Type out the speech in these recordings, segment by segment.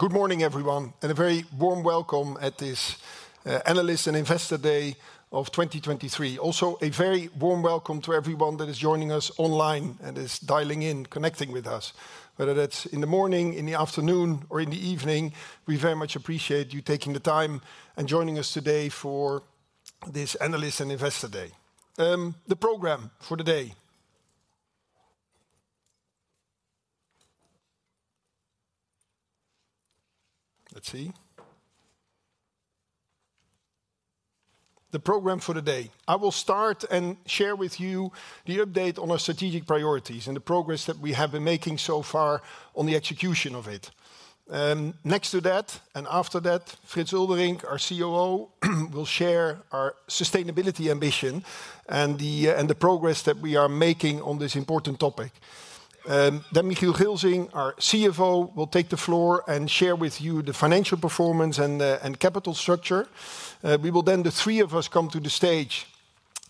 Good morning, everyone, and a very warm welcome at this Analyst and Investor Day of 2023. Also, a very warm welcome to everyone that is joining us online and is dialing in, connecting with us. Whether that's in the morning, in the afternoon, or in the evening, we very much appreciate you taking the time and joining us today for this Analyst and Investor Day. The program for the day. Let's see. The program for the day. I will start and share with you the update on our strategic priorities and the progress that we have been making so far on the execution of it. Next to that, and after that, Frits Eulderink, our COO, will share our sustainability ambition and the progress that we are making on this important topic. Then Michiel Gilsing, our CFO, will take the floor and share with you the financial performance and the capital structure. We will then, the three of us, come to the stage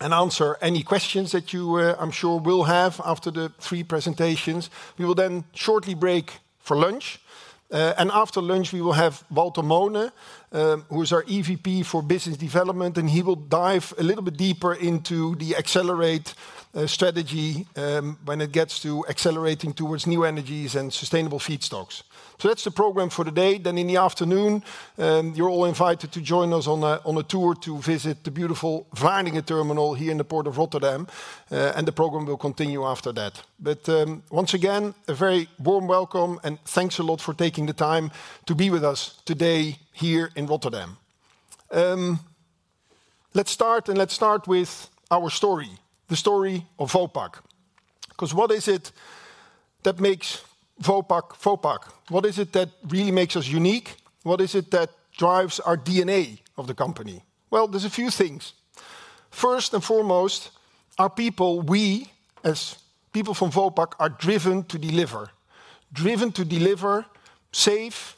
and answer any questions that you, I'm sure will have after the three presentations. We will then shortly break for lunch, and after lunch, we will have Walter Moone, who is our EVP for business development, and he will dive a little bit deeper into the accelerate strategy, when it gets to accelerating towards new energies and sustainable feedstocks. So that's the program for the day. Then in the afternoon, you're all invited to join us on a tour to visit the beautiful Vlaardingen Terminal here in the port of Rotterdam, and the program will continue after that. Once again, a very warm welcome, and thanks a lot for taking the time to be with us today here in Rotterdam. Let's start, and let's start with our story, the story of Vopak. 'Cause what is it that makes Vopak Vopak? What is it that really makes us unique? What is it that drives our DNA of the company? Well, there's a few things. First and foremost, our people, we, as people from Vopak, are driven to deliver. Driven to deliver safe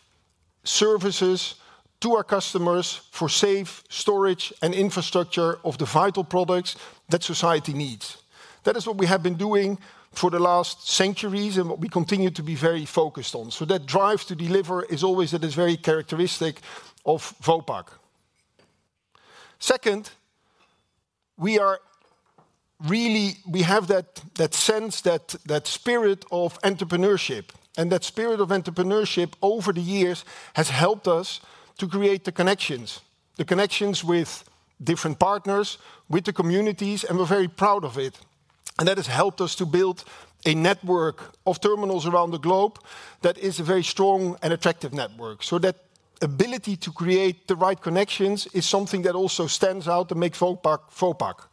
services to our customers for safe storage and infrastructure of the vital products that society needs. That is what we have been doing for the last centuries, and what we continue to be very focused on. So that drive to deliver is always that is very characteristic of Vopak. Second, we have that sense, that spirit of entrepreneurship, and that spirit of entrepreneurship over the years has helped us to create the connections, the connections with different partners, with the communities, and we're very proud of it. And that has helped us to build a network of terminals around the globe that is a very strong and attractive network. So that ability to create the right connections is something that also stands out and makes Vopak Vopak.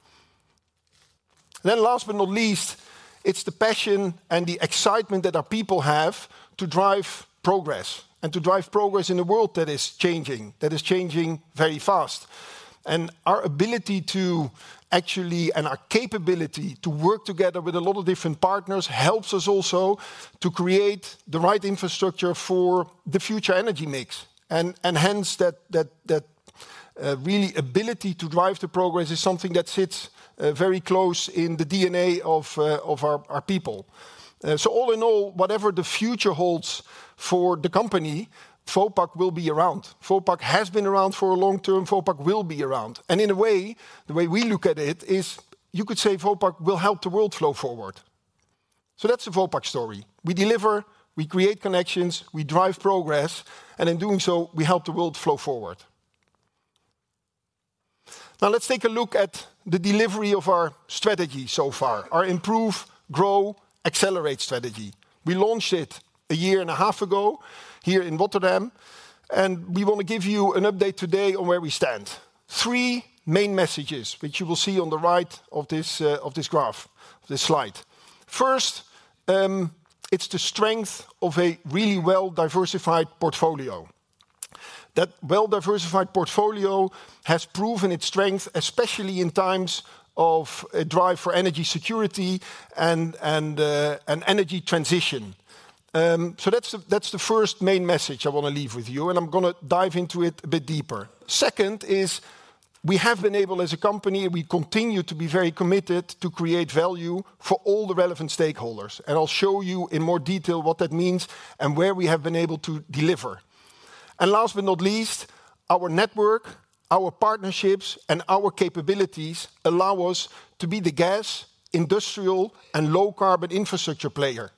Then last but not least, it's the passion and the excitement that our people have to drive progress, and to drive progress in a world that is changing very fast. And our ability to actually and our capability to work together with a lot of different partners helps us also to create the right infrastructure for the future energy mix. Hence, that really ability to drive the progress is something that sits very close in the DNA of our people. So all in all, whatever the future holds for the company, Vopak will be around. Vopak has been around for a long term, Vopak will be around. And in a way, the way we look at it is, you could say Vopak will help the world flow forward. So that's the Vopak story. We deliver, we create connections, we drive progress, and in doing so, we help the world flow forward. Now, let's take a look at the delivery of our strategy so far, our Improve, Grow, Accelerate strategy. We launched it a year and a half ago here in Rotterdam, and we want to give you an update today on where we stand. Three main messages, which you will see on the right of this, of this graph, this slide. First, it's the strength of a really well-diversified portfolio. That well-diversified portfolio has proven its strength, especially in times of a drive for energy security and, an energy transition. So that's the, that's the first main message I wanna leave with you, and I'm gonna dive into it a bit deeper. Second is, we have been able, as a company, we continue to be very committed to create value for all the relevant stakeholders, and I'll show you in more detail what that means and where we have been able to deliver. And last but not least, our network, our partnerships, and our capabilities allow us to be the gas, industrial, and low-carbon infrastructure player.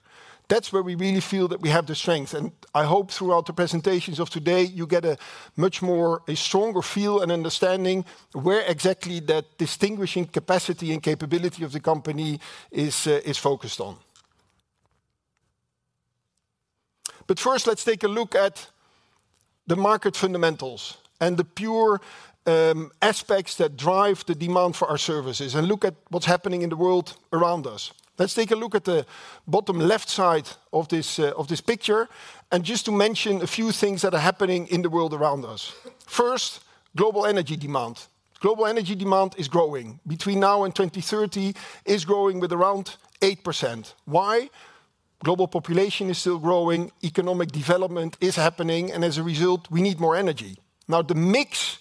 That's where we really feel that we have the strength, and I hope throughout the presentations of today, you get a much more, a stronger feel and understanding where exactly that distinguishing capacity and capability of the company is, is focused on. But first, let's take a look at the market fundamentals and the pure aspects that drive the demand for our services, and look at what's happening in the world around us. Let's take a look at the bottom left side of this of this picture, and just to mention a few things that are happening in the world around us. First, global energy demand. Global energy demand is growing. Between now and 2030, it's growing with around 8%. Why? Global population is still growing, economic development is happening, and as a result, we need more energy. Now, the mix.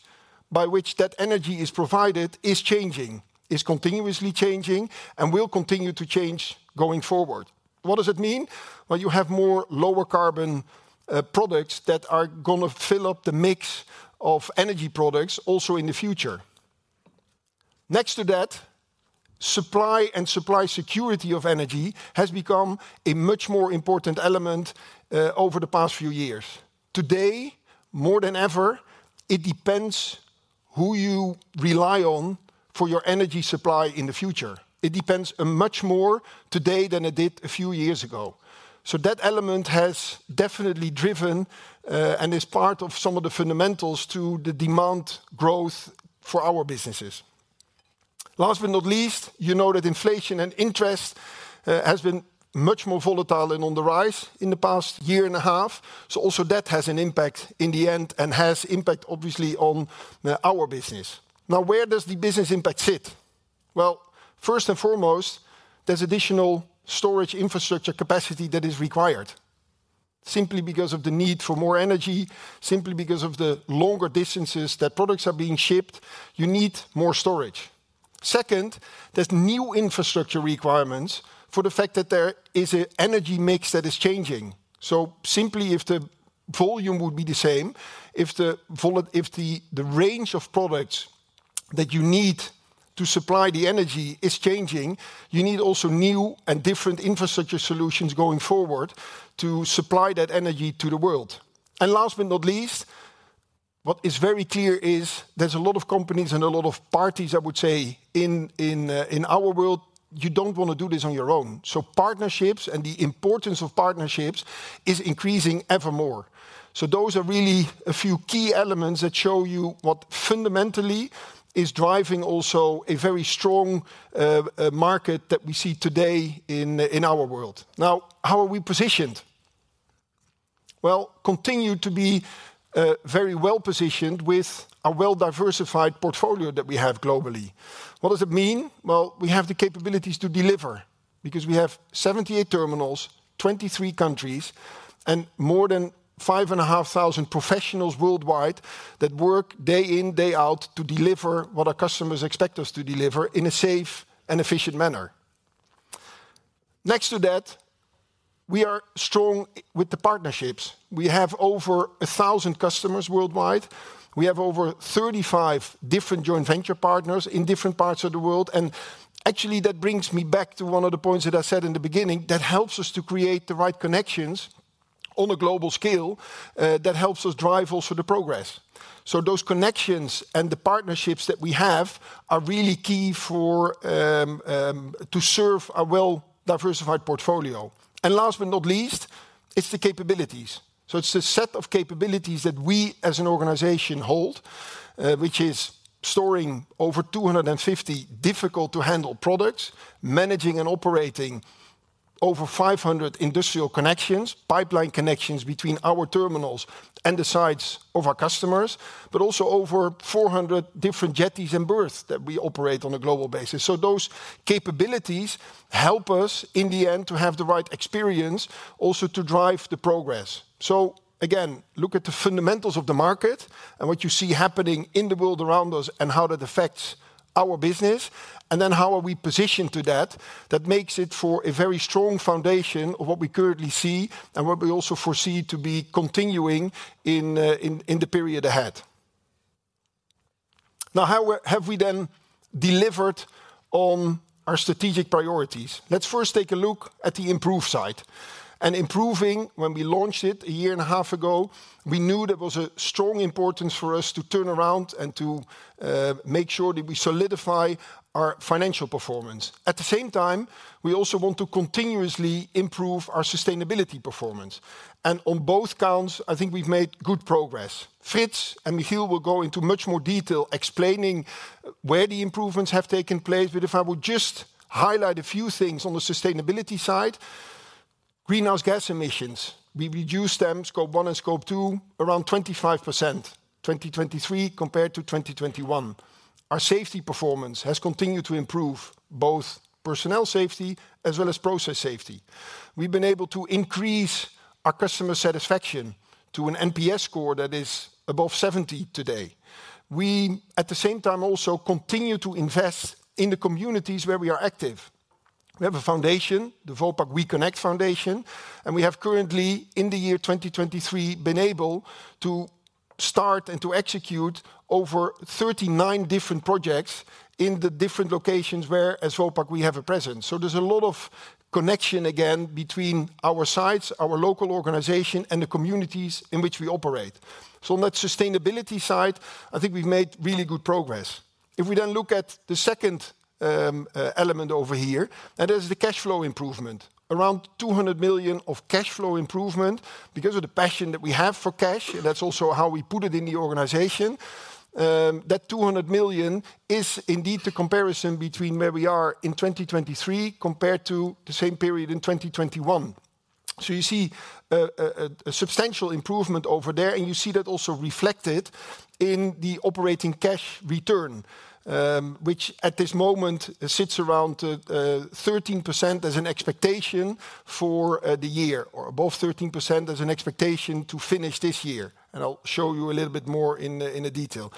By which that energy is provided is changing, is continuously changing, and will continue to change going forward. What does it mean? Well, you have more lower carbon, products that are gonna fill up the mix of energy products also in the future. Next to that, supply and supply security of energy has become a much more important element, over the past few years. Today, more than ever, it depends who you rely on for your energy supply in the future. It depends, much more today than it did a few years ago. So that element has definitely driven, and is part of some of the fundamentals to the demand growth for our businesses. Last but not least, you know that inflation and interest, has been much more volatile and on the rise in the past year and a half. So also that has an impact in the end and has impact, obviously, on our business. Now, where does the business impact sit? Well, first and foremost, there's additional storage infrastructure capacity that is required. Simply because of the need for more energy, simply because of the longer distances that products are being shipped, you need more storage. Second, there's new infrastructure requirements for the fact that there is a energy mix that is changing. So simply if the volume would be the same, if the range of products that you need to supply the energy is changing, you need also new and different infrastructure solutions going forward to supply that energy to the world. And last but not least, what is very clear is there's a lot of companies and a lot of parties, I would say, in our world, you don't wanna do this on your own. So partnerships and the importance of partnerships is increasing evermore. So those are really a few key elements that show you what fundamentally is driving also a very strong market that we see today in our world. Now, how are we positioned? Well, continue to be very well-positioned with a well-diversified portfolio that we have globally. What does it mean? Well, we have the capabilities to deliver because we have 78 terminals, 23 countries, and more than 5,500 professionals worldwide, that work day in, day out, to deliver what our customers expect us to deliver in a safe and efficient manner. Next to that, we are strong with the partnerships. We have over 1,000 customers worldwide. We have over 35 different joint venture partners in different parts of the world, and actually, that brings me back to one of the points that I said in the beginning, that helps us to create the right connections on a global scale, that helps us drive also the progress. So those connections and the partnerships that we have are really key for to serve a well-diversified portfolio. And last but not least, it's the capabilities. So it's the set of capabilities that we as an organization hold, which is storing over 250 difficult-to-handle products, managing and operating over 500 industrial connections, pipeline connections between our terminals and the sites of our customers, but also over 400 different jetties and berths that we operate on a global basis. So those capabilities help us, in the end, to have the right experience, also to drive the progress. So again, look at the fundamentals of the market and what you see happening in the world around us and how that affects our business, and then how are we positioned to that? That makes it for a very strong foundation of what we currently see and what we also foresee to be continuing in the period ahead. Now, how have we then delivered on our strategic priorities? Let's first take a look at the improve side. Improving, when we launched it a year and a half ago, we knew there was a strong importance for us to turn around and to make sure that we solidify our financial performance. At the same time, we also want to continuously improve our sustainability performance. On both counts, I think we've made good progress. Frits and Michiel will go into much more detail explaining where the improvements have taken place, but if I would just highlight a few things on the sustainability side, greenhouse gas emissions, we reduced them, Scope One and Scope Two, around 25%, 2023 compared to 2021. Our safety performance has continued to improve, both personnel safety as well as process safety. We've been able to increase our customer satisfaction to an NPS score that is above 70 today. We, at the same time, also continue to invest in the communities where we are active. We have a foundation, the Vopak WeConnect Foundation, and we have currently, in the year 2023, been able to start and to execute over 39 different projects in the different locations where as Vopak, we have a presence. So there's a lot of connection, again, between our sites, our local organization, and the communities in which we operate. So on that sustainability side, I think we've made really good progress. If we then look at the second element over here, that is the cash flow improvement. Around 200 million of cash flow improvement because of the passion that we have for cash, that's also how we put it in the organization. That 200 million is indeed the comparison between where we are in 2023 compared to the same period in 2021. So you see a substantial improvement over there, and you see that also reflected in the operating cash return, which at this moment sits around thirteen percent as an expectation for the year, or above 13% as an expectation to finish this year. And I'll show you a little bit more in the detail....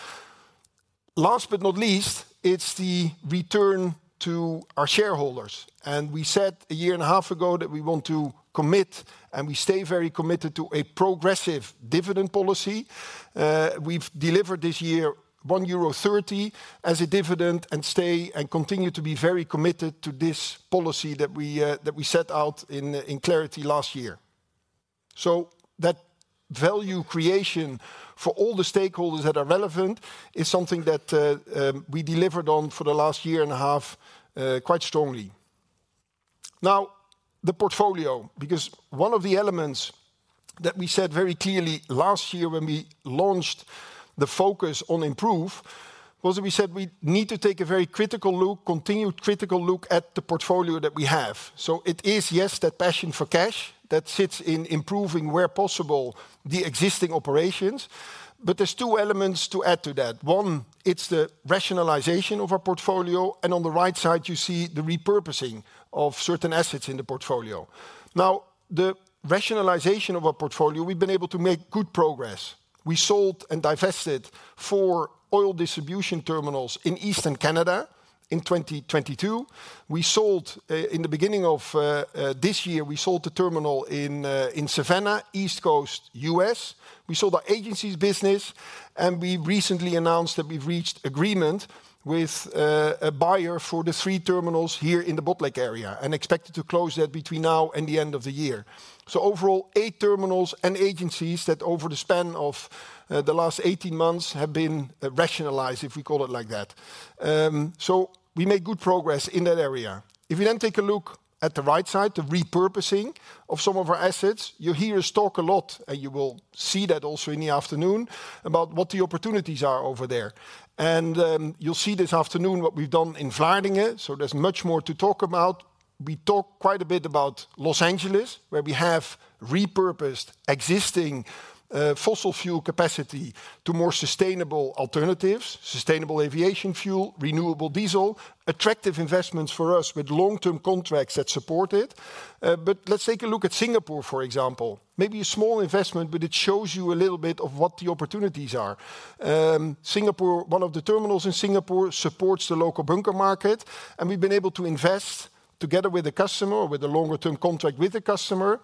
Last but not least, it's the return to our shareholders. And we said a year and a half ago that we want to commit, and we stay very committed to a progressive dividend policy. We've delivered this year 1.30 euro as a dividend, and continue to be very committed to this policy that we, that we set out in, in clarity last year. So that value creation for all the stakeholders that are relevant is something that, we delivered on for the last year and a half, quite strongly. Now, the portfolio, because one of the elements that we said very clearly last year when we launched the focus on improve, was that we said we need to take a very critical look, continued critical look at the portfolio that we have. So it is, yes, that passion for cash that sits in improving, where possible, the existing operations, but there's two elements to add to that. One, it's the rationalization of our portfolio, and on the right side, you see the repurposing of certain assets in the portfolio. Now, the rationalization of our portfolio, we've been able to make good progress. We sold and divested four oil distribution terminals in Eastern Canada in 2022. We sold. In the beginning of this year, we sold a terminal in in Savannah, East Coast, U.S. We sold our agencies business, and we recently announced that we've reached agreement with a buyer for the three terminals here in the Botlek area, and expected to close that between now and the end of the year. So overall, eight terminals and agencies that over the span of the last eighteen months have been rationalized, if we call it like that. So we made good progress in that area. If you then take a look at the right side, the repurposing of some of our assets, you hear us talk a lot, and you will see that also in the afternoon, about what the opportunities are over there. And you'll see this afternoon what we've done in Vlaardingen, so there's much more to talk about. We talk quite a bit about Los Angeles, where we have repurposed existing, fossil fuel capacity to more sustainable alternatives, sustainable aviation fuel, renewable diesel, attractive investments for us with long-term contracts that support it. But let's take a look at Singapore, for example. Maybe a small investment, but it shows you a little bit of what the opportunities are. Singapore, one of the terminals in Singapore supports the local bunker market, and we've been able to invest together with the customer, with a longer-term contract with the customer,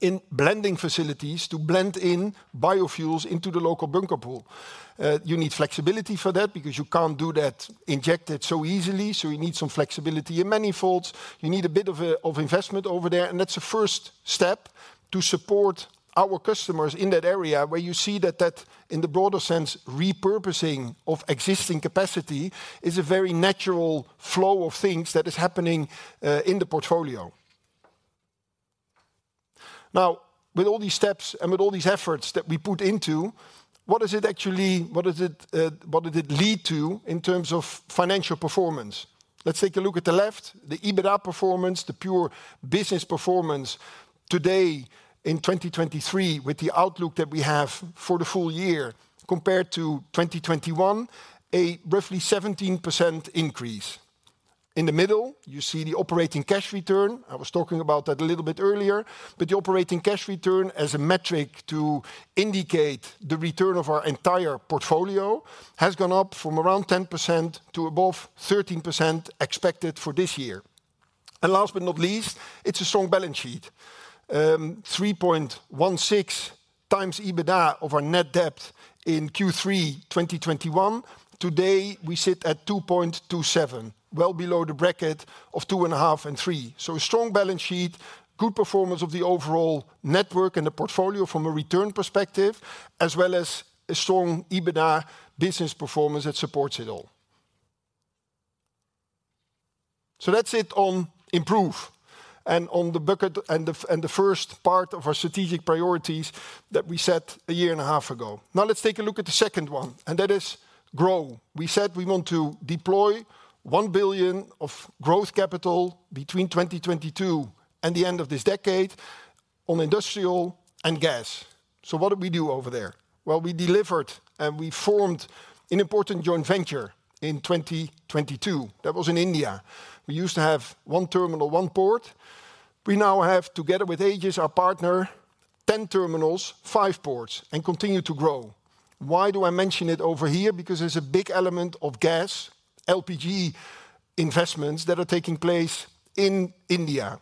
in blending facilities to blend in biofuels into the local bunker pool. You need flexibility for that because you can't do that, inject it so easily, so you need some flexibility in many folds. You need a bit of, of investment over there, and that's the first step to support our customers in that area, where you see that that, in the broader sense, repurposing of existing capacity is a very natural flow of things that is happening, in the portfolio. Now, with all these steps and with all these efforts that we put into, what is it actually, what is it, what did it lead to in terms of financial performance? Let's take a look at the left, the EBITDA performance, the pure business performance today in 2023, with the outlook that we have for the full year compared to 2021, a roughly 17% increase. In the middle, you see the operating cash return. I was talking about that a little bit earlier, but the operating cash return as a metric to indicate the return of our entire portfolio has gone up from around 10% to above 13% expected for this year. And last but not least, it's a strong balance sheet. 3.16x EBITDA of our net debt in Q3 2021. Today, we sit at 2.27, well below the bracket of 2.5-3. So a strong balance sheet, good performance of the overall network and the portfolio from a return perspective, as well as a strong EBITDA business performance that supports it all. So that's it on improve and on the bucket and the, and the first part of our strategic priorities that we set a year and a half ago. Now, let's take a look at the second one, and that is grow. We said we want to deploy 1 billion of growth capital between 2022 and the end of this decade on industrial and gas. So what did we do over there? Well, we delivered, and we formed an important joint venture in 2022. That was in India. We used to have 1 terminal, 1 port. We now have, together with Aegis, our partner, 10 terminals, 5 ports, and continue to grow. Why do I mention it over here? Because there's a big element of gas, LPG investments that are taking place in India,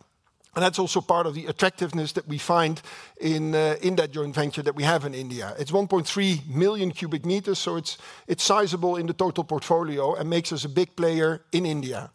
and that's also part of the attractiveness that we find in that joint venture that we have in India. It's 1.3 million cubic meters, so it's sizable in the total portfolio and makes us a big player in India.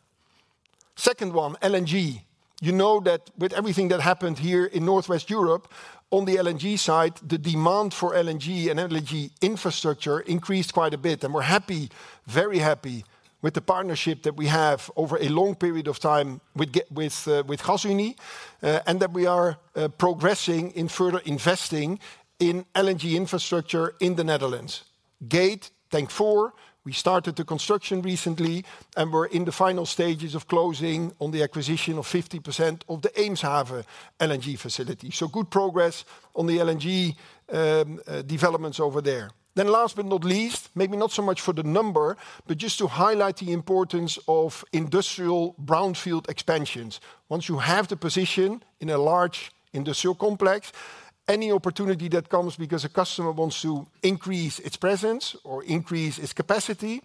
Second one, LNG. You know that with everything that happened here in Northwest Europe, on the LNG side, the demand for LNG and LNG infrastructure increased quite a bit, and we're happy, very happy, with the partnership that we have over a long period of time with Gasunie, and that we are progressing in further investing in LNG infrastructure in the Netherlands. Gate Tank Four, we started the construction recently, and we're in the final stages of closing on the acquisition of 50% of the Eemshaven LNG facility. So good progress on the LNG developments over there. Then last but not least, maybe not so much for the number, but just to highlight the importance of industrial brownfield expansions. Once you have the position in a large industrial complex, any opportunity that comes because a customer wants to increase its presence or increase its capacity,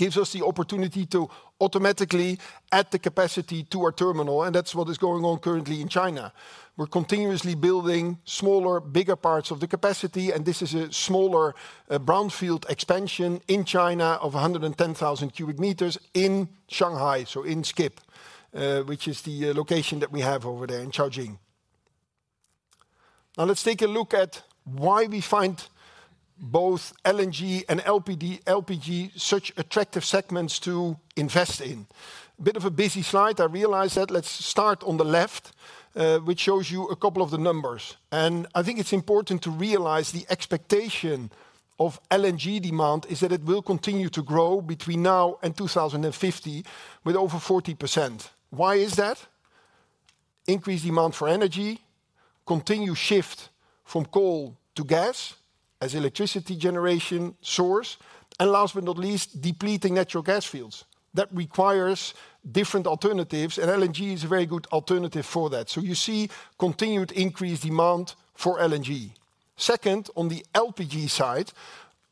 gives us the opportunity to automatically add the capacity to our terminal, and that's what is going on currently in China. We're continuously building smaller, bigger parts of the capacity, and this is a smaller, brownfield expansion in China of 110,000 cubic meters in Shanghai. So in SCIP, which is the location that we have over there in Caojing. Now let's take a look at why we find both LNG and LPG such attractive segments to invest in. Bit of a busy slide, I realize that. Let's start on the left, which shows you a couple of the numbers. I think it's important to realize the expectation of LNG demand is that it will continue to grow between now and 2050 with over 40%. Why is that? Increased demand for energy, continued shift from coal to gas as electricity generation source, and last but not least, depleting natural gas fields. That requires different alternatives, and LNG is a very good alternative for that. So you see continued increased demand for LNG. Second, on the LPG side,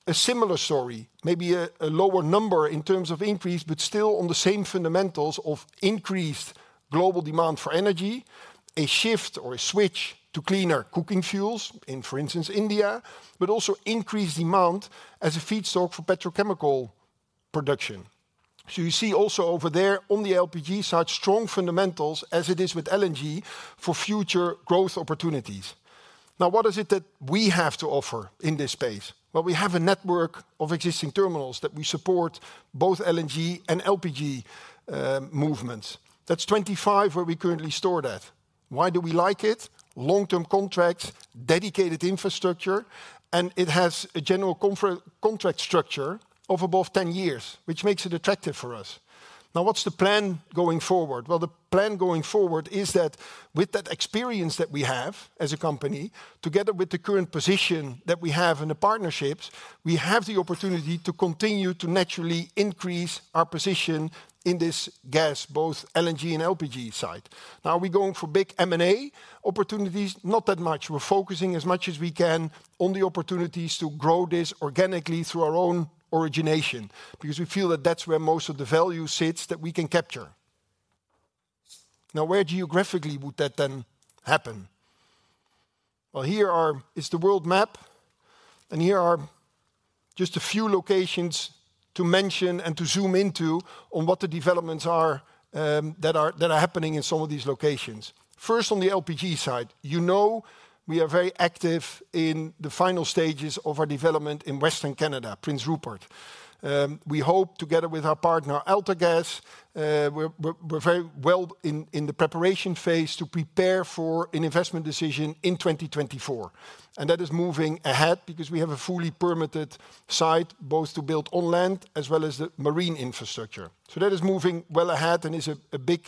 a similar story, maybe a lower number in terms of increase, but still on the same fundamentals of increased global demand for energy, a shift or a switch to cleaner cooking fuels in, for instance, India, but also increased demand as a feedstock for petrochemical production. So you see also over there on the LPG side, strong fundamentals as it is with LNG for future growth opportunities. Now, what is it that we have to offer in this space? Well, we have a network of existing terminals that we support both LNG and LPG movements. That's 25 where we currently store that. Why do we like it? Long-term contracts, dedicated infrastructure, and it has a general contract structure of above 10 years, which makes it attractive for us. Now, what's the plan going forward? Well, the plan going forward is that with that experience that we have as a company, together with the current position that we have in the partnerships, we have the opportunity to continue to naturally increase our position in this gas, both LNG and LPG side. Now, are we going for big M&A opportunities? Not that much. We're focusing as much as we can on the opportunities to grow this organically through our own origination, because we feel that that's where most of the value sits that we can capture. Now, where geographically would that then happen? Well, here is the world map, and here are just a few locations to mention and to zoom into on what the developments are that are happening in some of these locations. First, on the LPG side, you know, we are very active in the final stages of our development in Western Canada, Prince Rupert. We hope together with our partner, AltaGas, we're very well in the preparation phase to prepare for an investment decision in 2024. And that is moving ahead because we have a fully permitted site, both to build on land as well as the marine infrastructure. So that is moving well ahead and is a big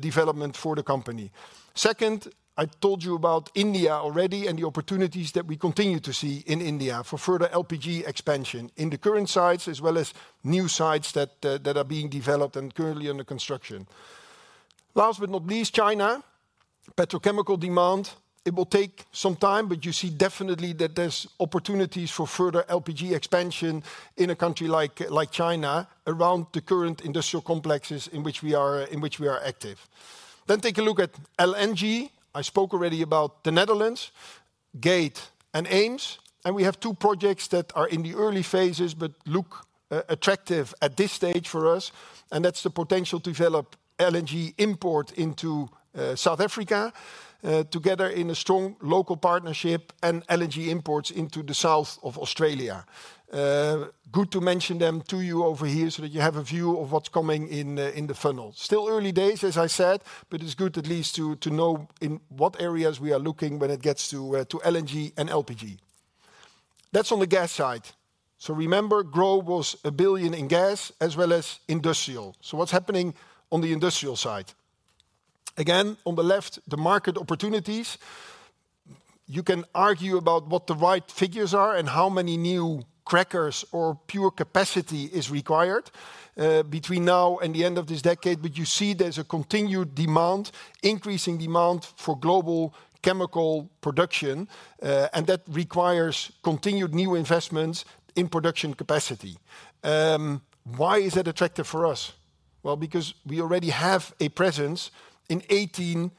development for the company. Second, I told you about India already and the opportunities that we continue to see in India for further LPG expansion in the current sites, as well as new sites that are being developed and currently under construction. Last but not least, China. Petrochemical demand, it will take some time, but you see definitely that there's opportunities for further LPG expansion in a country like China, around the current industrial complexes in which we are active. Then take a look at LNG. I spoke already about the Netherlands, Gate, and Eems, and we have two projects that are in the early phases but look attractive at this stage for us, and that's the potential to develop LNG import into South Africa together in a strong local partnership and LNG imports into the south of Australia. Good to mention them to you over here so that you have a view of what's coming in the funnel. Still early days, as I said, but it's good at least to know in what areas we are looking when it gets to LNG and LPG. That's on the gas side. So remember, growth was 1 billion in gas as well as industrial. So what's happening on the industrial side? Again, on the left, the market opportunities. You can argue about what the right figures are and how many new crackers or pure capacity is required between now and the end of this decade, but you see there's a continued demand, increasing demand for global chemical production, and that requires continued new investments in production capacity. Why is that attractive for us? Well, because we already have a presence in 18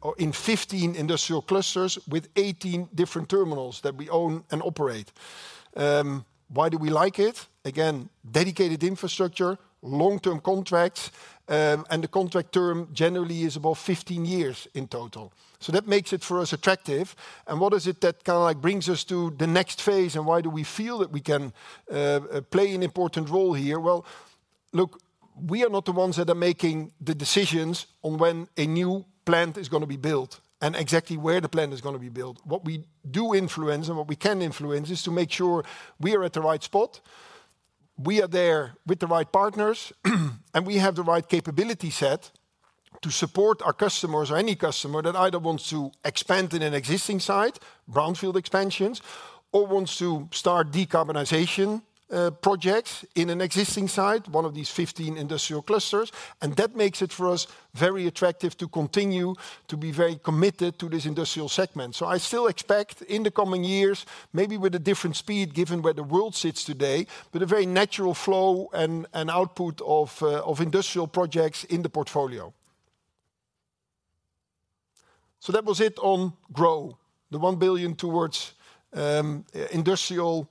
or in 15 industrial clusters with 18 different terminals that we own and operate. Why do we like it? Again, dedicated infrastructure, long-term contracts, and the contract term generally is above 15 years in total. So that makes it, for us, attractive. And what is it that kinda like brings us to the next phase, and why do we feel that we can play an important role here? Well, look, we are not the ones that are making the decisions on when a new plant is gonna be built and exactly where the plant is gonna be built. What we do influence and what we can influence is to make sure we are at the right spot, we are there with the right partners, and we have the right capability set to support our customers or any customer that either wants to expand in an existing site, brownfield expansions, or wants to start decarbonization projects in an existing site, one of these 15 industrial clusters. That makes it, for us, very attractive to continue to be very committed to this industrial segment. I still expect in the coming years, maybe with a different speed, given where the world sits today, but a very natural flow and output of industrial projects in the portfolio... That was it on grow, the 1 billion towards industrial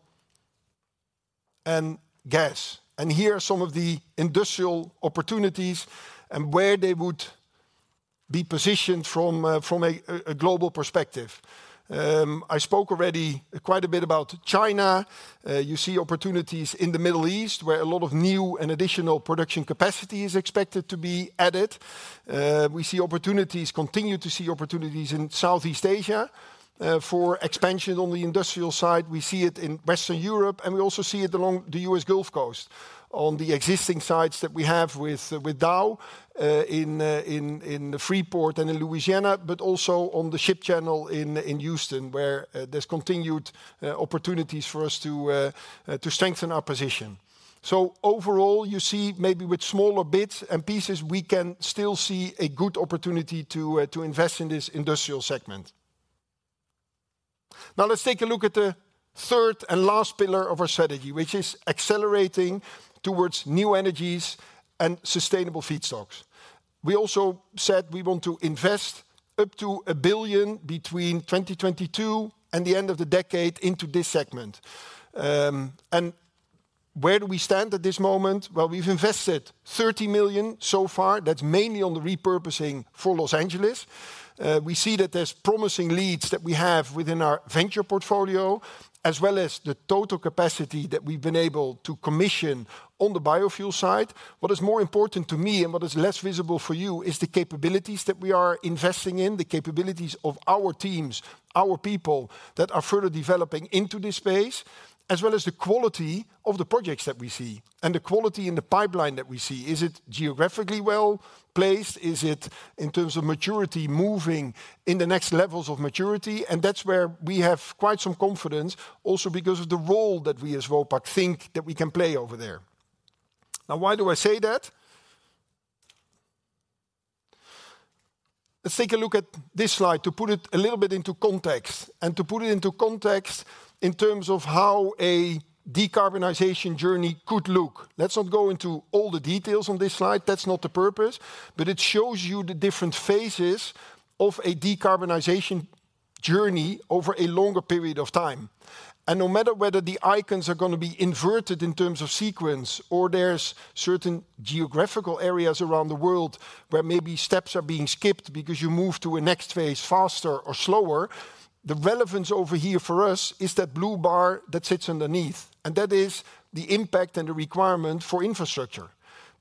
and gas. Here are some of the industrial opportunities and where they would be positioned from a global perspective. I spoke already quite a bit about China. You see opportunities in the Middle East, where a lot of new and additional production capacity is expected to be added. We see opportunities, continue to see opportunities in Southeast Asia, for expansion on the industrial side. We see it in Western Europe, and we also see it along the U.S. Gulf Coast on the existing sites that we have with Dow in Freeport and in Louisiana, but also on the ship channel in Houston, where there's continued opportunities for us to strengthen our position. So overall, you see maybe with smaller bits and pieces, we can still see a good opportunity to invest in this industrial segment. Now let's take a look at the third and last pillar of our strategy, which is accelerating towards new energies and sustainable feedstocks. We also said we want to invest up to 1 billion between 2022 and the end of the decade into this segment. Where do we stand at this moment? Well, we've invested 30 million so far. That's mainly on the repurposing for Los Angeles. We see that there's promising leads that we have within our venture portfolio, as well as the total capacity that we've been able to commission on the biofuel side. What is more important to me, and what is less visible for you, is the capabilities that we are investing in, the capabilities of our teams, our people, that are further developing into this space, as well as the quality of the projects that we see and the quality in the pipeline that we see. Is it geographically well-placed? Is it, in terms of maturity, moving in the next levels of maturity? And that's where we have quite some confidence, also because of the role that we as Vopak think that we can play over there. Now, why do I say that? Let's take a look at this slide to put it a little bit into context, and to put it into context in terms of how a decarbonization journey could look. Let's not go into all the details on this slide, that's not the purpose, but it shows you the different phases of a decarbonization journey over a longer period of time. No matter whether the icons are gonna be inverted in terms of sequence or there's certain geographical areas around the world where maybe steps are being skipped because you move to a next phase faster or slower, the relevance over here for us is that blue bar that sits underneath, and that is the impact and the requirement for infrastructure.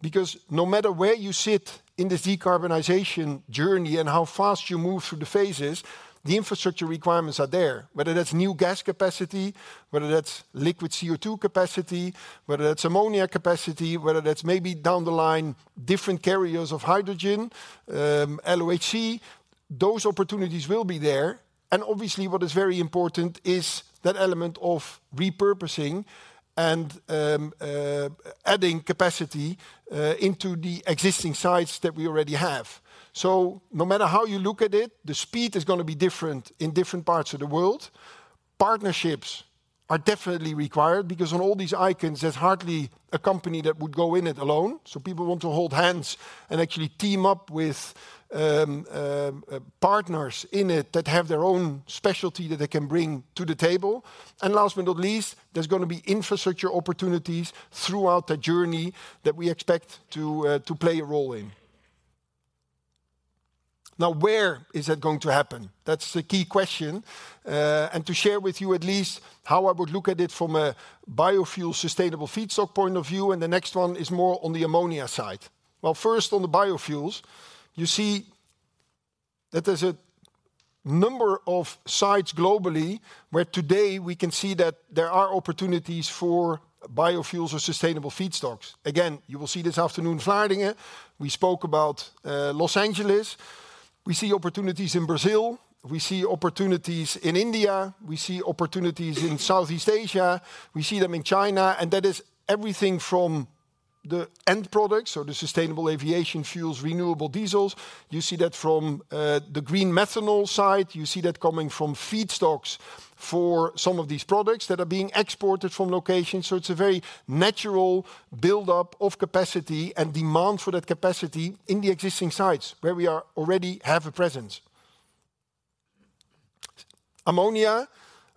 Because no matter where you sit in the decarbonization journey and how fast you move through the phases, the infrastructure requirements are there. Whether that's new gas capacity, whether that's liquid CO2 capacity, whether that's ammonia capacity, whether that's maybe down the line, different carriers of hydrogen, LOHC, those opportunities will be there. And obviously, what is very important is that element of repurposing and, adding capacity, into the existing sites that we already have. So no matter how you look at it, the speed is gonna be different in different parts of the world. Partnerships are definitely required because on all these icons, there's hardly a company that would go in it alone. So people want to hold hands and actually team up with, partners in it that have their own specialty that they can bring to the table. And last but not least, there's gonna be infrastructure opportunities throughout the journey that we expect to, to play a role in. Now, where is that going to happen? That's the key question. And to share with you at least how I would look at it from a biofuel sustainable feedstock point of view, and the next one is more on the ammonia side. Well, first, on the biofuels, you see that there's a number of sites globally where today we can see that there are opportunities for biofuels or sustainable feedstocks. Again, you will see this afternoon in Vlaardingen. We spoke about Los Angeles. We see opportunities in Brazil. We see opportunities in India. We see opportunities in Southeast Asia. We see them in China, and that is everything from the end products or the sustainable aviation fuels, renewable diesels. You see that from the green methanol side. You see that coming from feedstocks for some of these products that are being exported from locations. So it's a very natural buildup of capacity and demand for that capacity in the existing sites where we are already have a presence. Ammonia,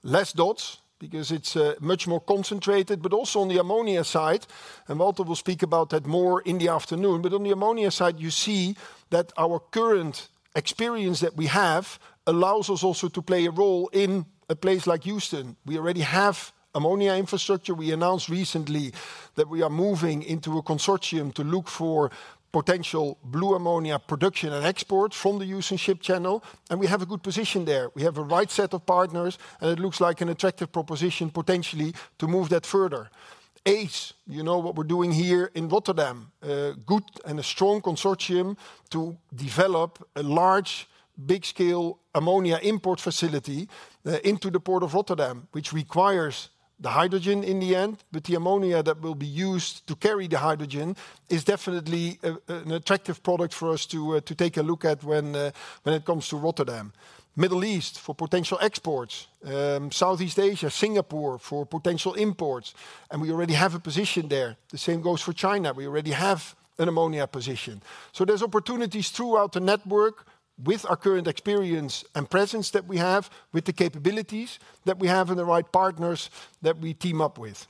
less dots, because it's much more concentrated, but also on the ammonia side, and Walter will speak about that more in the afternoon. But on the ammonia side, you see that our current experience that we have allows us also to play a role in a place like Houston. We already have ammonia infrastructure. We announced recently that we are moving into a consortium to look for potential blue ammonia production and export from the Houston Ship Channel, and we have a good position there. We have a right set of partners, and it looks like an attractive proposition, potentially, to move that further. ACE, you know what we're doing here in Rotterdam, a good and a strong consortium to develop a large, big-scale ammonia import facility into the Port of Rotterdam, which requires the hydrogen in the end. But the ammonia that will be used to carry the hydrogen is definitely an attractive product for us to take a look at when it comes to Rotterdam. Middle East for potential exports, Southeast Asia, Singapore for potential imports, and we already have a position there. The same goes for China. We already have an ammonia position. So there's opportunities throughout the network with our current experience and presence that we have, with the capabilities that we have and the right partners that we team up with....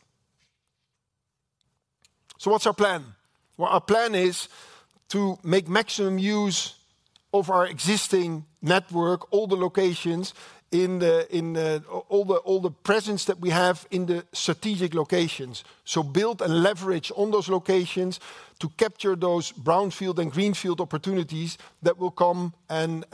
So what's our plan? Well, our plan is to make maximum use of our existing network, all the locations in the presence that we have in the strategic locations. So build and leverage on those locations to capture those brownfield and greenfield opportunities that will come and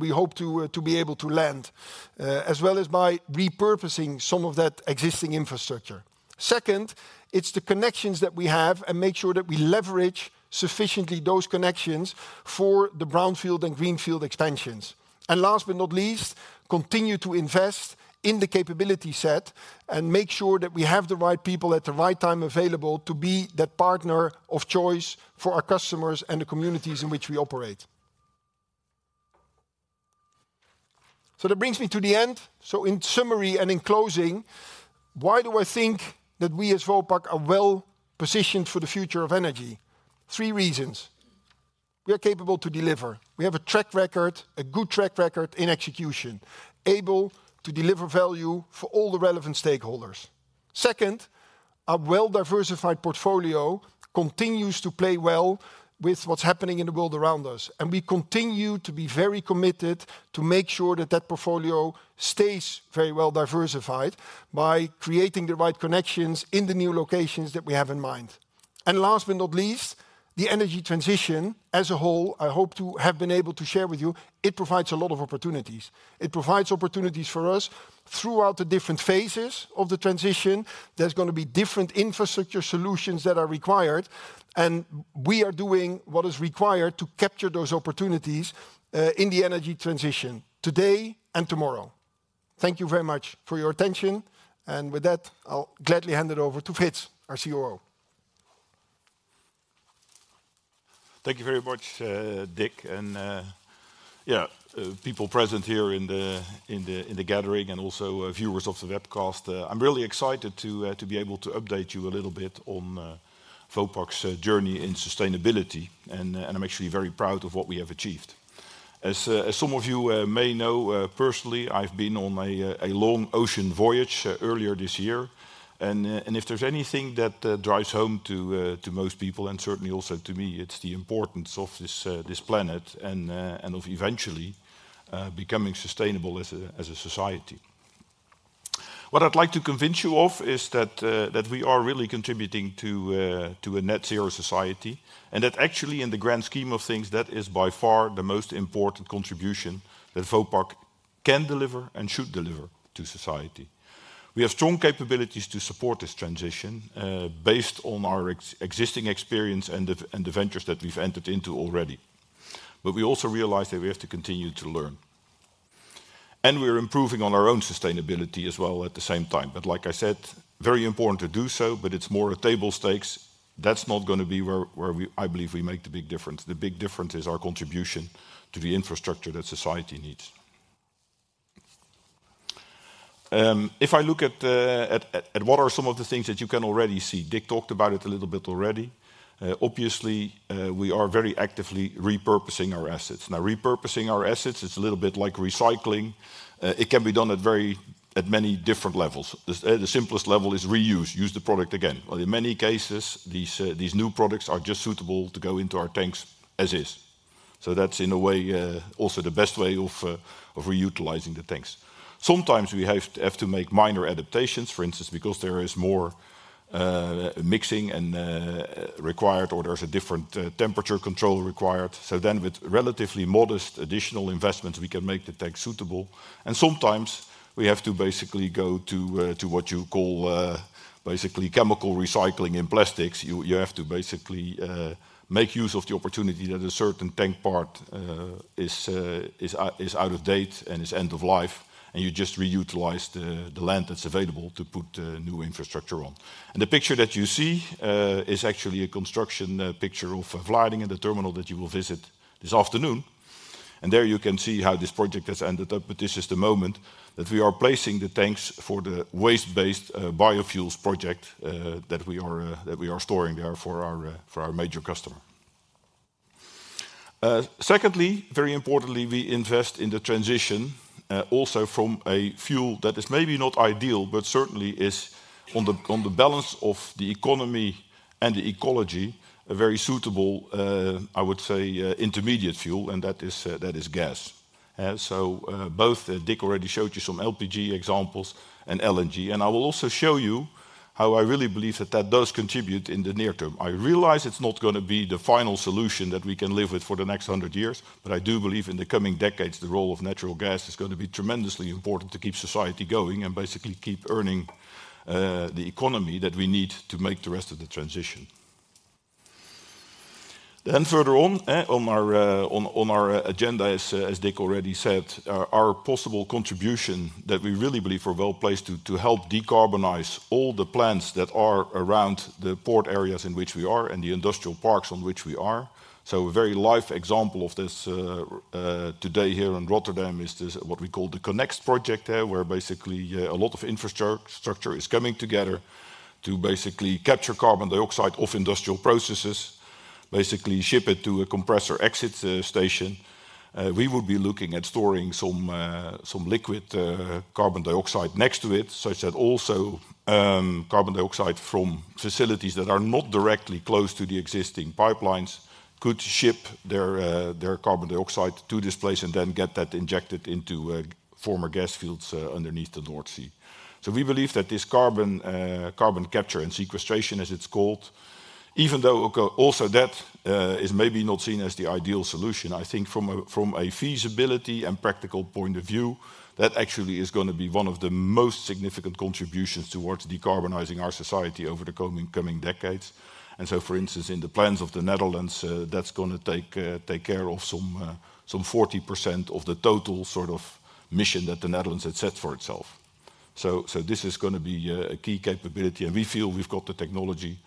we hope to be able to land, as well as by repurposing some of that existing infrastructure. Second, it's the connections that we have and make sure that we leverage sufficiently those connections for the brownfield and greenfield extensions. And last but not least, continue to invest in the capability set and make sure that we have the right people at the right time available to be that partner of choice for our customers and the communities in which we operate. So that brings me to the end. So in summary and in closing, why do I think that we as Vopak are well positioned for the future of energy? Three reasons: We are capable to deliver. We have a track record, a good track record in execution, able to deliver value for all the relevant stakeholders. Second, our well-diversified portfolio continues to play well with what's happening in the world around us, and we continue to be very committed to make sure that that portfolio stays very well diversified by creating the right connections in the new locations that we have in mind. And last but not least, the energy transition as a whole, I hope to have been able to share with you, it provides a lot of opportunities. It provides opportunities for us throughout the different phases of the transition. There's gonna be different infrastructure solutions that are required, and we are doing what is required to capture those opportunities, in the energy transition today and tomorrow. Thank you very much for your attention, and with that, I'll gladly hand it over to Frits, our COO. Thank you very much, Dick, and, yeah, people present here in the gathering and also viewers of the webcast. I'm really excited to be able to update you a little bit on Vopak's journey in sustainability, and I'm actually very proud of what we have achieved. As some of you may know, personally, I've been on a long ocean voyage earlier this year, and if there's anything that drives home to most people, and certainly also to me, it's the importance of this planet and of eventually becoming sustainable as a society. What I'd like to convince you of is that we are really contributing to a net zero society, and that actually in the grand scheme of things, that is by far the most important contribution that Vopak can deliver and should deliver to society. We have strong capabilities to support this transition, based on our existing experience and the ventures that we've entered into already. But we also realize that we have to continue to learn, and we're improving on our own sustainability as well at the same time. But like I said, very important to do so, but it's more a table stakes. That's not gonna be where we, I believe we make the big difference. The big difference is our contribution to the infrastructure that society needs. If I look at what are some of the things that you can already see, Dick talked about it a little bit already. Obviously, we are very actively repurposing our assets. Now, repurposing our assets, it's a little bit like recycling. It can be done at many different levels. The simplest level is reuse, use the product again. Well, in many cases, these new products are just suitable to go into our tanks as is. So that's, in a way, also the best way of reutilizing the tanks. Sometimes we have to make minor adaptations, for instance, because there is more mixing required, or there's a different temperature control required. So then with relatively modest additional investments, we can make the tank suitable, and sometimes we have to basically go to what you call basically chemical recycling in plastics. You have to basically make use of the opportunity that a certain tank part is out of date and is end of life, and you just reutilize the land that's available to put new infrastructure on. And the picture that you see is actually a construction picture of Vlaardingen, the terminal that you will visit this afternoon. And there you can see how this project has ended up, but this is the moment that we are placing the tanks for the waste-based biofuels project that we are storing there for our major customer. Secondly, very importantly, we invest in the transition, also from a fuel that is maybe not ideal, but certainly is on the balance of the economy and the ecology, a very suitable, I would say, intermediate fuel, and that is gas. So, both, Dick already showed you some LPG examples and LNG, and I will also show you how I really believe that that does contribute in the near term. I realize it's not gonna be the final solution that we can live with for the next hundred years, but I do believe in the coming decades, the role of natural gas is gonna be tremendously important to keep society going and basically keep earning the economy that we need to make the rest of the transition. Then further on, on our agenda, as Dick already said, our possible contribution that we really believe we're well-placed to help decarbonize all the plants that are around the port areas in which we are and the industrial parks on which we are. So a very live example of this, today here in Rotterdam is this, what we call the CO2Next project, where basically a lot of infrastructure is coming together to basically capture carbon dioxide of industrial processes... basically ship it to a compressor exit station. We would be looking at storing some, some liquid carbon dioxide next to it, such that also carbon dioxide from facilities that are not directly close to the existing pipelines could ship their, their carbon dioxide to this place and then get that injected into former gas fields underneath the North Sea. So we believe that this carbon, carbon capture and sequestration, as it's called, even though also that is maybe not seen as the ideal solution, I think from a, from a feasibility and practical point of view, that actually is gonna be one of the most significant contributions towards decarbonizing our society over the coming, coming decades. And so, for instance, in the plans of the Netherlands, that's gonna take care of some 40% of the total sort of mission that the Netherlands had set for itself. So this is gonna be a key capability, and we feel we've got the technology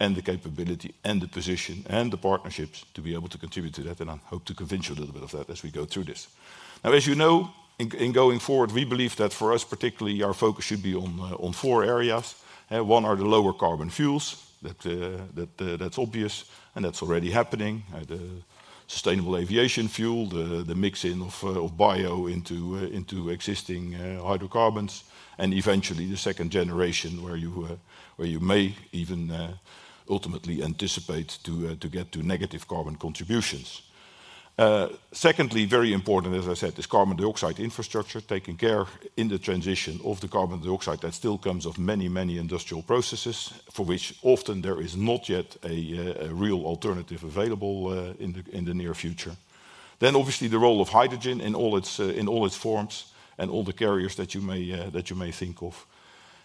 and the capability and the position and the partnerships to be able to contribute to that, and I hope to convince you a little bit of that as we go through this. Now, as you know, in going forward, we believe that for us, particularly, our focus should be on four areas. One are the lower carbon fuels, that that's obvious, and that's already happening. The sustainable aviation fuel, the mixing of bio into existing hydrocarbons, and eventually the second generation where you may even ultimately anticipate to get to negative carbon contributions. Secondly, very important, as I said, is carbon dioxide infrastructure, taking care in the transition of the carbon dioxide that still comes of many, many industrial processes, for which often there is not yet a real alternative available, in the near future. Then obviously, the role of hydrogen in all its forms and all the carriers that you may think of.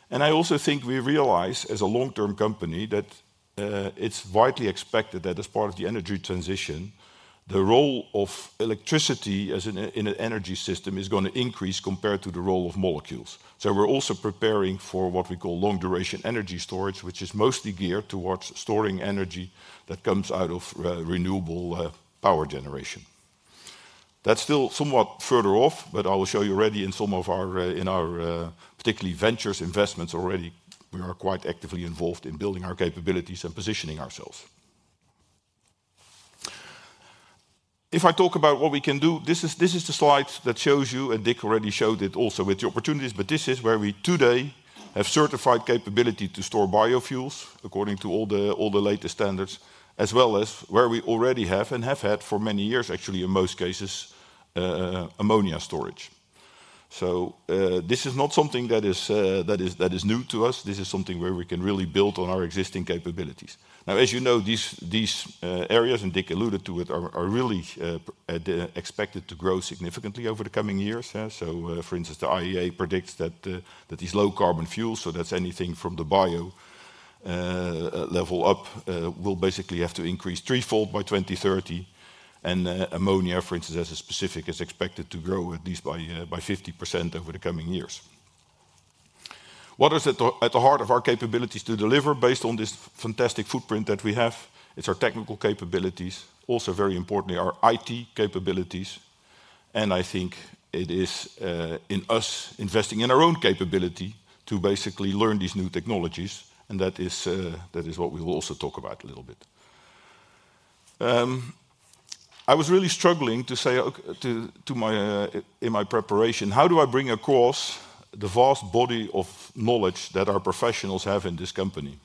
I also think we realize, as a long-term company, that it's widely expected that as part of the energy transition, the role of electricity as an, in an energy system is gonna increase compared to the role of molecules. We're also preparing for what we call long-duration energy storage, which is mostly geared towards storing energy that comes out of renewable power generation. That's still somewhat further off, but I will show you already in some of our, in our, particularly ventures investments already, we are quite actively involved in building our capabilities and positioning ourselves. If I talk about what we can do, this is the slide that shows you, and Dick already showed it also with the opportunities, but this is where we today have certified capability to store biofuels according to all the latest standards, as well as where we already have and have had for many years, actually, in most cases, ammonia storage. So, this is not something that is new to us. This is something where we can really build on our existing capabilities. Now, as you know, these areas, and Dick alluded to it, are really expected to grow significantly over the coming years, yeah? So, for instance, the IEA predicts that these low-carbon fuels, so that's anything from the bio level up, will basically have to increase threefold by 2030. And, ammonia, for instance, as a specific, is expected to grow at least by 50% over the coming years. What is at the heart of our capabilities to deliver based on this fantastic footprint that we have? It's our technical capabilities, also very importantly, our IT capabilities, and I think it is in us investing in our own capability to basically learn these new technologies, and that is what we will also talk about a little bit. I was really struggling to say to my in my preparation, how do I bring across the vast body of knowledge that our professionals have in this company?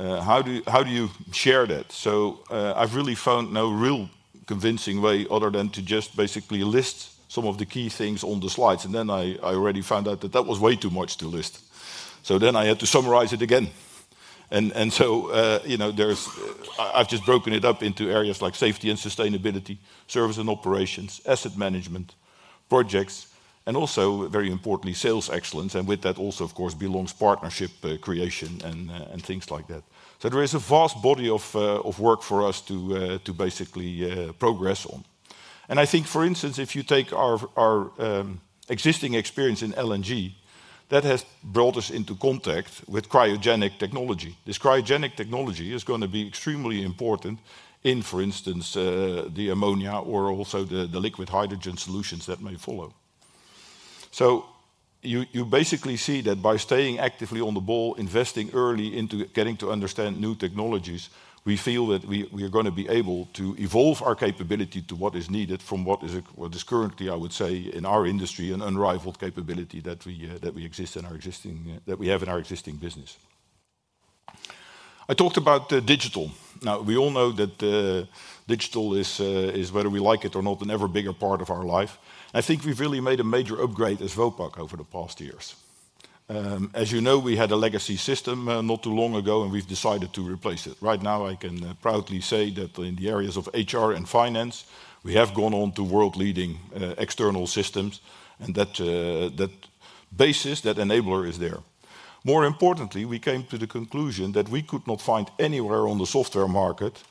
How do you share that? So, I've really found no real convincing way other than to just basically list some of the key things on the slides, and then I already found out that that was way too much to list. So then I had to summarize it again. And so, you know, there's... I've just broken it up into areas like safety and sustainability, service and operations, asset management, projects, and also, very importantly, sales excellence, and with that also, of course, belongs partnership creation and things like that. So there is a vast body of work for us to basically progress on. And I think, for instance, if you take our existing experience in LNG, that has brought us into contact with cryogenic technology. This cryogenic technology is gonna be extremely important in, for instance, the ammonia or also the liquid hydrogen solutions that may follow. So you basically see that by staying actively on the ball, investing early into getting to understand new technologies, we feel that we are gonna be able to evolve our capability to what is needed from what is currently, I would say, in our industry, an unrivaled capability that we have in our existing business. I talked about digital. Now, we all know that digital is whether we like it or not, an ever bigger part of our life. I think we've really made a major upgrade as Vopak over the past years. As you know, we had a legacy system not too long ago, and we've decided to replace it. Right now, I can proudly say that in the areas of HR and finance, we have gone on to world-leading external systems, and that basis, that enabler is there. More importantly, we came to the conclusion that we could not find anywhere on the software market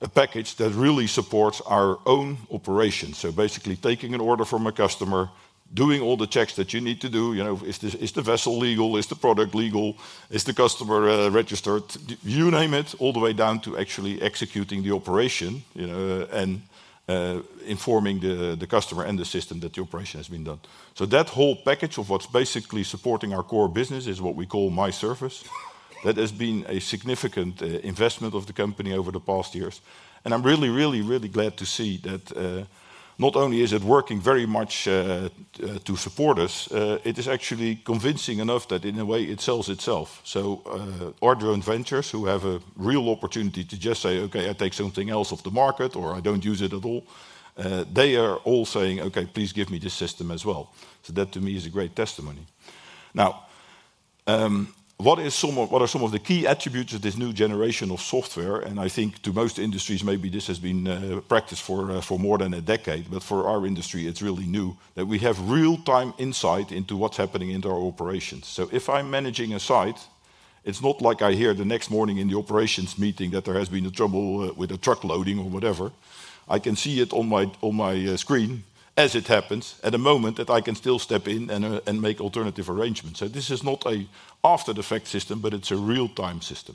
a package that really supports our own operations. So basically, taking an order from a customer, doing all the checks that you need to do, you know, is the vessel legal? Is the product legal? Is the customer registered? You name it, all the way down to actually executing the operation, you know, informing the customer and the system that the operation has been done. So that whole package of what's basically supporting our core business is what we call MyService. That has been a significant investment of the company over the past years, and I'm really, really, really glad to see that, not only is it working very much to support us, it is actually convincing enough that in a way, it sells itself. So, our joint ventures, who have a real opportunity to just say, "Okay, I take something else off the market," or, "I don't use it at all," they are all saying, "Okay, please give me this system as well." So that to me is a great testimony. Now, what are some of the key attributes of this new generation of software? And I think to most industries, maybe this has been practiced for more than a decade, but for our industry, it's really new, that we have real-time insight into what's happening in our operations. So if I'm managing a site, it's not like I hear the next morning in the operations meeting that there has been a trouble with the truck loading or whatever. I can see it on my screen as it happens, at a moment that I can still step in and make alternative arrangements. So this is not a after-the-fact system, but it's a real-time system.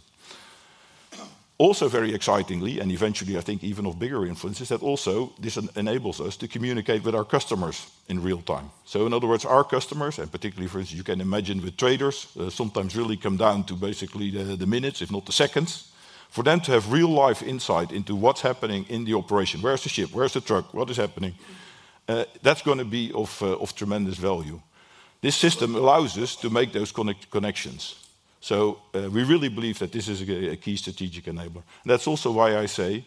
Also, very excitingly, and eventually, I think even of bigger influences, that also this enables us to communicate with our customers in real time. So in other words, our customers, and particularly for instance, you can imagine with traders, sometimes really come down to basically the minutes, if not the seconds. For them to have real-life insight into what's happening in the operation, where is the ship? Where is the truck? What is happening? That's gonna be of tremendous value. This system allows us to make those connections, so we really believe that this is a key strategic enabler. That's also why I say,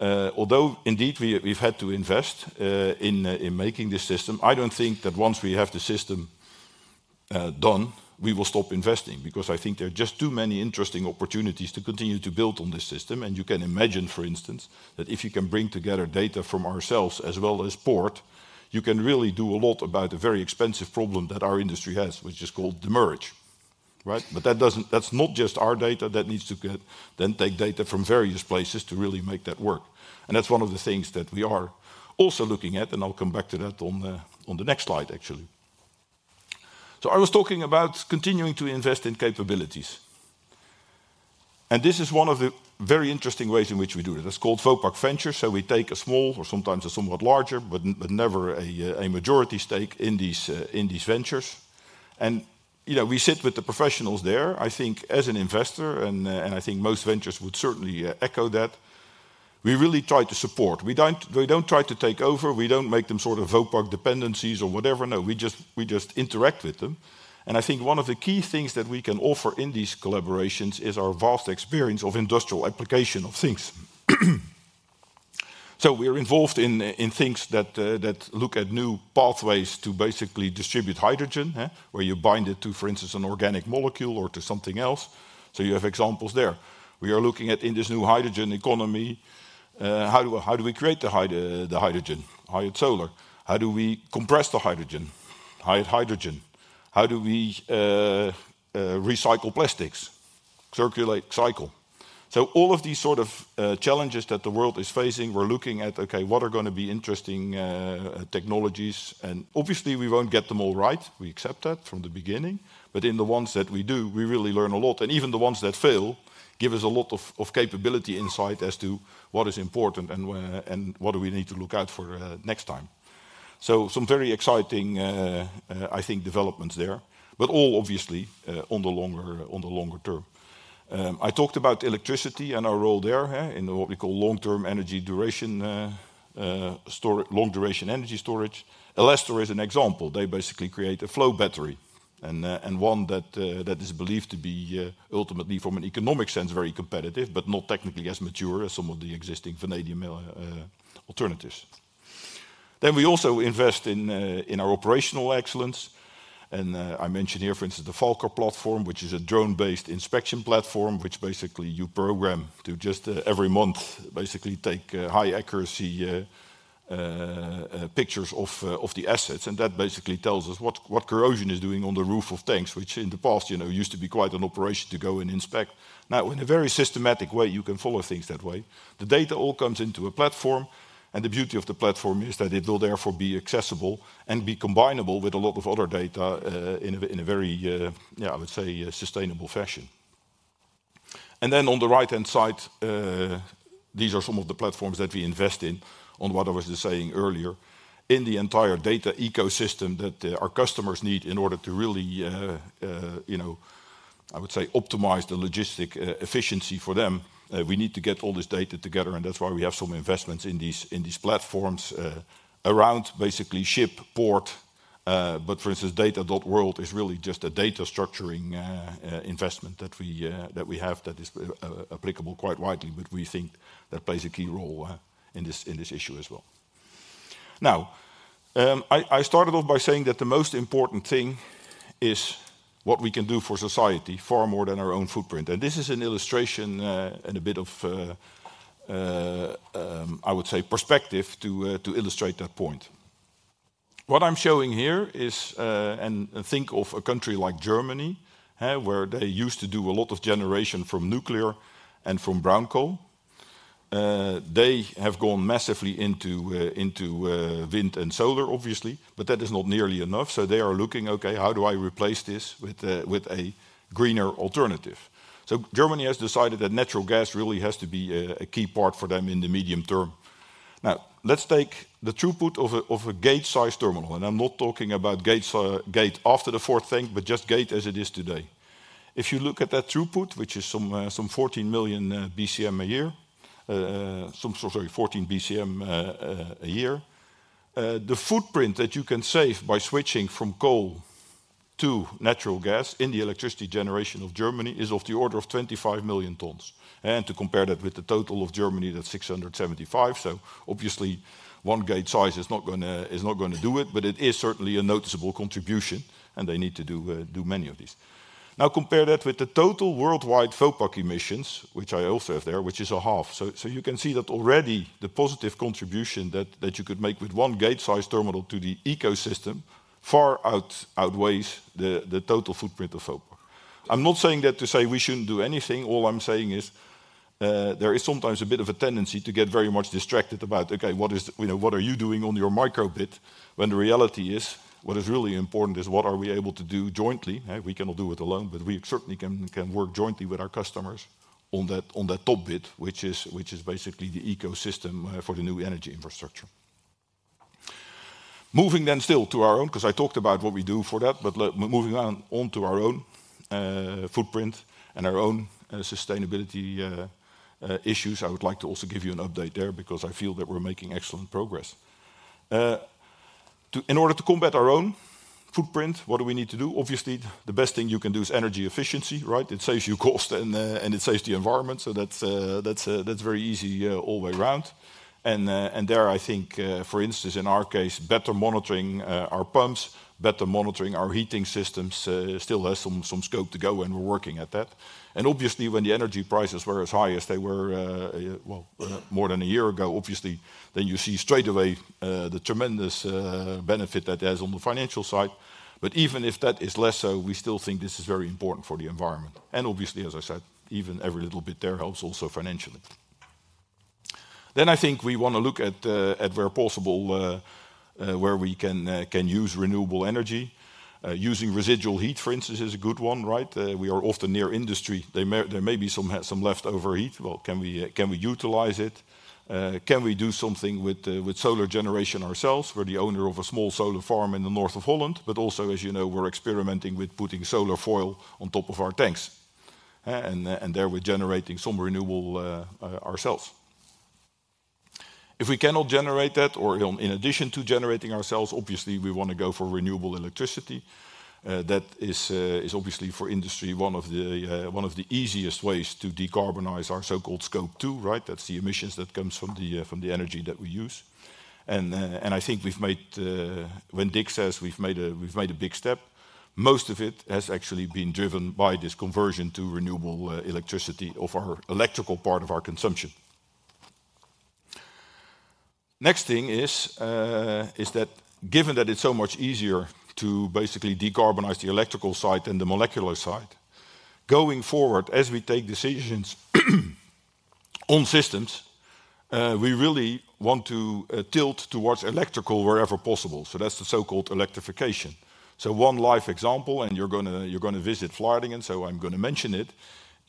although indeed we, we've had to invest, in, in making this system, I don't think that once we have the system, done, we will stop investing, because I think there are just too many interesting opportunities to continue to build on this system. And you can imagine, for instance, that if you can bring together data from ourselves as well as port, you can really do a lot about a very expensive problem that our industry has, which is called demurrage, right? But that doesn't-- that's not just our data that needs to get, then take data from various places to really make that work, and that's one of the things that we are also looking at, and I'll come back to that on the, on the next slide, actually. So I was talking about continuing to invest in capabilities, and this is one of the very interesting ways in which we do it. It's called Vopak Ventures. So we take a small, or sometimes a somewhat larger, but never a majority stake in these ventures. And, you know, we sit with the professionals there. I think as an investor, and I think most ventures would certainly echo that, we really try to support. We don't, we don't try to take over, we don't make them sort of Vopak dependencies or whatever, no. We just interact with them, and I think one of the key things that we can offer in these collaborations is our vast experience of industrial application of things. So we are involved in things that look at new pathways to basically distribute hydrogen, where you bind it to, for instance, an organic molecule or to something else. So you have examples there. We are looking at in this new hydrogen economy, how do we create the hydrogen? HySiLabs. How do we compress the hydrogen? HyET Hydrogen. How do we recycle plastics? Circularise Xycle. So all of these sort of challenges that the world is facing, we're looking at, okay, what are gonna be interesting technologies? And obviously, we won't get them all right. We accept that from the beginning. But in the ones that we do, we really learn a lot, and even the ones that fail give us a lot of capability insight as to what is important and where, and what do we need to look out for, next time. So some very exciting, I think, developments there, but all obviously, on the longer, on the longer term. I talked about electricity and our role there, in what we call long-term energy duration, long-duration energy storage. Elestor is an example. They basically create a flow battery and, and one that, that is believed to be, ultimately, from an economic sense, very competitive, but not technically as mature as some of the existing vanadium, alternatives. Then we also invest in our operational excellence, and I mentioned here, for instance, the Falcker platform, which is a drone-based inspection platform, which basically you program to just every month basically take high-accuracy pictures of the assets. And that basically tells us what corrosion is doing on the roof of tanks, which in the past, you know, used to be quite an operation to go and inspect. Now, in a very systematic way, you can follow things that way. The data all comes into a platform, and the beauty of the platform is that it will therefore be accessible and be combinable with a lot of other data in a very yeah, I would say, sustainable fashion. Then on the right-hand side, these are some of the platforms that we invest in on what I was just saying earlier. In the entire data ecosystem that, our customers need in order to really, you know, I would say, optimize the logistic, efficiency for them, we need to get all this data together, and that's why we have some investments in these, in these platforms, around basically ship, port. But for instance, data.world is really just a data structuring, investment that we, that we have that is, applicable quite widely, but we think that plays a key role, in this, in this issue as well. Now, I started off by saying that the most important thing is what we can do for society, far more than our own footprint. This is an illustration, and a bit of, I would say, perspective to illustrate that point. What I'm showing here is, and think of a country like Germany, where they used to do a lot of generation from nuclear and from brown coal. They have gone massively into wind and solar, obviously, but that is not nearly enough, so they are looking, "Okay, how do I replace this with a greener alternative?" So Germany has decided that natural gas really has to be a key part for them in the medium term. Now, let's take the throughput of a Gate-sized terminal, and I'm not talking about Gate after the fourth tank, but just Gate as it is today. If you look at that throughput, which is some 14 million BCM a year, some, so sorry, 14 BCM a year, the footprint that you can save by switching from coal to natural gas in the electricity generation of Germany is of the order of 25 million tons. And to compare that with the total of Germany, that's 675. So obviously, one Gate size is not gonna, is not gonna do it, but it is certainly a noticeable contribution, and they need to do many of these. Now, compare that with the total worldwide Vopak emissions, which I also have there, which is a half. So you can see that already the positive contribution that you could make with one Gate-sized terminal to the ecosystem far outweighs the total footprint of Vopak. I'm not saying that to say we shouldn't do anything. All I'm saying is, there is sometimes a bit of a tendency to get very much distracted about, "Okay, what is... You know, what are you doing on your micro bit?" When the reality is, what is really important is what are we able to do jointly, eh? We cannot do it alone, but we certainly can work jointly with our customers on that, on that top bit, which is basically the ecosystem for the new energy infrastructure. Moving then still to our own, 'cause I talked about what we do for that, but moving on onto our own footprint and our own sustainability issues, I would like to also give you an update there because I feel that we're making excellent progress. In order to combat our own footprint, what do we need to do? Obviously, the best thing you can do is energy efficiency, right? It saves you cost and it saves the environment, so that's very easy all the way around. And there, I think, for instance, in our case, better monitoring our pumps, better monitoring our heating systems, still has some scope to go, and we're working at that. And obviously, when the energy prices were as high as they were, well, more than a year ago, obviously, then you see straight away the tremendous benefit that it has on the financial side. But even if that is less so, we still think this is very important for the environment. And obviously, as I said, even every little bit there helps also financially. Then I think we wanna look at where possible where we can use renewable energy. Using residual heat, for instance, is a good one, right? We are often near industry. There may be some leftover heat. Well, can we utilize it? Can we do something with solar generation ourselves? We're the owner of a small solar farm in the north of Holland, but also, as you know, we're experimenting with putting solar foil on top of our tanks, and there we're generating some renewable ourselves. If we cannot generate that, or in addition to generating ourselves, obviously, we wanna go for renewable electricity. That is, is obviously for industry, one of the, one of the easiest ways to decarbonize our so-called Scope Two, right? That's the emissions that comes from the, from the energy that we use. And, and I think we've made... When Dick says we've made a, we've made a big step, most of it has actually been driven by this conversion to renewable, electricity of our electrical part of our consumption. Next thing is, is that given that it's so much easier to basically decarbonize the electrical side than the molecular side, going forward, as we take decisions on systems, we really want to, tilt towards electrical wherever possible. So that's the so-called electrification. So one life example, and you're gonna, you're gonna visit Vlaardingen, so I'm gonna mention it,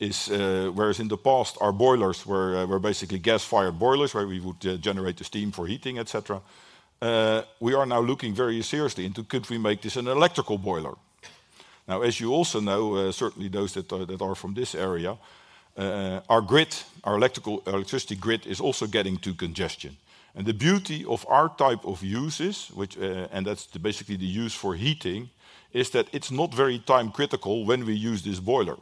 is, whereas in the past, our boilers were basically gas-fired boilers, where we would generate the steam for heating, et cetera, we are now looking very seriously into could we make this an electrical boiler? Now, as you also know, certainly those that are from this area, our electricity grid is also getting to congestion. And the beauty of our type of uses, which, and that's basically the use for heating, is that it's not very time-critical when we use this boiler.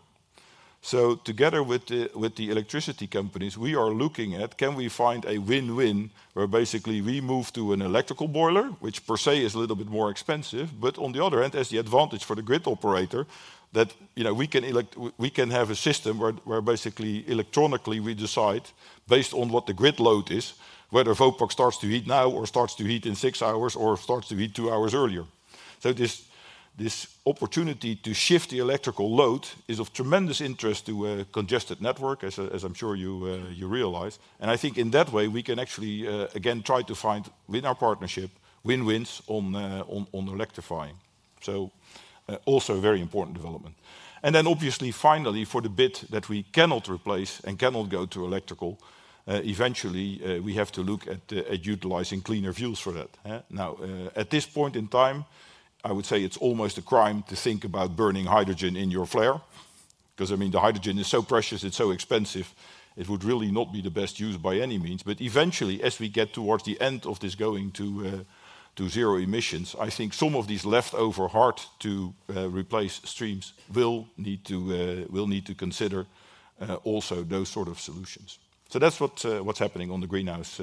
So together with the electricity companies, we are looking at, can we find a win-win, where basically we move to an electrical boiler, which per se is a little bit more expensive, but on the other hand, has the advantage for the grid operator, that, you know, we can. We can have a system where basically, electronically, we decide based on what the grid load is, whether Vopak starts to heat now or starts to heat in six hours or starts to heat two hours earlier. So this opportunity to shift the electrical load is of tremendous interest to a congested network, as I'm sure you realize, and I think in that way, we can actually again try to find, with our partnership, win-wins on electrifying. So also a very important development. Then obviously, finally, for the bit that we cannot replace and cannot go to electrical, eventually, we have to look at, at utilizing cleaner fuels for that, eh? Now, at this point in time, I would say it's almost a crime to think about burning hydrogen in your flare, 'cause, I mean, the hydrogen is so precious, it's so expensive, it would really not be the best use by any means. But eventually, as we get towards the end of this going to, to zero emissions, I think some of these leftover, hard-to-replace streams will need to, will need to consider, also those sort of solutions. So that's what, what's happening on the greenhouse,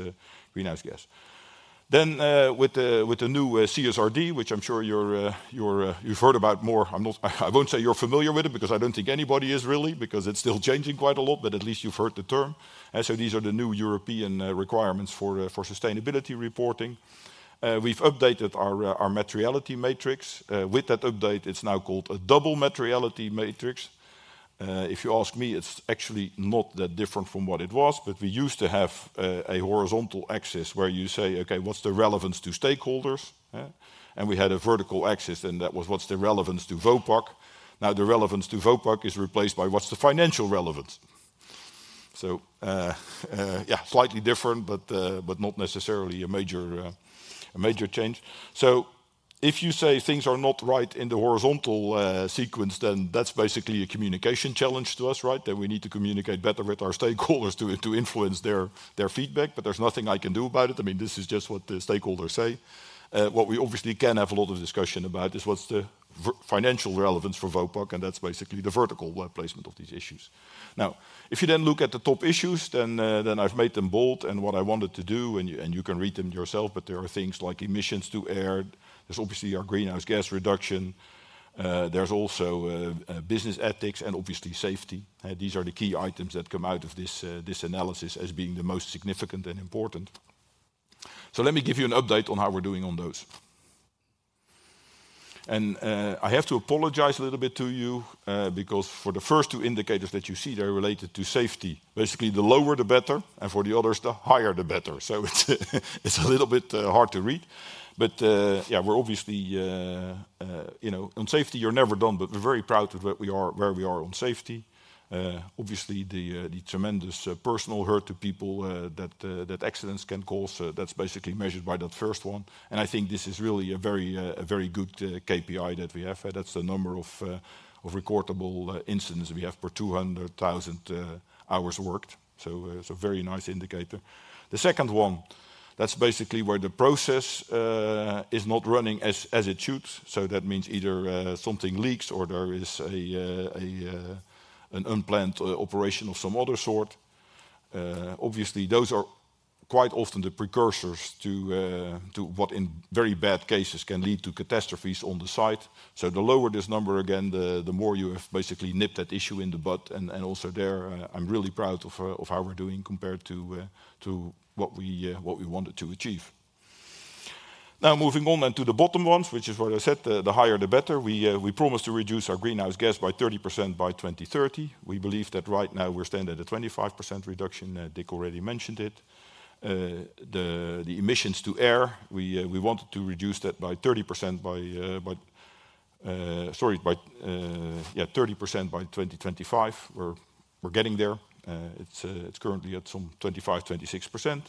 greenhouse gas. Then, with the new CSRD, which I'm sure you've heard about more, I won't say you're familiar with it, because I don't think anybody is really, because it's still changing quite a lot, but at least you've heard the term. So these are the new European requirements for sustainability reporting. We've updated our materiality matrix. With that update, it's now called a double materiality matrix. If you ask me, it's actually not that different from what it was, but we used to have a horizontal axis where you say, "Okay, what's the relevance to stakeholders, huh?" and we had a vertical axis, and that was what's the relevance to Vopak? Now, the relevance to Vopak is replaced by what's the financial relevance? So, yeah, slightly different, but, but not necessarily a major, a major change. So if you say things are not right in the horizontal, sequence, then that's basically a communication challenge to us, right? That we need to communicate better with our stakeholders to, to influence their, their feedback, but there's nothing I can do about it. I mean, this is just what the stakeholders say. What we obviously can have a lot of discussion about is what's the v- financial relevance for Vopak, and that's basically the vertical word placement of these issues. Now, if you then look at the top issues, then, then I've made them bold, and what I wanted to do, and you, and you can read them yourself, but there are things like emissions to air. There's obviously our greenhouse gas reduction. There's also business ethics and obviously safety. These are the key items that come out of this analysis as being the most significant and important. So let me give you an update on how we're doing on those. And I have to apologize a little bit to you because for the first two indicators that you see, they're related to safety. Basically, the lower, the better, and for the others, the higher, the better. So it's a little bit hard to read, but yeah, we're obviously you know. On safety, you're never done, but we're very proud of where we are on safety. Obviously, the tremendous personal hurt to people that accidents can cause, that's basically measured by that first one, and I think this is really a very good KPI that we have. That's the number of recordable incidents we have per 200,000 hours worked, so it's a very nice indicator. The second one, that's basically where the process is not running as it should. So that means either something leaks or there is an unplanned operation of some other sort. Obviously, those are quite often the precursors to what, in very bad cases, can lead to catastrophes on the site. So the lower this number, again, the more you have basically nipped that issue in the bud, and also there, I'm really proud of how we're doing compared to what we wanted to achieve. Now, moving on then to the bottom ones, which is what I said, the higher, the better. We promised to reduce our greenhouse gas by 30% by 2030. We believe that right now we stand at a 25% reduction. Dick already mentioned it. The emissions to air, we wanted to reduce that by 30% by 2025. Sorry, by yeah, 30% by 2025. We're getting there. It's currently at some 25-26%.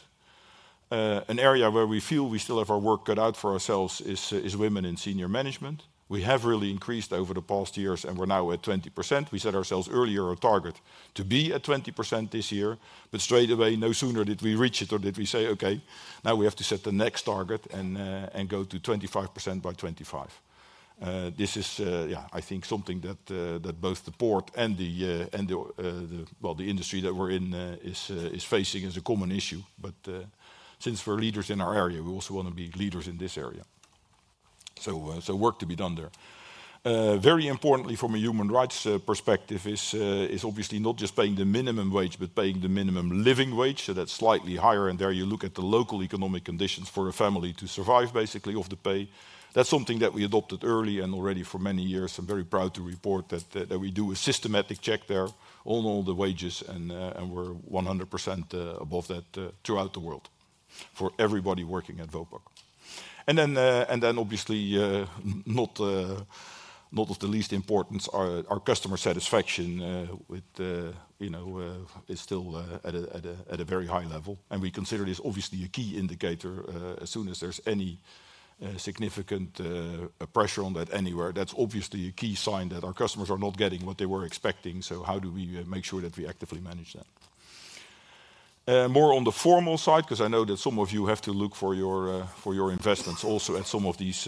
An area where we feel we still have our work cut out for ourselves is women in senior management. We have really increased over the past years, and we're now at 20%. We set ourselves earlier a target to be at 20% this year, but straight away, no sooner did we reach it or did we say, "Okay, now we have to set the next target and go to 25% by 2025." This is, yeah, I think something that both the port and the, well, the industry that we're in is facing as a common issue. But since we're leaders in our area, we also want to be leaders in this area. So work to be done there. Very importantly from a human rights perspective is obviously not just paying the minimum wage, but paying the minimum living wage, so that's slightly higher, and there you look at the local economic conditions for a family to survive, basically, off the pay. That's something that we adopted early and already for many years. I'm very proud to report that we do a systematic check there on all the wages, and we're 100% above that throughout the world for everybody working at Vopak. And then obviously not of the least importance, our customer satisfaction with, you know, is still at a very high level. And we consider this obviously a key indicator. As soon as there's any significant pressure on that anywhere, that's obviously a key sign that our customers are not getting what they were expecting, so how do we make sure that we actively manage that? More on the formal side, 'cause I know that some of you have to look for your investments also at some of these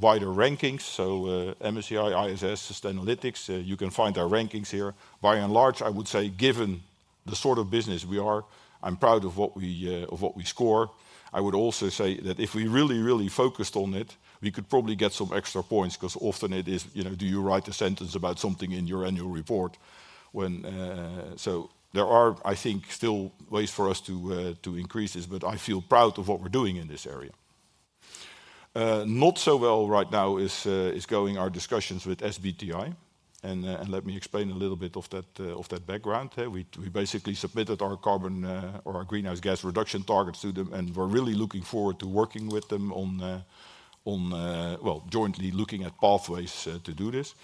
wider rankings. So, MSCI, ISS, Sustainalytics, you can find our rankings here. By and large, I would say, given the sort of business we are, I'm proud of what we score. I would also say that if we really, really focused on it, we could probably get some extra points, 'cause often it is, you know, do you write a sentence about something in your annual report when... So there are, I think, still ways for us to increase this, but I feel proud of what we're doing in this area. Not so well right now is going our discussions with SBTi, and let me explain a little bit of that background. We basically submitted our carbon, or our greenhouse gas reduction targets to them, and we're really looking forward to working with them on well, jointly looking at pathways to do this.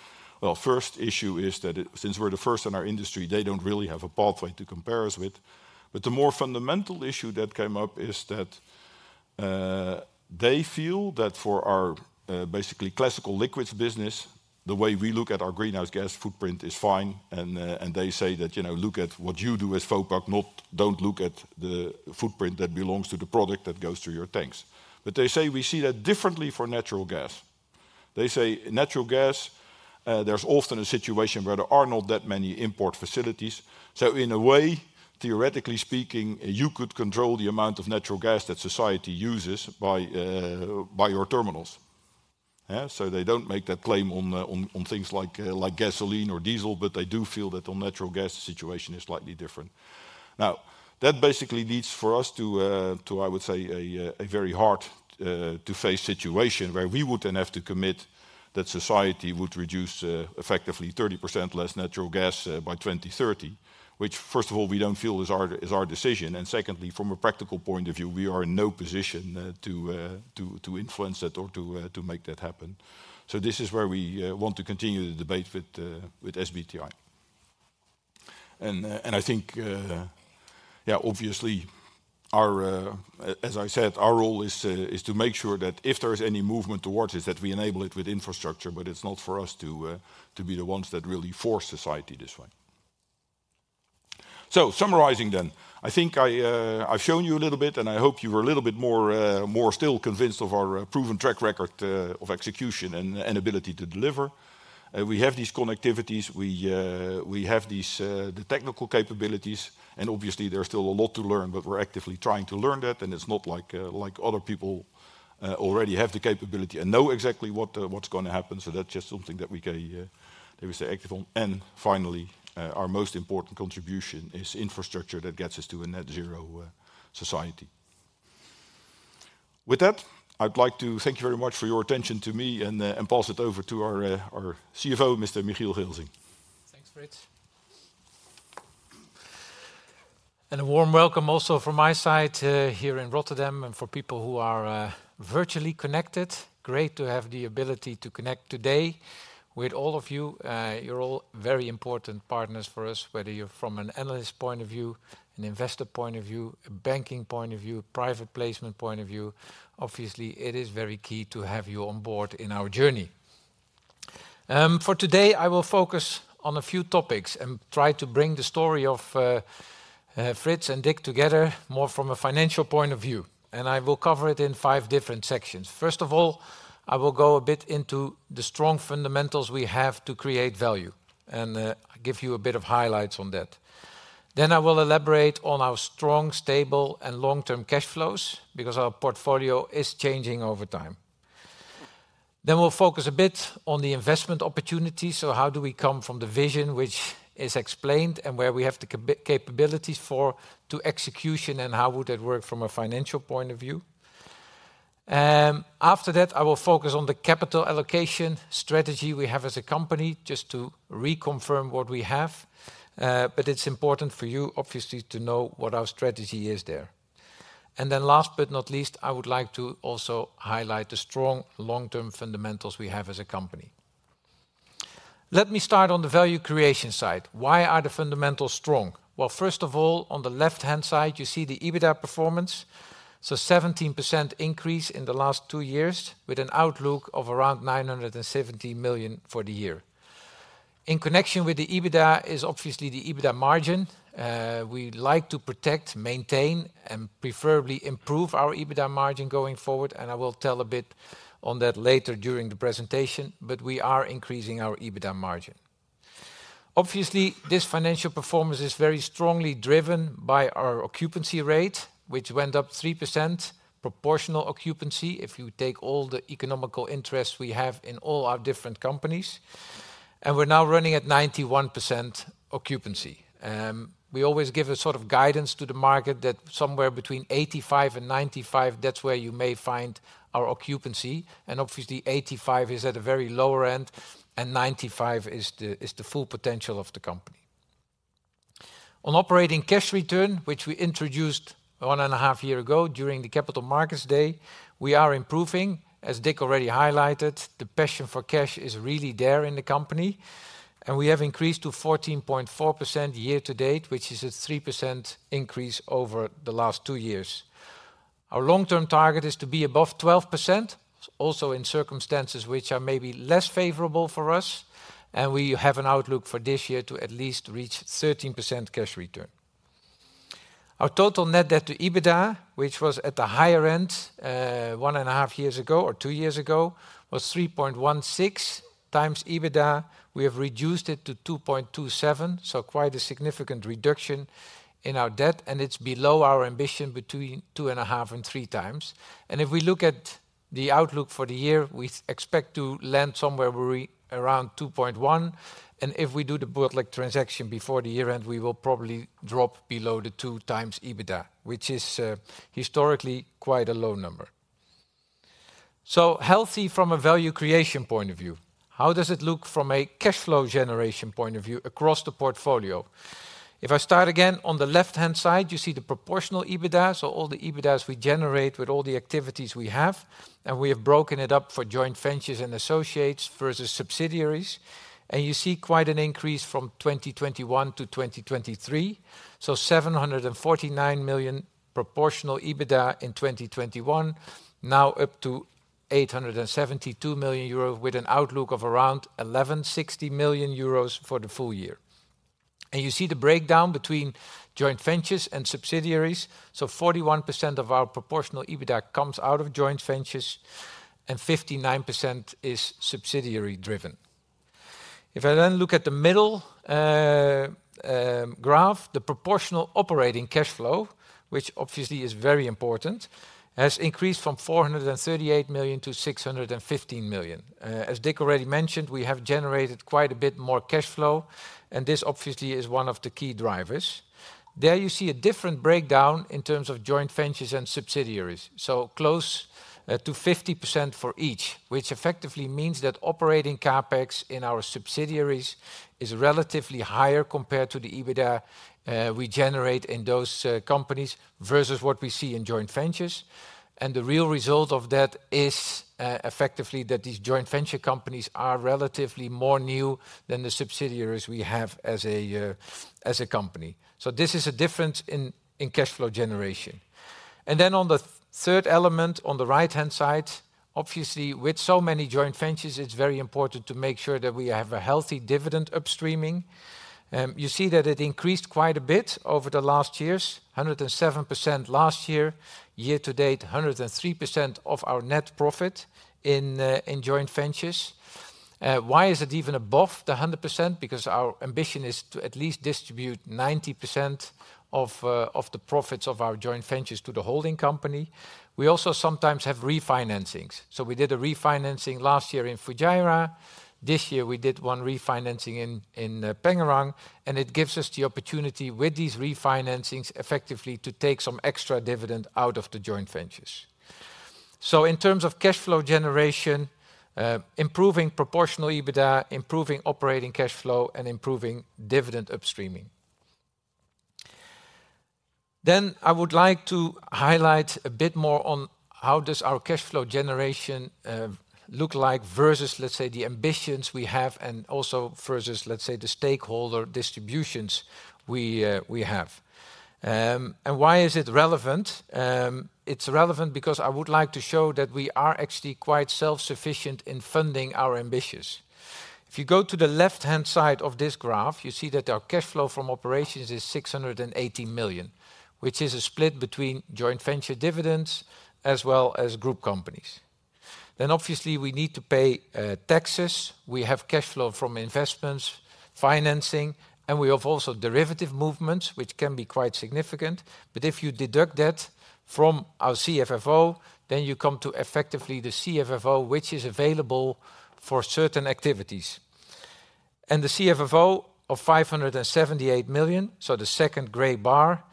Well, first issue is that it, since we're the first in our industry, they don't really have a pathway to compare us with. But the more fundamental issue that came up is that they feel that for our basically classical liquids business, the way we look at our greenhouse gas footprint is fine, and they say that, "You know, look at what you do as Vopak, not... Don't look at the footprint that belongs to the product that goes through your tanks." But they say we see that differently for natural gas. They say, natural gas, there's often a situation where there are not that many import facilities, so in a way, theoretically speaking, you could control the amount of natural gas that society uses by your terminals. So they don't make that claim on things like gasoline or diesel, but they do feel that the natural gas situation is slightly different. Now, that basically leads for us to, I would say, a very hard to face situation, where we would then have to commit that society would reduce effectively 30% less natural gas by 2030. Which, first of all, we don't feel is our decision, and secondly, from a practical point of view, we are in no position to influence that or to make that happen. So this is where we want to continue the debate with SBTi. And, and I think, yeah, obviously, as I said, our role is to make sure that if there is any movement towards this, that we enable it with infrastructure, but it's not for us to be the ones that really force society this way. So summarizing then, I think I, I've shown you a little bit, and I hope you are a little bit more, more still convinced of our, proven track record, of execution and, and ability to deliver. We have these connectivities. We, we have these, the technical capabilities, and obviously there's still a lot to learn, but we're actively trying to learn that, and it's not like, like other people, already have the capability and know exactly what, what's gonna happen. So that's just something that we get, that we stay active on. And finally, our most important contribution is infrastructure that gets us to a net zero, society. With that, I'd like to thank you very much for your attention to me and, and pass it over to our, our CFO, Mr. Michiel Gilsing. Thanks, Frits. A warm welcome also from my side, here in Rotterdam, and for people who are virtually connected. Great to have the ability to connect today with all of you. You're all very important partners for us, whether you're from an analyst point of view, an investor point of view, a banking point of view, private placement point of view. Obviously, it is very key to have you on board in our journey. For today, I will focus on a few topics and try to bring the story of Frits and Dick together, more from a financial point of view, and I will cover it in five different sections. First of all, I will go a bit into the strong fundamentals we have to create value, and give you a bit of highlights on that. Then I will elaborate on our strong, stable, and long-term cash flows because our portfolio is changing over time. Then we'll focus a bit on the investment opportunities. So how do we come from the vision which is explained and where we have the capabilities for, to execution, and how would that work from a financial point of view? After that, I will focus on the capital allocation strategy we have as a company, just to reconfirm what we have, but it's important for you, obviously, to know what our strategy is there. And then last but not least, I would like to also highlight the strong long-term fundamentals we have as a company. Let me start on the value creation side. Why are the fundamentals strong? Well, first of all, on the left-hand side, you see the EBITDA performance, so 17% increase in the last two years, with an outlook of around 970 million for the year. In connection with the EBITDA is obviously the EBITDA margin. We'd like to protect, maintain, and preferably improve our EBITDA margin going forward, and I will tell a bit on that later during the presentation, but we are increasing our EBITDA margin. Obviously, this financial performance is very strongly driven by our occupancy rate, which went up 3%, proportional occupancy, if you take all the economical interests we have in all our different companies, and we're now running at 91% occupancy. We always give a sort of guidance to the market that somewhere between 85%-95%, that's where you may find our occupancy, and obviously, 85% is at the very lower end, and 95% is the, is the full potential of the company. On operating cash return, which we introduced 1.5 year ago during the Capital Markets Day, we are improving. As Dick already highlighted, the passion for cash is really there in the company, and we have increased to 14.4% year to date, which is a 3% increase over the last two years. Our long-term target is to be above 12%, also in circumstances which are maybe less favorable for us, and we have an outlook for this year to at least reach 13% cash return. Our total net debt to EBITDA, which was at the higher end one and a half years ago or two years ago, was 3.16x EBITDA. We have reduced it to 2.27, so quite a significant reduction in our debt, and it's below our ambition, between 2.5 and 3 times. If we look at the outlook for the year, we expect to land somewhere around 2.1, and if we do the Botlek transaction before the year end, we will probably drop below the 2x EBITDA, which is historically quite a low number. So healthy from a value creation point of view. How does it look from a cash flow generation point of view across the portfolio? If I start again, on the left-hand side, you see the proportional EBITDA, so all the EBITDAs we generate with all the activities we have, and we have broken it up for joint ventures and associates versus subsidiaries. You see quite an increase from 2021 to 2023, so 749 million proportional EBITDA in 2021, now up to 872 million euros, with an outlook of around 1,160 million euros for the full year. You see the breakdown between joint ventures and subsidiaries. So 41% of our proportional EBITDA comes out of joint ventures, and 59% is subsidiary-driven. If I then look at the middle graph, the proportional operating cash flow, which obviously is very important, has increased from 438 million to 615 million. As Dick already mentioned, we have generated quite a bit more cash flow, and this obviously is one of the key drivers. There you see a different breakdown in terms of joint ventures and subsidiaries. So close to 50% for each, which effectively means that operating CapEx in our subsidiaries is relatively higher compared to the EBITDA we generate in those companies versus what we see in joint ventures. And the real result of that is, effectively, that these joint venture companies are relatively more new than the subsidiaries we have as a company. So this is a difference in cash flow generation. And then on the third element, on the right-hand side, obviously, with so many joint ventures, it's very important to make sure that we have a healthy dividend upstreaming. You see that it increased quite a bit over the last years, 107% last year. Year to date, 103% of our net profit in joint ventures. Why is it even above the 100%? Because our ambition is to at least distribute 90% of the profits of our joint ventures to the holding company. We also sometimes have refinancings. So we did a refinancing last year in Fujairah. This year, we did one refinancing in Pengerang, and it gives us the opportunity with these refinancings effectively to take some extra dividend out of the joint ventures. So in terms of cash flow generation, improving proportional EBITDA, improving operating cash flow, and improving dividend upstreaming. I would like to highlight a bit more on how does our cash flow generation look like versus, let's say, the ambitions we have, and also versus, let's say, the stakeholder distributions we have. And why is it relevant? It's relevant because I would like to show that we are actually quite self-sufficient in funding our ambitions. If you go to the left-hand side of this graph, you see that our cash flow from operations is 680 million, which is a split between joint venture dividends as well as group companies. Then obviously, we need to pay taxes. We have cash flow from investments, financing, and we have also derivative movements, which can be quite significant. But if you deduct that from our CFFO, then you come to effectively the CFFO, which is available for certain activities. The CFFO of 578 million, so the second gray bar,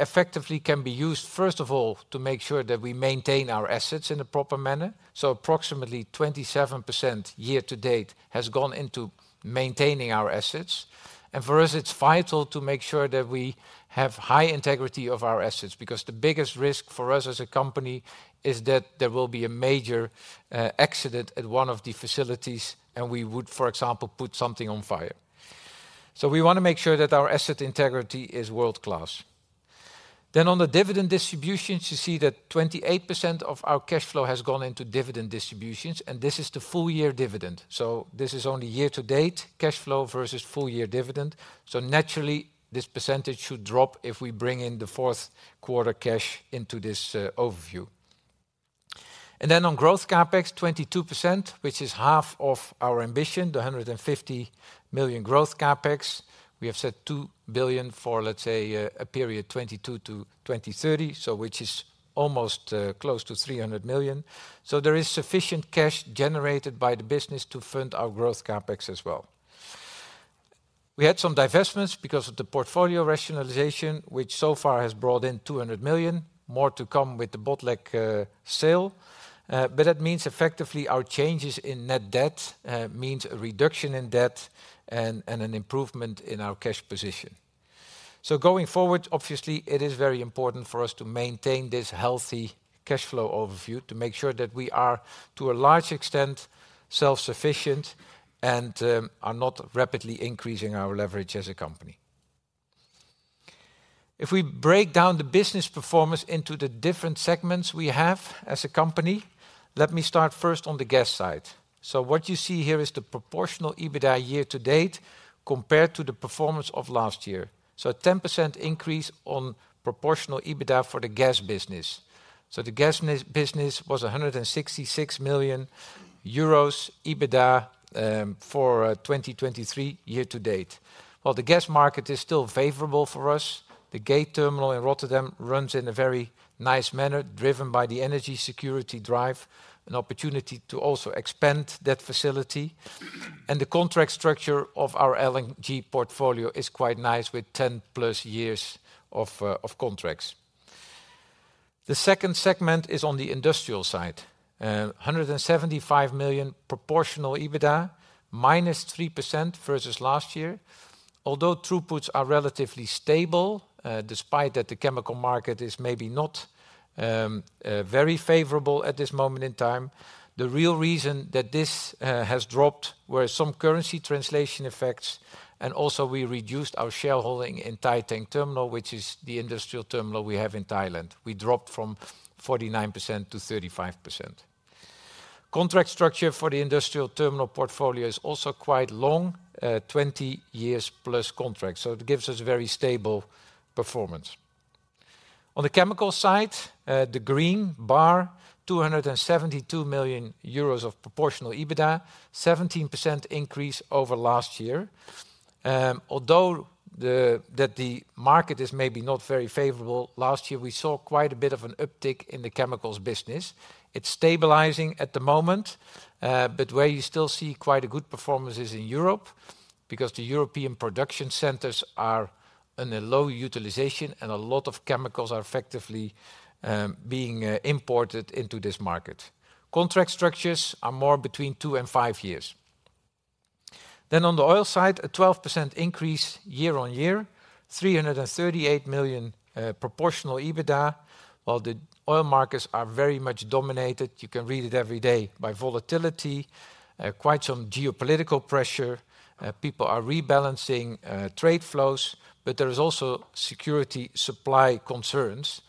effectively can be used, first of all, to make sure that we maintain our assets in a proper manner. So approximately 27% year to date has gone into maintaining our assets, and for us, it's vital to make sure that we have high integrity of our assets, because the biggest risk for us as a company is that there will be a major accident at one of the facilities, and we would, for example, put something on fire. So we want to make sure that our asset integrity is world-class. Then on the dividend distributions, you see that 28% of our cash flow has gone into dividend distributions, and this is the full year dividend. So this is only year to date, cash flow versus full year dividend. So naturally, this percentage should drop if we bring in the fourth quarter cash into this overview. And then on growth CapEx, 22%, which is half of our ambition, the 150 million growth CapEx. We have set 2 billion for, let's say, a period 2022-2030, so which is almost close to 300 million. So there is sufficient cash generated by the business to fund our growth CapEx as well. We had some divestments because of the portfolio rationalization, which so far has brought in 200 million. More to come with the Botlek sale. But that means effectively our changes in net debt means a reduction in debt and an improvement in our cash position. So going forward, obviously, it is very important for us to maintain this healthy cash flow overview to make sure that we are, to a large extent, self-sufficient and are not rapidly increasing our leverage as a company. If we break down the business performance into the different segments we have as a company, let me start first on the gas side. So what you see here is the proportional EBITDA year to date compared to the performance of last year. So a 10% increase on proportional EBITDA for the gas business. So the gas business was 166 million euros EBITDA for 2023 year to date. While the gas market is still favorable for us, the Gate terminal in Rotterdam runs in a very nice manner, driven by the energy security drive, an opportunity to also expand that facility. The contract structure of our LNG portfolio is quite nice, with 10+ years of contracts. The second segment is on the industrial side. 175 million proportional EBITDA, -3% versus last year. Although throughputs are relatively stable, despite that the chemical market is maybe not very favorable at this moment in time, the real reason that this has dropped were some currency translation effects, and also we reduced our shareholding in Thai Tank Terminal, which is the industrial terminal we have in Thailand. We dropped from 49% to 35%. Contract structure for the industrial terminal portfolio is also quite long, 20+ years contract, so it gives us very stable performance. On the chemical side, the green bar, 272 million euros of proportional EBITDA, 17% increase over last year. Although the market is maybe not very favorable, last year, we saw quite a bit of an uptick in the chemicals business. It's stabilizing at the moment, but where you still see quite a good performance is in Europe, because the European production centers are in a low utilization, and a lot of chemicals are effectively being imported into this market. Contract structures are more between 2-5 years. Then on the oil side, a 12% increase year-on-year, 338 million proportional EBITDA, while the oil markets are very much dominated, you can read it every day, by volatility, quite some geopolitical pressure. People are rebalancing trade flows, but there is also security supply concerns.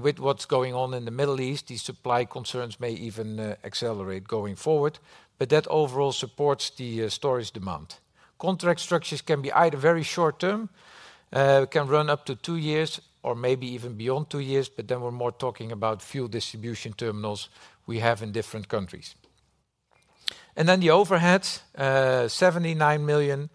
With what's going on in the Middle East, these supply concerns may even accelerate going forward, but that overall supports the storage demand. Contract structures can be either very short-term can run up to two years or maybe even beyond two years, but then we're more talking about fuel distribution terminals we have in different countries. Then the overhead seventy-nine million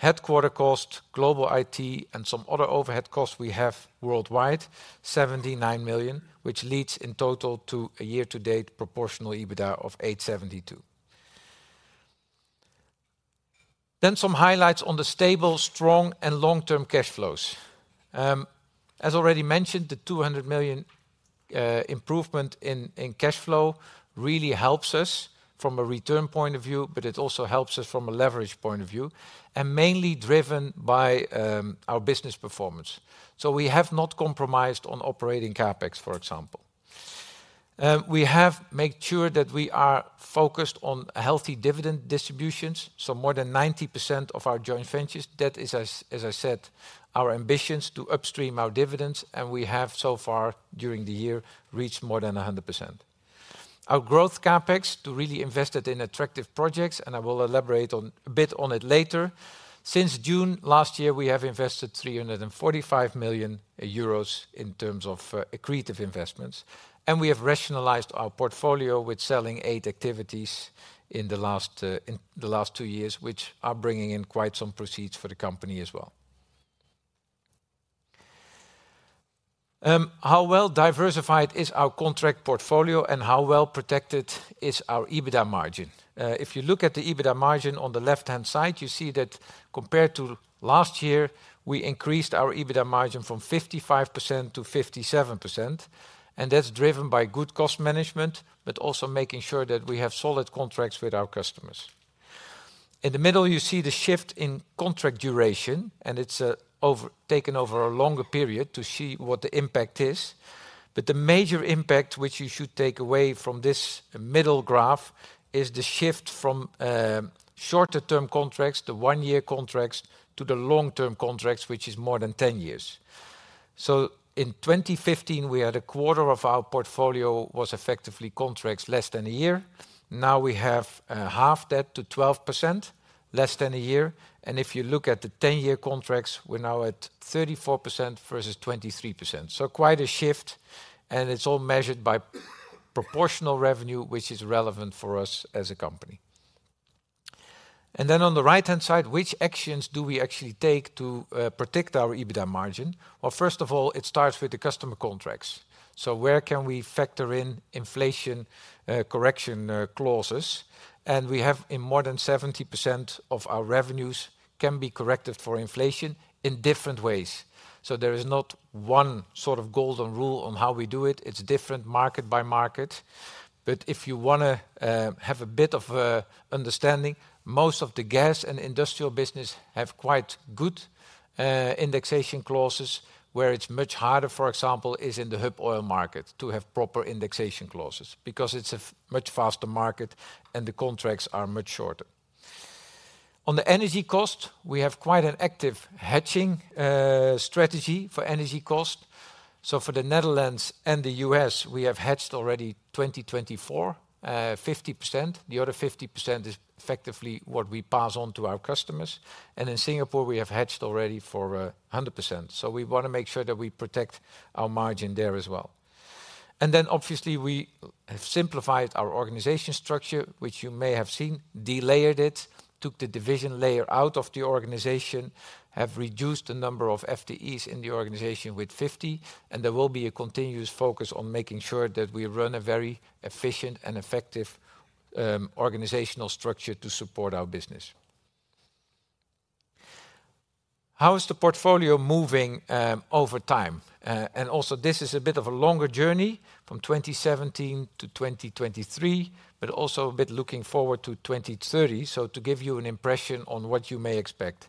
headquarter cost, global IT, and some other overhead costs we have worldwide, 79 million, which leads in total to a year-to-date proportional EBITDA of 872 million. Then some highlights on the stable, strong, and long-term cash flows. As already mentioned, the 200 million improvement in cash flow really helps us from a return point of view, but it also helps us from a leverage point of view, and mainly driven by our business performance. We have not compromised on operating CapEx, for example. We have made sure that we are focused on healthy dividend distributions, so more than 90% of our joint ventures. That is, as I said, our ambitions to upstream our dividends, and we have so far during the year, reached more than 100%. Our growth CapEx to really invest it in attractive projects, and I will elaborate on a bit on it later. Since June last year, we have invested 345 million euros in terms of accretive investments, and we have rationalized our portfolio with selling eight activities in the last two years, which are bringing in quite some proceeds for the company as well. How well diversified is our contract portfolio and how well protected is our EBITDA margin? If you look at the EBITDA margin on the left-hand side, you see that compared to last year, we increased our EBITDA margin from 55% to 57%, and that's driven by good cost management, but also making sure that we have solid contracts with our customers. In the middle, you see the shift in contract duration, and it's taken over a longer period to see what the impact is. But the major impact which you should take away from this middle graph is the shift from shorter term contracts, the one-year contracts, to the long-term contracts, which is more than 10 years. So in 2015, we had a quarter of our portfolio was effectively contracts less than a year. Now, we have halved that to 12%, less than a year, and if you look at the ten-year contracts, we're now at 34% versus 23%. So quite a shift, and it's all measured by proportional revenue, which is relevant for us as a company. And then on the right-hand side, which actions do we actually take to protect our EBITDA margin? Well, first of all, it starts with the customer contracts. So where can we factor in inflation correction clauses? And we have in more than 70% of our revenues can be corrected for inflation in different ways. So there is not one sort of golden rule on how we do it. It's different market by market. But if you wanna have a bit of understanding, most of the gas and industrial business have quite good indexation clauses. Where it's much harder, for example, is in the hub oil market, to have proper indexation clauses, because it's a much faster market and the contracts are much shorter. On the energy cost, we have quite an active hedging strategy for energy cost. So for the Netherlands and the US, we have hedged already 2024, 50%. The other 50% is effectively what we pass on to our customers. And in Singapore, we have hedged already for 100%. So we wanna make sure that we protect our margin there as well. Then, obviously, we have simplified our organization structure, which you may have seen, de-layered it, took the division layer out of the organization, have reduced the number of FTEs in the organization with 50, and there will be a continuous focus on making sure that we run a very efficient and effective organizational structure to support our business. How is the portfolio moving over time? Also, this is a bit of a longer journey from 2017 to 2023, but also a bit looking forward to 2030, so to give you an impression on what you may expect.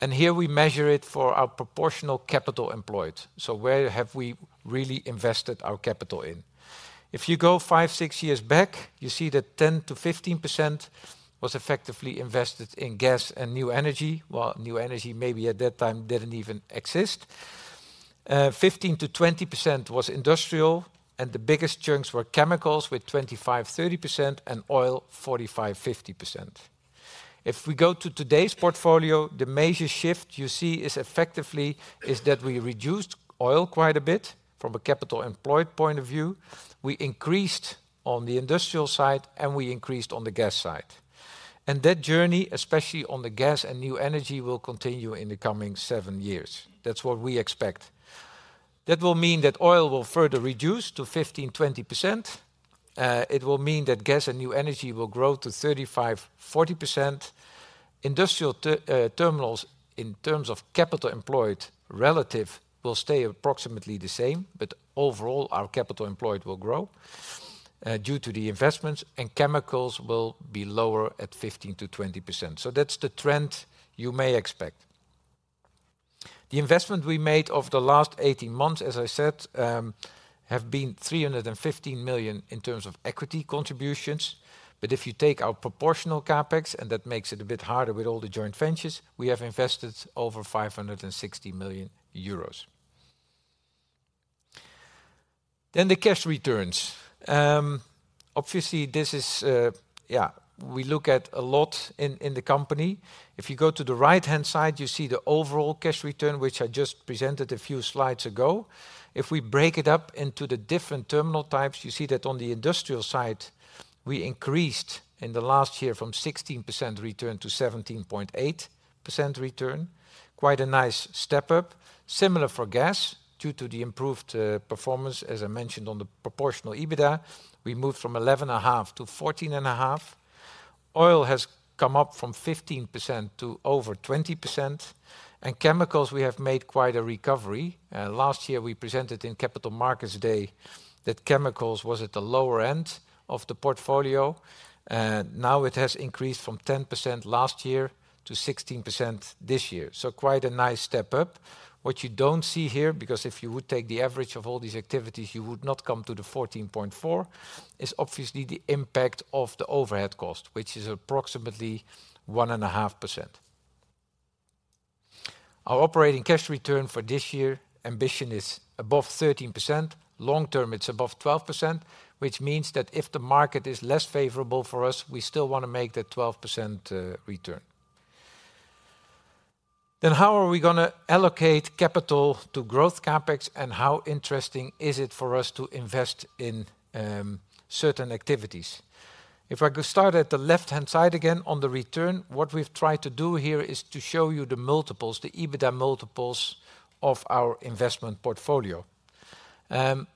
Here we measure it for our proportional capital employed. Where have we really invested our capital in? If you go 5, 6 years back, you see that 10%-15% was effectively invested in gas and new energy. Well, new energy, maybe at that time, didn't even exist. Fifteen to twenty percent was industrial, and the biggest chunks were chemicals, with twenty-five, thirty percent, and oil, forty-five, fifty percent. If we go to today's portfolio, the major shift you see is effectively, is that we reduced oil quite a bit from a capital employed point of view. We increased on the industrial side, and we increased on the gas side. And that journey, especially on the gas and new energy, will continue in the coming 7 years. That's what we expect. That will mean that oil will further reduce to fifteen, twenty percent. It will mean that gas and new energy will grow to thirty-five, forty percent.... Industrial terminals in terms of capital employed relative will stay approximately the same, but overall, our capital employed will grow due to the investments, and chemicals will be lower at 15%-20%. So that's the trend you may expect. The investment we made over the last 18 months, as I said, have been 315 million in terms of equity contributions. But if you take our proportional CapEx, and that makes it a bit harder with all the joint ventures, we have invested over 560 million euros. Then the cash returns. Obviously, this is, we look at a lot in the company. If you go to the right-hand side, you see the overall cash return, which I just presented a few slides ago. If we break it up into the different terminal types, you see that on the industrial side, we increased in the last year from 16% return to 17.8% return. Quite a nice step up. Similar for gas, due to the improved performance, as I mentioned on the proportional EBITDA, we moved from 11.5 to 14.5. Oil has come up from 15% to over 20%, and chemicals, we have made quite a recovery. Last year, we presented in Capital Markets Day that chemicals was at the lower end of the portfolio, and now it has increased from 10% last year to 16% this year, so quite a nice step up. What you don't see here, because if you would take the average of all these activities, you would not come to the 14.4, is obviously the impact of the overhead cost, which is approximately 1.5%. Our operating cash return for this year, ambition is above 13%. Long term, it's above 12%, which means that if the market is less favorable for us, we still wanna make that 12%, return. Then how are we gonna allocate capital to growth CapEx, and how interesting is it for us to invest in certain activities? If I could start at the left-hand side again on the return, what we've tried to do here is to show you the multiples, the EBITDA multiples of our investment portfolio.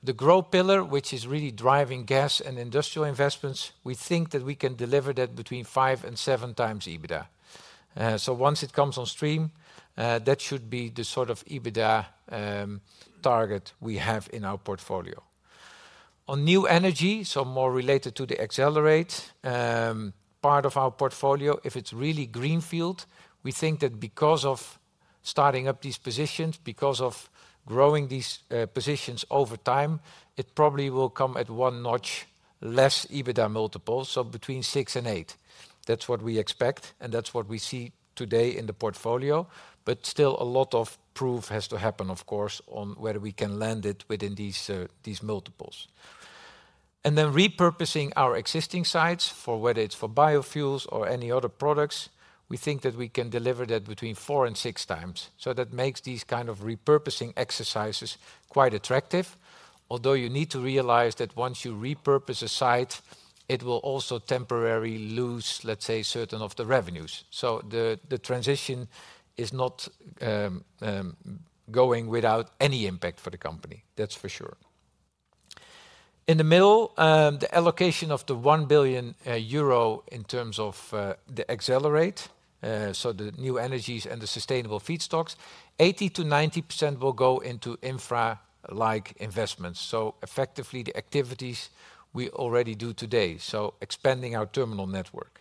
The growth pillar, which is really driving gas and industrial investments, we think that we can deliver that between 5 and 7 times EBITDA. So once it comes on stream, that should be the sort of EBITDA target we have in our portfolio. On new energy, so more related to the accelerate part of our portfolio, if it's really greenfield, we think that because of starting up these positions, because of growing these positions over time, it probably will come at one notch less EBITDA multiples, so between 6 and 8. That's what we expect, and that's what we see today in the portfolio. But still a lot of proof has to happen, of course, on whether we can land it within these multiples. Then repurposing our existing sites for whether it's for biofuels or any other products, we think that we can deliver that between 4-6 times. So that makes these kind of repurposing exercises quite attractive, although you need to realize that once you repurpose a site, it will also temporarily lose, let's say, certain of the revenues. So the transition is not going without any impact for the company. That's for sure. In the middle, the allocation of the 1 billion euro in terms of the accelerate, so the new energies and the sustainable feedstocks, 80%-90% will go into infra-like investments, so effectively, the activities we already do today, so expanding our terminal network.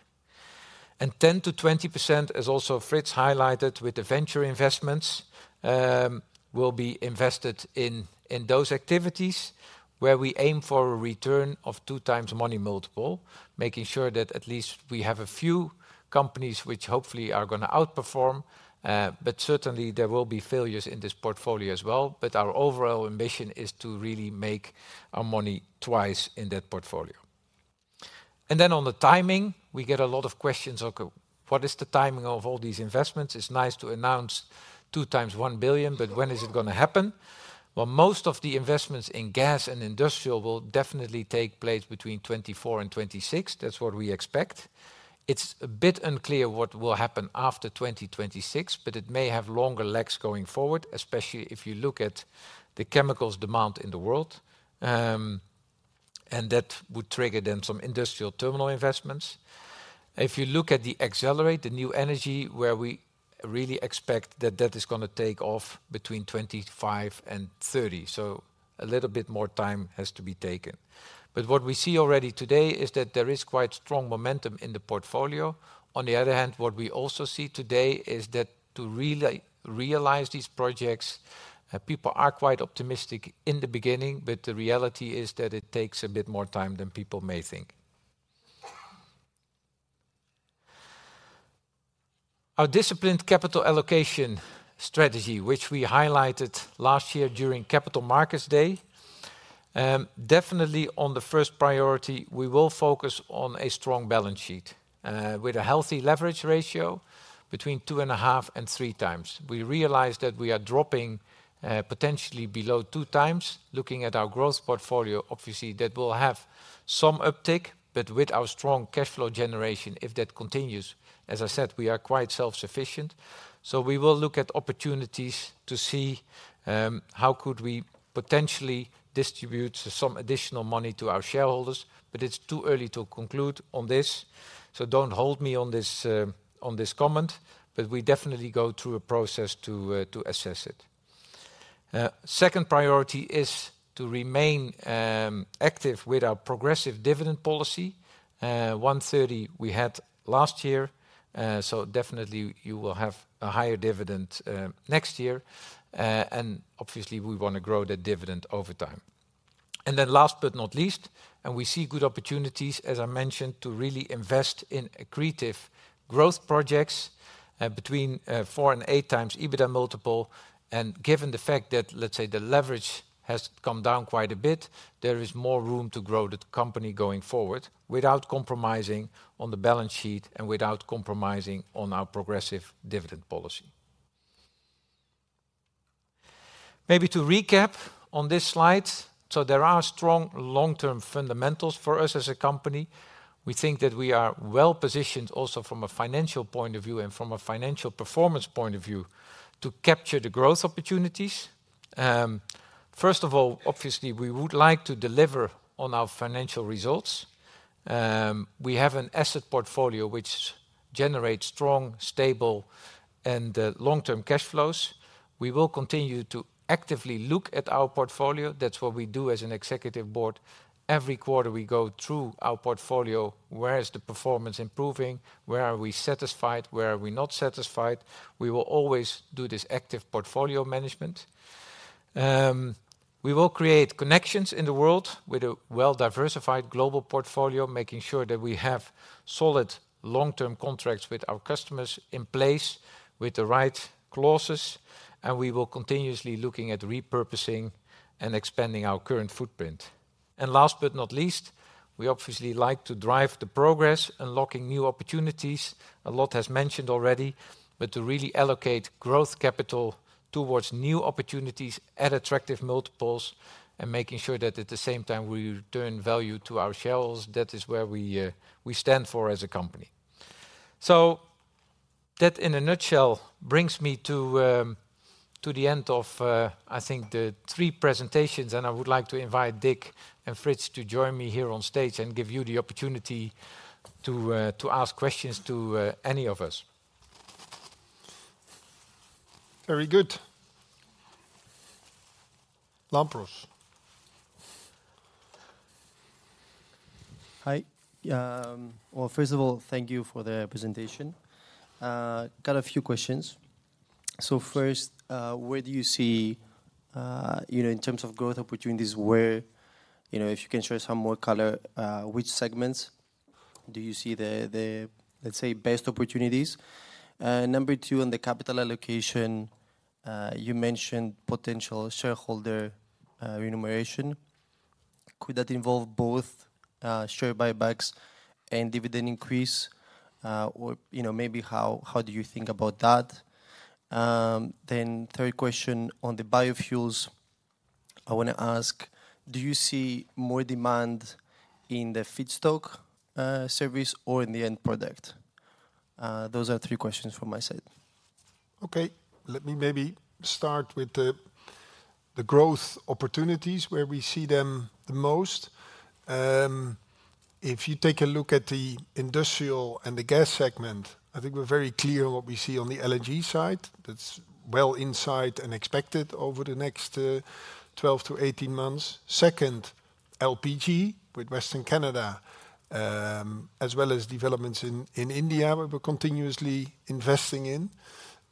And 10%-20%, as also Frits highlighted with the venture investments, will be invested in those activities, where we aim for a return of 2x money multiple, making sure that at least we have a few companies which hopefully are gonna outperform, but certainly, there will be failures in this portfolio as well. But our overall ambition is to really make our money twice in that portfolio. And then on the timing, we get a lot of questions, "Okay, what is the timing of all these investments? It's nice to announce 2x 1 billion, but when is it gonna happen?" Well, most of the investments in gas and industrial will definitely take place between 2024 and 2026. That's what we expect. It's a bit unclear what will happen after 2026, but it may have longer legs going forward, especially if you look at the chemicals demand in the world. And that would trigger then some industrial terminal investments. If you look at the acceleration, the new energy, where we really expect that that is gonna take off between 25 and 30, so a little bit more time has to be taken. But what we see already today is that there is quite strong momentum in the portfolio. On the other hand, what we also see today is that to realize these projects, people are quite optimistic in the beginning, but the reality is that it takes a bit more time than people may think. Our disciplined capital allocation strategy, which we highlighted last year during Capital Markets Day, definitely on the first priority, we will focus on a strong balance sheet, with a healthy leverage ratio between 2.5x and 3x. We realize that we are dropping, potentially below 2x. Looking at our growth portfolio, obviously, that will have some uptick, but with our strong cash flow generation, if that continues, as I said, we are quite self-sufficient. So we will look at opportunities to see, how could we potentially distribute some additional money to our shareholders, but it's too early to conclude on this, so don't hold me on this, on this comment, but we definitely go through a process to, to assess it. Second priority is to remain, active with our progressive dividend policy. 1.30 we had last year, so definitely you will have a higher dividend next year. And obviously, we wanna grow the dividend over time. And then last but not least, and we see good opportunities, as I mentioned, to really invest in accretive growth projects between 4-8x EBITDA multiple. And given the fact that, let's say, the leverage has come down quite a bit, there is more room to grow the company going forward without compromising on the balance sheet and without compromising on our progressive dividend policy. Maybe to recap on this slide, so there are strong long-term fundamentals for us as a company. We think that we are well-positioned also from a financial point of view and from a financial performance point of view, to capture the growth opportunities. First of all, obviously, we would like to deliver on our financial results. We have an asset portfolio which generates strong, stable, and long-term cash flows. We will continue to actively look at our portfolio. That's what we do as an executive board. Every quarter, we go through our portfolio: Where is the performance improving? Where are we satisfied? Where are we not satisfied? We will always do this active portfolio management. We will create connections in the world with a well-diversified global portfolio, making sure that we have solid long-term contracts with our customers in place, with the right clauses, and we will continuously looking at repurposing and expanding our current footprint. Last but not least, we obviously like to drive the progress, unlocking new opportunities. A lot as mentioned already, but to really allocate growth capital towards new opportunities at attractive multiples, and making sure that at the same time we return value to our shareholders. That is where we stand for as a company. So that, in a nutshell, brings me to the end of, I think the three presentations, and I would like to invite Dick and Frits to join me here on stage and give you the opportunity to ask questions to any of us. Very good. Lampros? Hi. Well, first of all, thank you for the presentation. Got a few questions. So first, where do you see, you know, in terms of growth opportunities, where, you know, if you can share some more color, which segments do you see the, let's say, best opportunities? Number two, on the capital allocation, you mentioned potential shareholder remuneration. Could that involve both, share buybacks and dividend increase? Or, you know, maybe how do you think about that? Then third question on the biofuels, I wanna ask, do you see more demand in the feedstock, service or in the end product? Those are three questions from my side. Okay, let me maybe start with the growth opportunities, where we see them the most. If you take a look at the industrial and the gas segment, I think we're very clear on what we see on the LNG side. That's well in sight and expected over the next 12-18 months. Second, LPG with Western Canada, as well as developments in India, we're continuously investing in.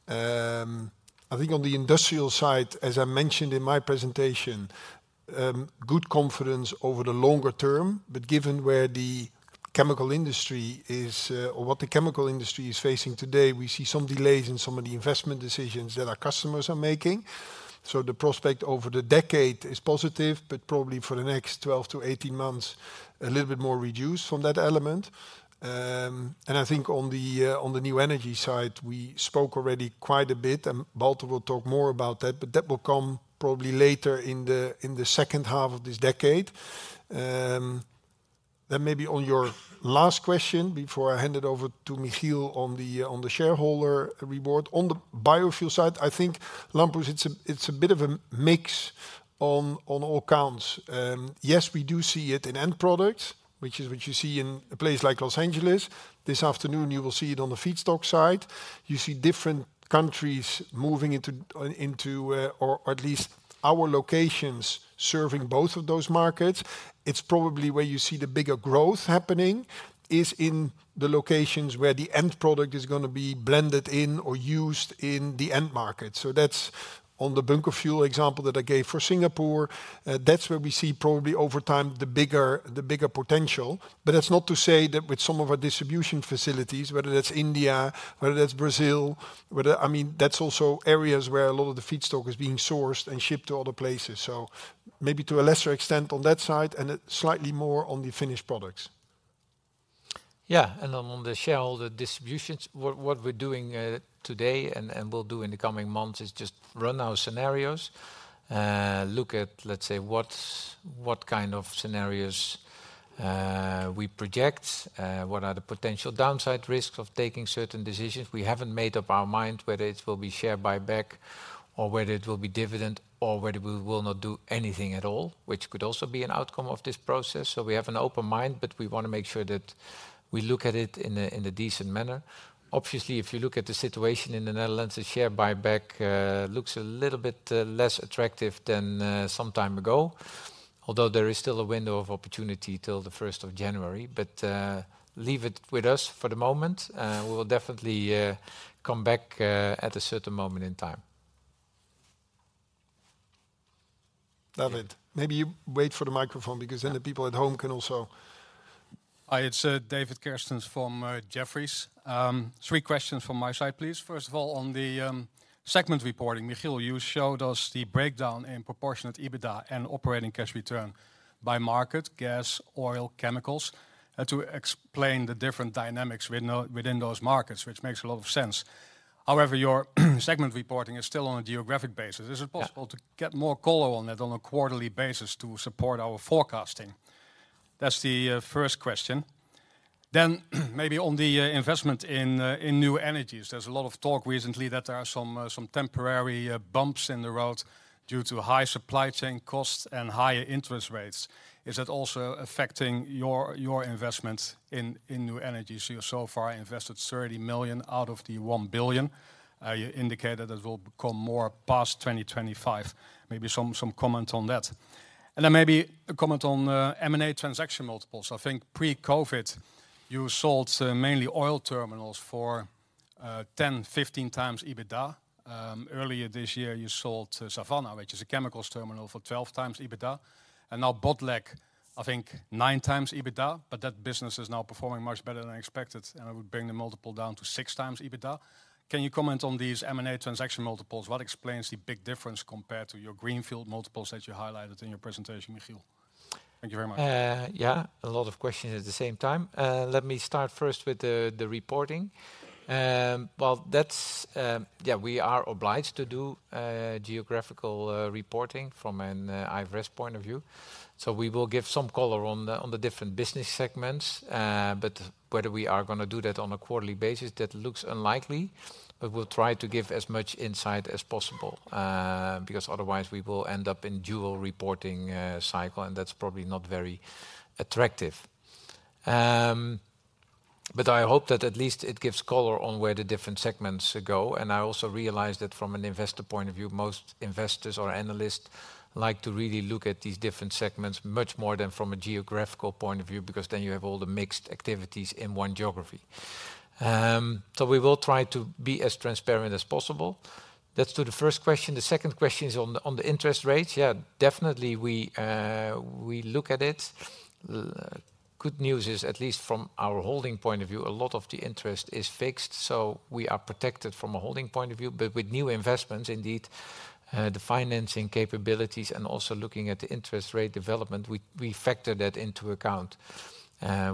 I think on the industrial side, as I mentioned in my presentation, good confidence over the longer term, but given where the chemical industry is or what the chemical industry is facing today, we see some delays in some of the investment decisions that our customers are making. So the prospect over the decade is positive, but probably for the next 12-18 months, a little bit more reduced from that element. I think on the new energy side, we spoke already quite a bit, and Walter will talk more about that, but that will come probably later in the second half of this decade. Maybe on your last question before I hand it over to Michiel on the shareholder reward. On the biofuel side, I think, Lampros, it's a bit of a mix on all counts. Yes, we do see it in end products, which is what you see in a place like Los Angeles. This afternoon, you will see it on the feedstock side. You see different countries moving into, or at least our locations, serving both of those markets. It's probably where you see the bigger growth happening is in the locations where the end product is gonna be blended in or used in the end market. So that's on the bunker fuel example that I gave for Singapore. That's where we see probably over time, the bigger potential. But that's not to say that with some of our distribution facilities, whether that's India, whether that's Brazil, whether... I mean, that's also areas where a lot of the feedstock is being sourced and shipped to other places, so maybe to a lesser extent on that side and slightly more on the finished products. Yeah, and on the shareholder distributions, what we're doing today and will do in the coming months is just run our scenarios. Look at, let's say, what kind of scenarios we project, what are the potential downside risks of taking certain decisions? We haven't made up our mind whether it will be share buyback or whether it will be dividend or whether we will not do anything at all, which could also be an outcome of this process. So we have an open mind, but we wanna make sure that we look at it in a decent manner. Obviously, if you look at the situation in the Netherlands, the share buyback looks a little bit less attractive than some time ago. Although there is still a window of opportunity till the first of January. Leave it with us for the moment. We will definitely come back at a certain moment in time. David, maybe you wait for the microphone, because then the people at home can also- Hi, it's David Kerstens from Jefferies. Three questions from my side, please. First of all, on the segment reporting, Michiel, you showed us the breakdown in proportionate EBITDA and operating cash return by market, gas, oil, chemicals, to explain the different dynamics within those markets, which makes a lot of sense. However, your segment reporting is still on a geographic basis. Yeah. Is it possible to get more color on that on a quarterly basis to support our forecasting? That's the first question. Then, maybe on the investment in new energies, there's a lot of talk recently that there are some temporary bumps in the road due to high supply chain costs and higher interest rates. Is that also affecting your investment in new energies? You've so far invested 30 million out of the 1 billion. You indicated that will come more past 2025. Maybe some comment on that. And then maybe a comment on M&A transaction multiples. I think pre-COVID, you sold mainly oil terminals for 10-15 times EBITDA. Earlier this year, you sold, Savannah, which is a chemicals terminal, for 12x EBITDA, and now Botlek, I think, 9x EBITDA, but that business is now performing much better than expected, and it would bring the multiple down to 6x EBITDA. Can you comment on these M&A transaction multiples? What explains the big difference compared to your greenfield multiples that you highlighted in your presentation, Michiel? Thank you very much. Yeah, a lot of questions at the same time. Let me start first with the reporting. Well, that's... yeah, we are obliged to do geographical reporting from an IFRS point of view. So we will give some color on the different business segments, but whether we are gonna do that on a quarterly basis, that looks unlikely. But we'll try to give as much insight as possible, because otherwise we will end up in dual reporting cycle, and that's probably not very attractive. But I hope that at least it gives color on where the different segments go. I also realize that from an investor point of view, most investors or analysts like to really look at these different segments much more than from a geographical point of view, because then you have all the mixed activities in one geography. So we will try to be as transparent as possible. That's to the first question. The second question is on the interest rate. Yeah, definitely, we look at it. Good news is, at least from our holding point of view, a lot of the interest is fixed, so we are protected from a holding point of view. But with new investments, indeed, the financing capabilities and also looking at the interest rate development, we factor that into account.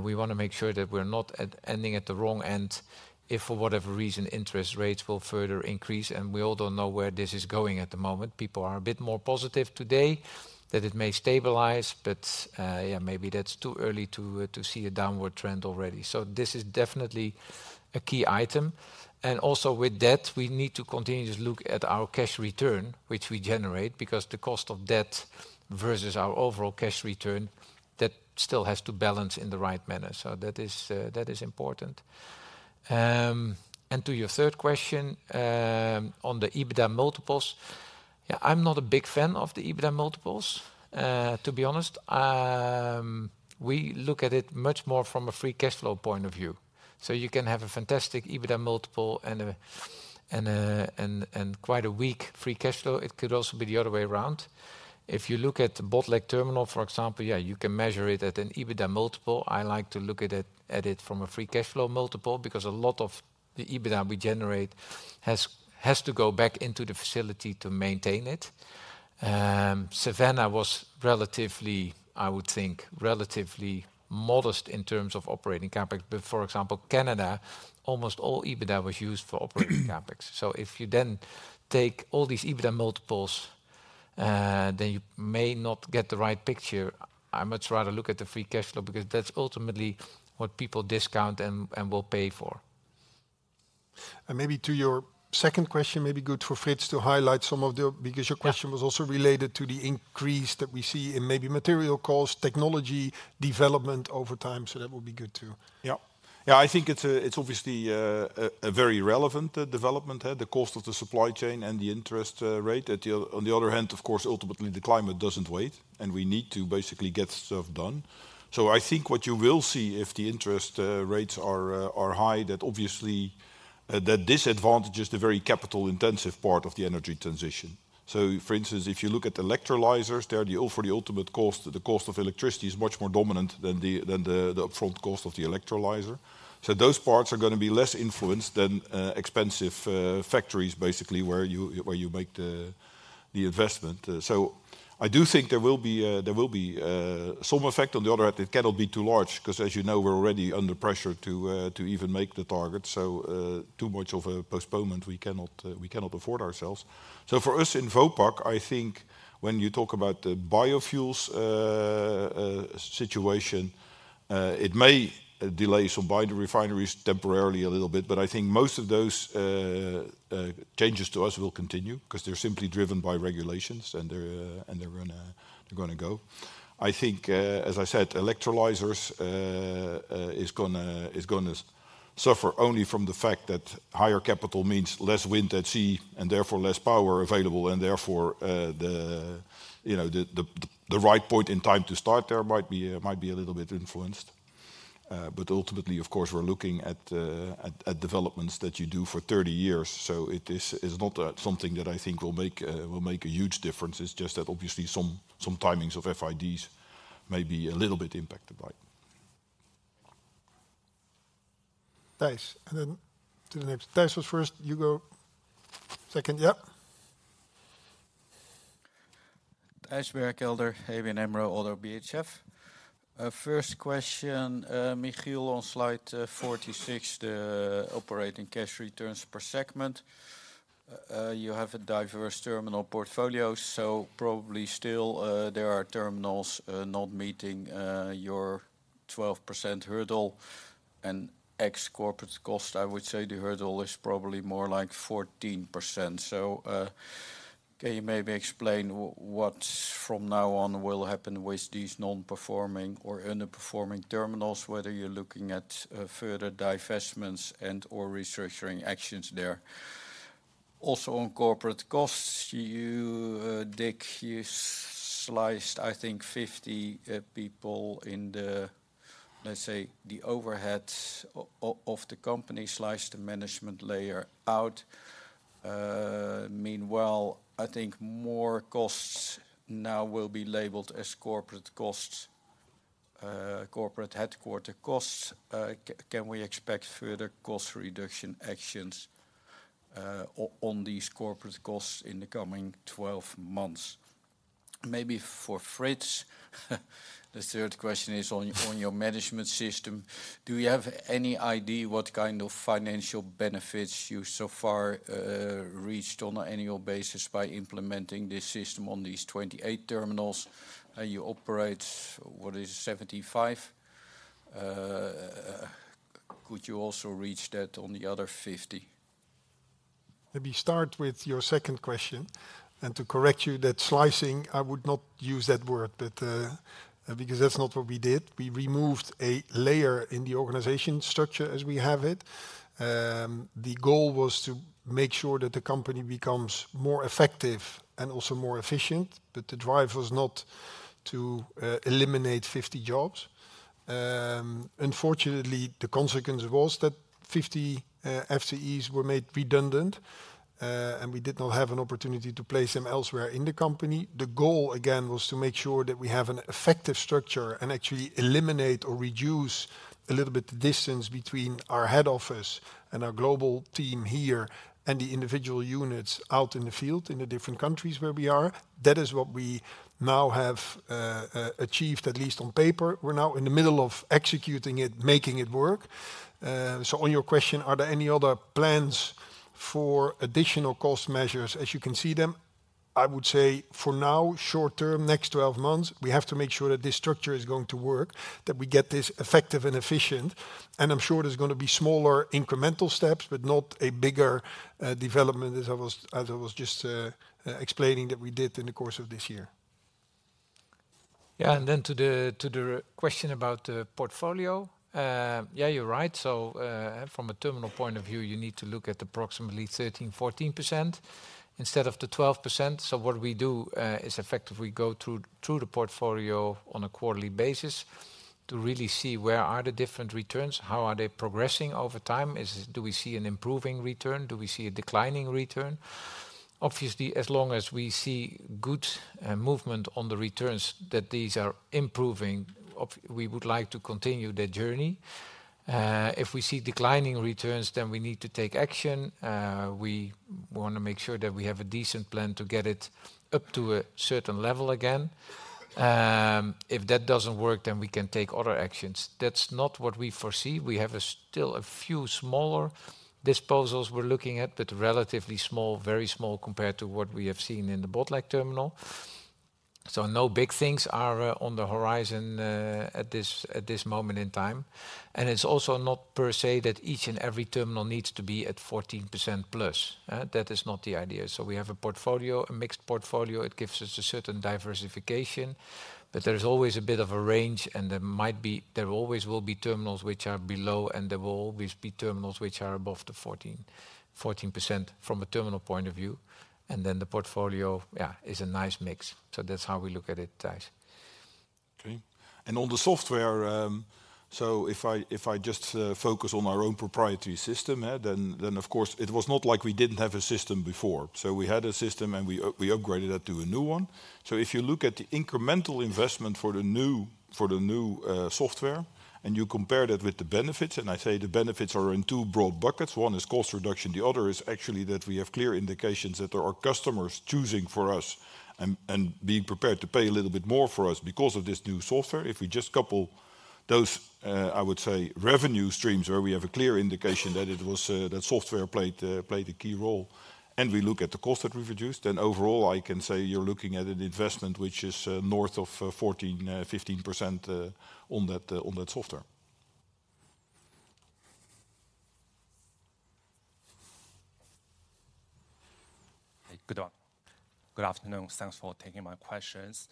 We wanna make sure that we're not ending at the wrong end, if for whatever reason, interest rates will further increase, and we all don't know where this is going at the moment. People are a bit more positive today that it may stabilize, but yeah, maybe that's too early to see a downward trend already. So this is definitely a key item. And also with debt, we need to continuously look at our cash return, which we generate, because the cost of debt versus our overall cash return, that still has to balance in the right manner. So that is important. And to your third question, on the EBITDA multiples, yeah, I'm not a big fan of the EBITDA multiples, to be honest. We look at it much more from a free cash flow point of view. So you can have a fantastic EBITDA multiple and a quite weak free cash flow. It could also be the other way around. If you look at Botlek terminal, for example, yeah, you can measure it at an EBITDA multiple. I like to look at it from a free cash flow multiple, because a lot of the EBITDA we generate has to go back into the facility to maintain it. Savannah was relatively, I would think, relatively modest in terms of operating CapEx. But for example, Canada, almost all EBITDA was used for operating CapEx. So if you then take all these EBITDA multiples, then you may not get the right picture. I much rather look at the free cash flow, because that's ultimately what people discount and will pay for. Maybe to your second question, maybe good for Frits to highlight some of the... Because your question- Yeah... was also related to the increase that we see in maybe material cost, technology development over time, so that would be good, too. Yeah. Yeah, I think it's obviously a very relevant development, the cost of the supply chain and the interest rate. On the other hand, of course, ultimately, the climate doesn't wait, and we need to basically get stuff done. So I think what you will see if the interest rates are high, that obviously that disadvantages the very capital-intensive part of the energy transition. So for instance, if you look at electrolyzers, they are for the ultimate cost, the cost of electricity is much more dominant than the upfront cost of the electrolyzer. So those parts are gonna be less influenced than expensive factories, basically, where you make the investment. So I do think there will be some effect. On the other hand, it cannot be too large, 'cause as you know, we're already under pressure to even make the target. So, too much of a postponement, we cannot, we cannot afford ourselves. So for us in Vopak, I think when you talk about the biofuels situation, it may delay some biorefineries temporarily a little bit, but I think most of those changes to us will continue, 'cause they're simply driven by regulations, and they're, and they're gonna, they're gonna go. I think, as I said, electrolyzers is gonna, is gonna suffer only from the fact that higher capital means less wind at sea, and therefore less power available, and therefore, the, you know, the, the, the right point in time to start there might be, might be a little bit influenced.... But ultimately, of course, we're looking at developments that you do for 30 years. So it is, it's not something that I think will make a huge difference. It's just that obviously some timings of FIDs may be a little bit impacted by it. Thijs, and then to the next. Thijs was first. You go second. Yeah? Thijs Berkelder, ABN AMRO ODDO BHF. First question, Michiel, on slide 46, the operating cash returns per segment. You have a diverse terminal portfolio, so probably still there are terminals not meeting your 12% hurdle and ex corporate cost, I would say, the hurdle is probably more like 14%. So, can you maybe explain what from now on will happen with these non-performing or underperforming terminals? Whether you're looking at further divestments and/or restructuring actions there. Also, on corporate costs, you, Dick, you sliced, I think, 50 people in the, let's say, the overhead of the company, sliced the management layer out. Meanwhile, I think more costs now will be labeled as corporate costs, corporate headquarter costs. Can we expect further cost reduction actions on these corporate costs in the coming 12 months? Maybe for Frits, the third question is on your management system. Do you have any idea what kind of financial benefits you so far reached on an annual basis by implementing this system on these 28 terminals? You operate, what is it, 75? Could you also reach that on the other 50? Let me start with your second question, and to correct you, that slicing, I would not use that word, but, because that's not what we did. We removed a layer in the organization structure as we have it. The goal was to make sure that the company becomes more effective and also more efficient, but the drive was not to eliminate 50 jobs. Unfortunately, the consequence was that 50 FTEs were made redundant, and we did not have an opportunity to place them elsewhere in the company. The goal, again, was to make sure that we have an effective structure and actually eliminate or reduce a little bit the distance between our head office and our global team here, and the individual units out in the field, in the different countries where we are. That is what we now have achieved, at least on paper. We're now in the middle of executing it, making it work. So on your question, are there any other plans for additional cost measures? As you can see them, I would say for now, short term, next 12 months, we have to make sure that this structure is going to work, that we get this effective and efficient. And I'm sure there's gonna be smaller incremental steps, but not a bigger development, as I was just explaining that we did in the course of this year. Yeah, and then to the question about the portfolio. Yeah, you're right. So, from a terminal point of view, you need to look at approximately 13%-14% instead of the 12%. So what we do is effectively go through the portfolio on a quarterly basis to really see where are the different returns, how are they progressing over time. Do we see an improving return? Do we see a declining return? Obviously, as long as we see good movement on the returns, that these are improving, we would like to continue the journey. If we see declining returns, then we need to take action. We want to make sure that we have a decent plan to get it up to a certain level again. If that doesn't work, then we can take other actions. That's not what we foresee. We have a still a few smaller disposals we're looking at, but relatively small, very small, compared to what we have seen in the Botlek terminal. So no big things are on the horizon at this moment in time. And it's also not per se that each and every terminal needs to be at 14% plus. That is not the idea. So we have a portfolio, a mixed portfolio. It gives us a certain diversification, but there's always a bit of a range, and there might be... There always will be terminals which are below, and there will always be terminals which are above the 14, 14% from a terminal point of view, and then the portfolio, yeah, is a nice mix. So that's how we look at it, Thijs. Okay. And on the software, so if I just focus on our own proprietary system, then of course, it was not like we didn't have a system before. So we had a system, and we upgraded that to a new one. So if you look at the incremental investment for the new software, and you compare that with the benefits, and I say the benefits are in two broad buckets. One is cost reduction, the other is actually that we have clear indications that there are customers choosing for us and being prepared to pay a little bit more for us because of this new software. If we just couple those, I would say, revenue streams, where we have a clear indication that it was, that software played a key role, and we look at the cost that we've reduced, then overall, I can say you're looking at an investment which is, north of, 14%-15%, on that software. Hey, good afternoon. Thanks for taking my questions.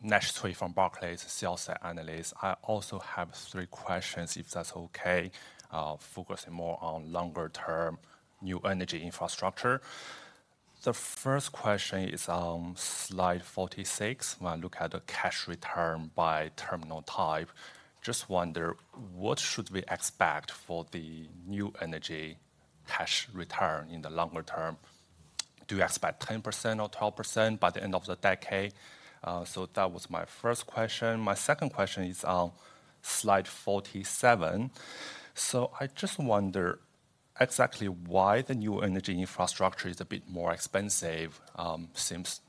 Nash Tsui from Barclays, sales analyst. I also have 3 questions, if that's okay? Focusing more on longer-term new energy infrastructure. The first question is on slide 46, when I look at the cash return by terminal type. Just wonder, what should we expect for the new energy cash return in the longer term? Do you expect 10% or 12% by the end of the decade? So that was my first question. My second question is on slide 47. So I just wonder exactly why the new energy infrastructure is a bit more expensive, since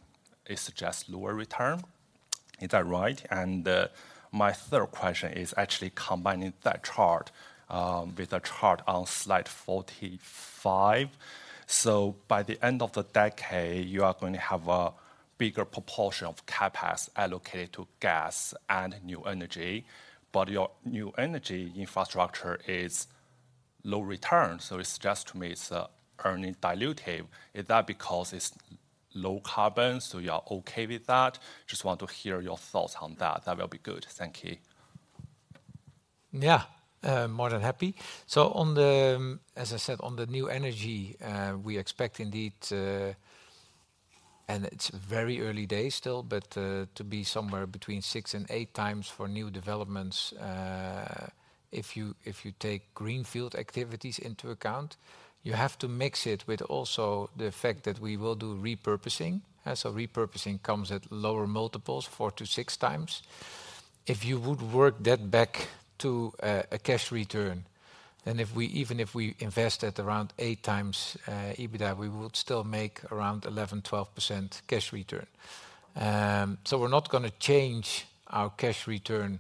it suggests lower return. Is that right? My third question is actually combining that chart with the chart on slide 45. So by the end of the decade, you are going to have a bigger proportion of CapEx allocated to gas and new energy, but your new energy infrastructure is low return, so it suggests to me it's earning dilutive. Is that because it's low carbon, so you are okay with that? Just want to hear your thoughts on that. That will be good. Thank you. Yeah, more than happy. So on the, as I said, on the new energy, we expect indeed... and it's very early days still, but, to be somewhere between 6 and 8 times for new developments. If you take greenfield activities into account, you have to mix it with also the fact that we will do repurposing. And so repurposing comes at lower multiples, 4-6 times. If you would work that back to, a cash return, and if we-- even if we invest at around 8 times, EBITDA, we would still make around 11%-12% cash return. So we're not gonna change our cash return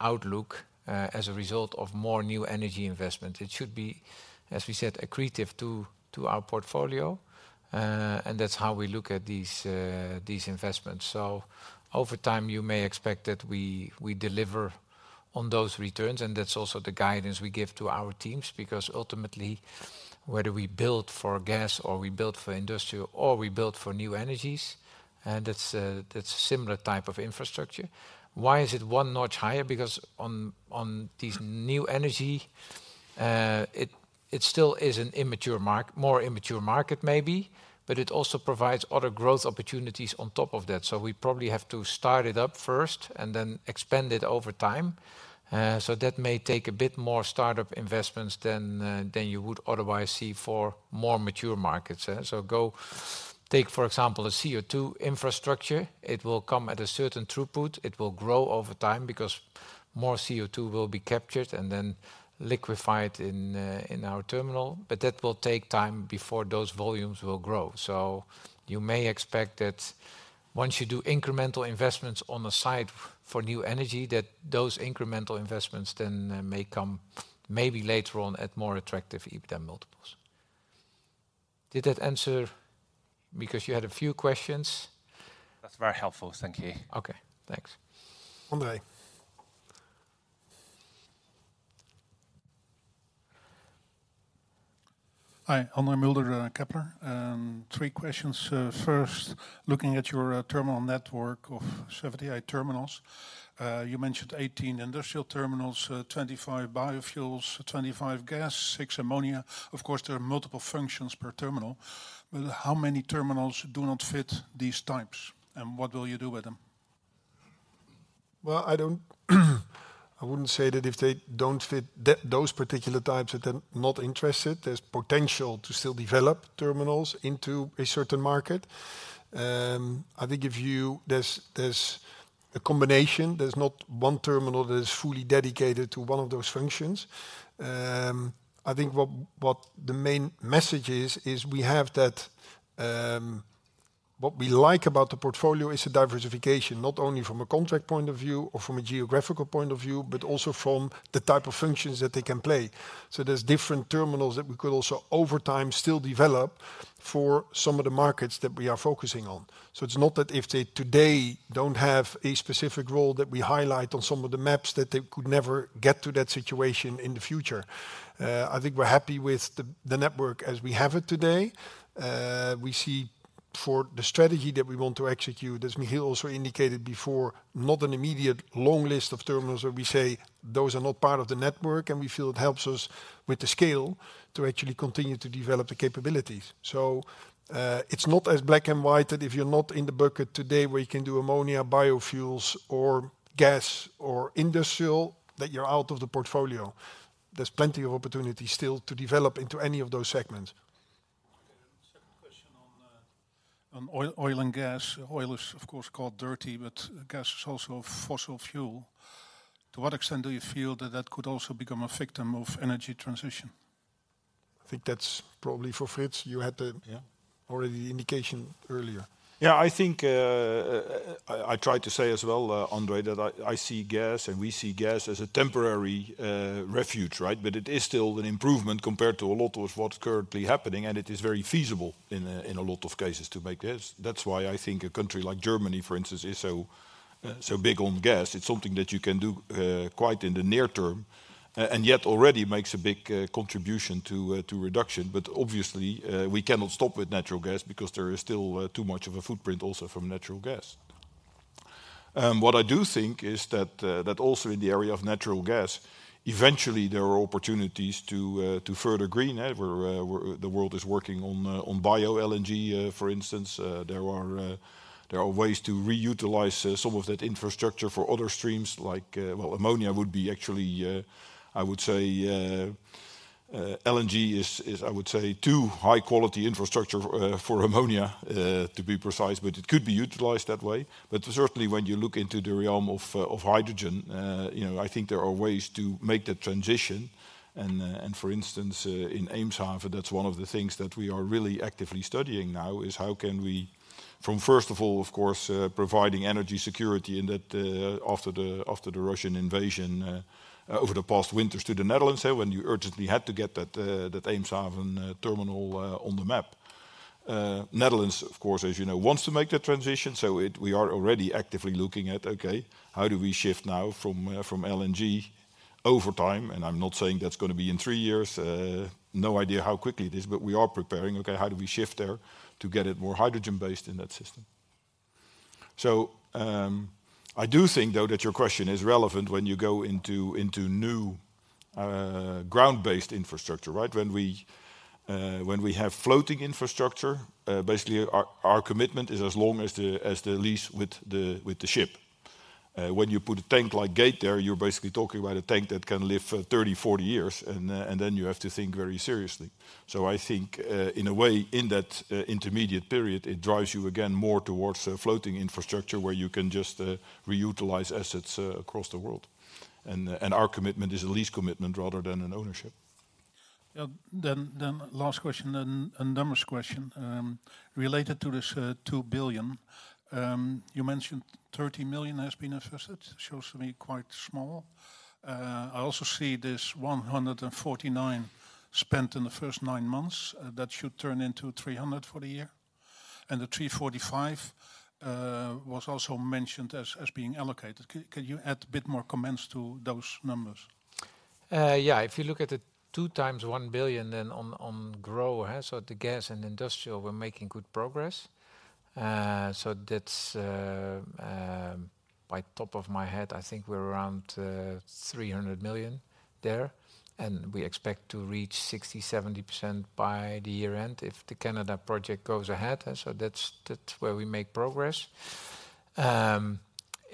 outlook, as a result of more new energy investment. It should be, as we said, accretive to our portfolio, and that's how we look at these investments. So over time, you may expect that we deliver on those returns, and that's also the guidance we give to our teams. Because ultimately, whether we build for gas or we build for industrial or we build for new energies, and that's a similar type of infrastructure. Why is it one notch higher? Because on these new energy, it still is a more immature market maybe, but it also provides other growth opportunities on top of that. So we probably have to start it up first and then expand it over time. So that may take a bit more start-up investments than you would otherwise see for more mature markets. So go take, for example, a CO2 infrastructure. It will come at a certain throughput. It will grow over time because more CO2 will be captured and then liquefied in our terminal, but that will take time before those volumes will grow. So you may expect that once you do incremental investments on the side for new energy, that those incremental investments then may come maybe later on at more attractive EBITDA multiples. Did that answer...? Because you had a few questions. That's very helpful. Thank you. Okay, thanks. Andre? Hi, Quirijn Mulder, Kepler Cheuvreux. Three questions. First, looking at your terminal network of 78 terminals, you mentioned 18 industrial terminals, 25 biofuels, 25 gas, 6 ammonia. Of course, there are multiple functions per terminal, but how many terminals do not fit these types, and what will you do with them? Well, I wouldn't say that if they don't fit those particular types, that they're not interested. There's potential to still develop terminals into a certain market. I think there's a combination. There's not one terminal that is fully dedicated to one of those functions. I think what the main message is is we have that what we like about the portfolio is the diversification, not only from a contract point of view or from a geographical point of view, but also from the type of functions that they can play. So there's different terminals that we could also, over time, still develop for some of the markets that we are focusing on. It's not that if they today don't have a specific role that we highlight on some of the maps, that they could never get to that situation in the future. I think we're happy with the network as we have it today. We see for the strategy that we want to execute, as Michiel also indicated before, not an immediate long list of terminals where we say, "Those are not part of the network," and we feel it helps us with the scale to actually continue to develop the capabilities. It's not as black and white, that if you're not in the bucket today, where you can do ammonia, biofuels or gas or industrial, that you're out of the portfolio. There's plenty of opportunity still to develop into any of those segments. Okay, and second question on oil, oil and gas. Oil is, of course, called dirty, but gas is also a fossil fuel. To what extent do you feel that that could also become a victim of energy transition? I think that's probably for Frits. You had the- Yeah... already the indication earlier. Yeah, I think, I tried to say as well, Andre, that I see gas, and we see gas as a temporary refuge, right? But it is still an improvement compared to a lot of what's currently happening, and it is very feasible in a lot of cases to make gas. That's why I think a country like Germany, for instance, is so big on gas. It's something that you can do quite in the near term, and yet already makes a big contribution to reduction. But obviously, we cannot stop with natural gas because there is still too much of a footprint also from natural gas.... What I do think is that also in the area of natural gas, eventually there are opportunities to further green where the world is working on bio-LNG, for instance. There are ways to reutilize some of that infrastructure for other streams, like well, ammonia would be actually I would say LNG is I would say too high quality infrastructure for ammonia to be precise, but it could be utilized that way. But certainly, when you look into the realm of hydrogen, you know, I think there are ways to make that transition. For instance, in Eemshaven, that's one of the things that we are really actively studying now, is how can we from, first of all, of course, providing energy security, and that, after the Russian invasion, over the past winter to the Netherlands, when you urgently had to get that Eemshaven terminal on the map. Netherlands, of course, as you know, wants to make that transition, so we are already actively looking at, okay, how do we shift now from LNG over time? And I'm not saying that's gonna be in three years, no idea how quickly it is, but we are preparing. Okay, how do we shift there to get it more hydrogen-based in that system? So, I do think, though, that your question is relevant when you go into new ground-based infrastructure, right? When we have floating infrastructure, basically, our commitment is as long as the lease with the ship. When you put a tank like Gate there, you're basically talking about a tank that can live for 30, 40 years, and then you have to think very seriously. So I think, in a way, in that intermediate period, it drives you again more towards a floating infrastructure, where you can just reutilize assets across the world. And our commitment is a lease commitment rather than an ownership. Yeah. Then last question, and numbers question. Related to this 2 billion, you mentioned 30 million has been invested. Shows to me quite small. I also see this 149 million spent in the first nine months. That should turn into 300 million for the year. And the 345 million was also mentioned as being allocated. Can you add a bit more comments to those numbers? Yeah, if you look at the 2 times 1 billion, then on growth, so the gas and industrial, we're making good progress. So that's, off the top of my head, I think we're around 300 million there, and we expect to reach 60%-70% by the year-end if the Canada project goes ahead. And so that's where we make progress.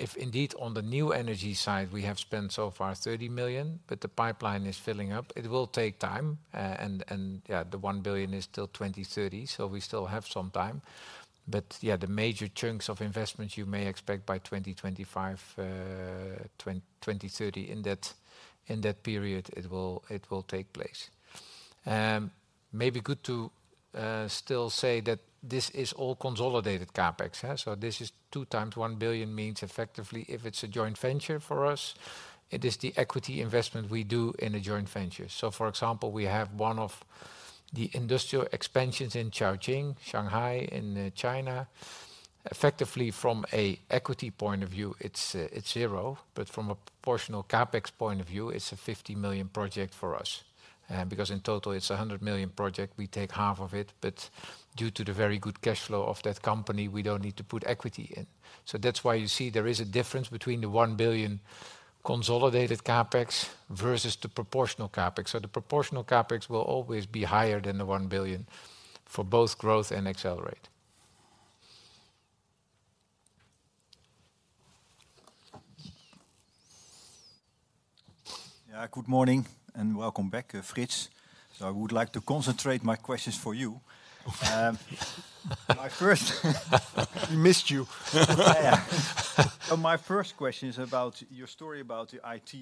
If indeed, on the new energy side, we have spent so far 30 million, but the pipeline is filling up. It will take time. And yeah, the 1 billion is till 2030, so we still have some time. But yeah, the major chunks of investments you may expect by 2025, 2030. In that period, it will take place. Maybe good to still say that this is all consolidated CapEx? So this is 2 times 1 billion means effectively, if it's a joint venture for us, it is the equity investment we do in a joint venture. So for example, we have one of the industrial expansions in Caojing, Shanghai, in China. Effectively, from a equity point of view, it's zero, but from a proportional CapEx point of view, it's a 50 million project for us. Because in total, it's a 100 million project, we take half of it, but due to the very good cash flow of that company, we don't need to put equity in. So that's why you see there is a difference between the 1 billion consolidated CapEx versus the proportional CapEx. The proportional CapEx will always be higher than 1 billion for both growth and accelerate. Yeah, good morning, and welcome back, Frits. So I would like to concentrate my questions for you. My first- We missed you. Yeah. So my first question is about your story about the IT,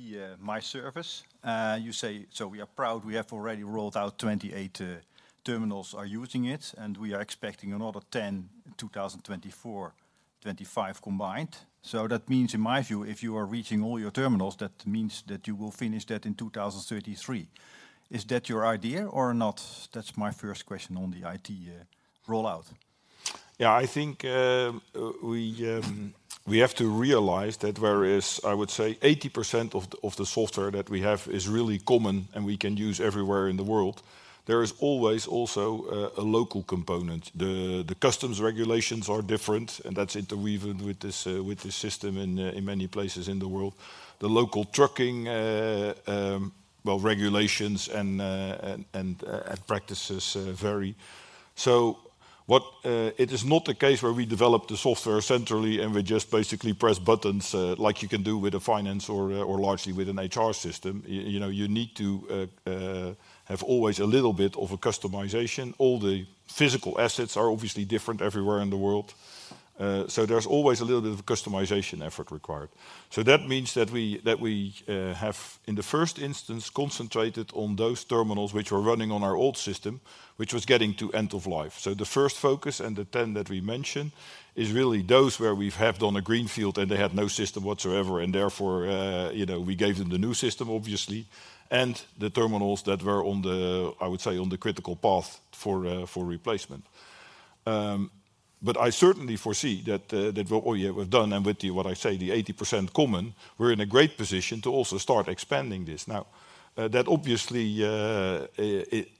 MyService. You say, "So we are proud we have already rolled out 28 terminals are using it, and we are expecting another 10 in 2024, 2025 combined." So that means, in my view, if you are reaching all your terminals, that means that you will finish that in 2033. Is that your idea or not? That's my first question on the IT rollout. Yeah, I think, we have to realize that whereas I would say 80% of the software that we have is really common and we can use everywhere in the world, there is always also a local component. The customs regulations are different, and that's interweaved with this system in many places in the world. The local trucking, well, regulations and practices vary. So what... It is not the case where we develop the software centrally, and we just basically press buttons, like you can do with a finance or largely with an HR system. You know, you need to have always a little bit of a customization. All the physical assets are obviously different everywhere in the world, so there's always a little bit of a customization effort required. So that means that we have, in the first instance, concentrated on those terminals which were running on our old system, which was getting to end of life. So the first focus, and the 10 that we mentioned, is really those where we've helped on a greenfield, and they had no system whatsoever, and therefore, you know, we gave them the new system, obviously, and the terminals that were on the, I would say, on the critical path for, for replacement. But I certainly foresee that what we have done and with the, what I say, the 80% common, we're in a great position to also start expanding this. Now, that obviously,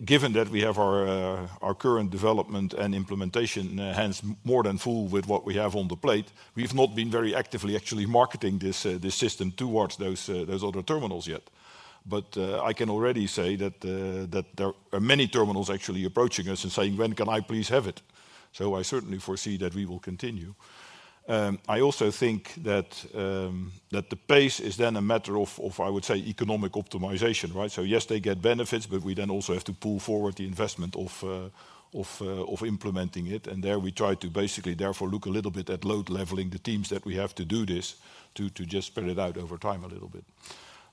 given that we have our current development and implementation, hence more than full with what we have on the plate, we've not been very actively actually marketing this system towards those other terminals yet. But, I can already say that there are many terminals actually approaching us and saying: "When can I please have it?" So I certainly foresee that we will continue. I also think that the pace is then a matter of, I would say, economic optimization, right? So yes, they get benefits, but we then also have to pull forward the investment of implementing it, and there we try to basically therefore look a little bit at load-leveling the teams that we have to do this, to just spread it out over time a little bit.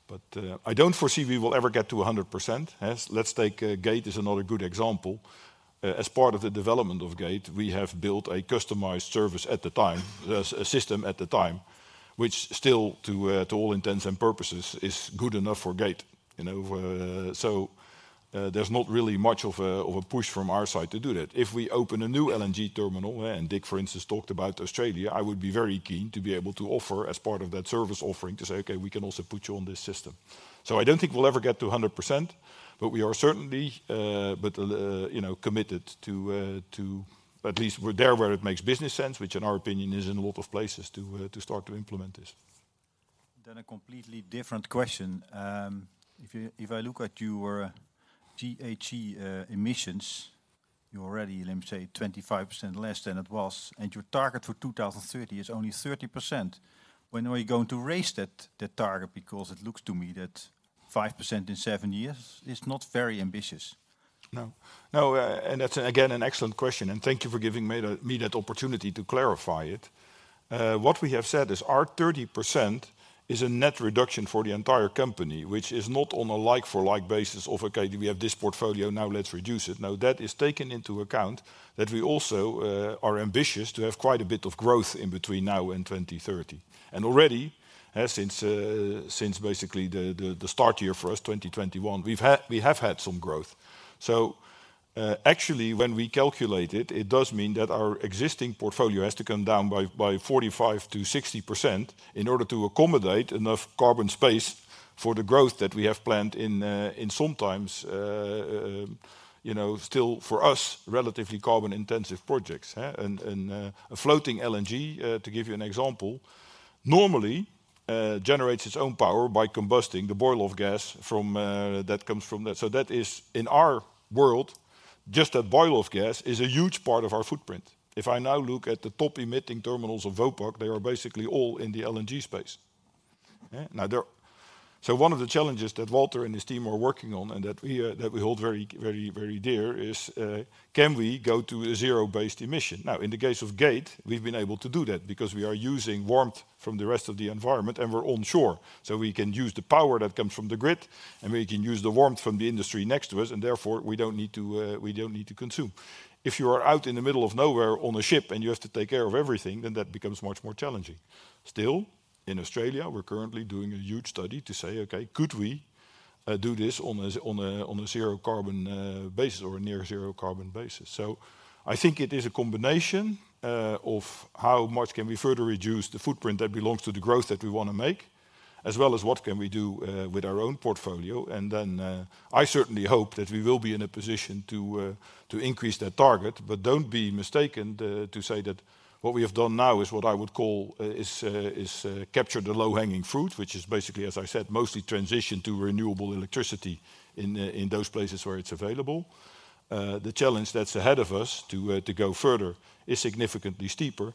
But I don't foresee we will ever get to 100%, yes. Let's take Gate is another good example. As part of the development of Gate, we have built a customized service at the time, a system at the time, which still, to all intents and purposes, is good enough for Gate, you know? So, there's not really much of a push from our side to do that. If we open a new LNG terminal, and Dick, for instance, talked about Australia, I would be very keen to be able to offer as part of that service offering, to say, "Okay, we can also put you on this system." So I don't think we'll ever get to 100%, but we are certainly, but, you know, committed to, to at least we're there where it makes business sense, which in our opinion, is in a lot of places to, to start to implement this. Then a completely different question. If I look at your GHG emissions, you're already, let me say, 25% less than it was, and your target for 2030 is only 30%. When are you going to raise that, that target? Because it looks to me that 5% in seven years is not very ambitious. No. No, and that's, again, an excellent question, and thank you for giving me that opportunity to clarify it. What we have said is our 30% is a net reduction for the entire company, which is not on a like for like basis of, okay, we have this portfolio, now let's reduce it. Now, that is taken into account that we also are ambitious to have quite a bit of growth in between now and 2030. And already, since basically the start year for us, 2021, we have had some growth. Actually, when we calculate it, it does mean that our existing portfolio has to come down by 45%-60% in order to accommodate enough carbon space for the growth that we have planned in sometimes, you know, still for us, relatively carbon-intensive projects, huh? And a floating LNG, to give you an example, normally generates its own power by combusting the boil-off gas from that comes from that. So that is, in our world, just a boil-off gas is a huge part of our footprint. If I now look at the top emitting terminals of Vopak, they are basically all in the LNG space. So one of the challenges that Walter and his team are working on, and that we hold very, very, very dear, is can we go to a zero-based emission? Now, in the case of Gate, we've been able to do that because we are using warmth from the rest of the environment, and we're onshore, so we can use the power that comes from the grid, and we can use the warmth from the industry next to us, and therefore, we don't need to consume. If you are out in the middle of nowhere on a ship and you have to take care of everything, then that becomes much more challenging. Still, in Australia, we're currently doing a huge study to say, "Okay, could we do this on a zero-carbon basis or a near zero-carbon basis?" So I think it is a combination of how much can we further reduce the footprint that belongs to the growth that we wanna make, as well as what can we do with our own portfolio, and then I certainly hope that we will be in a position to increase that target. But don't be mistaken to say that what we have done now is what I would call is capture the low-hanging fruit, which is basically, as I said, mostly transition to renewable electricity in those places where it's available. The challenge that's ahead of us to go further is significantly steeper,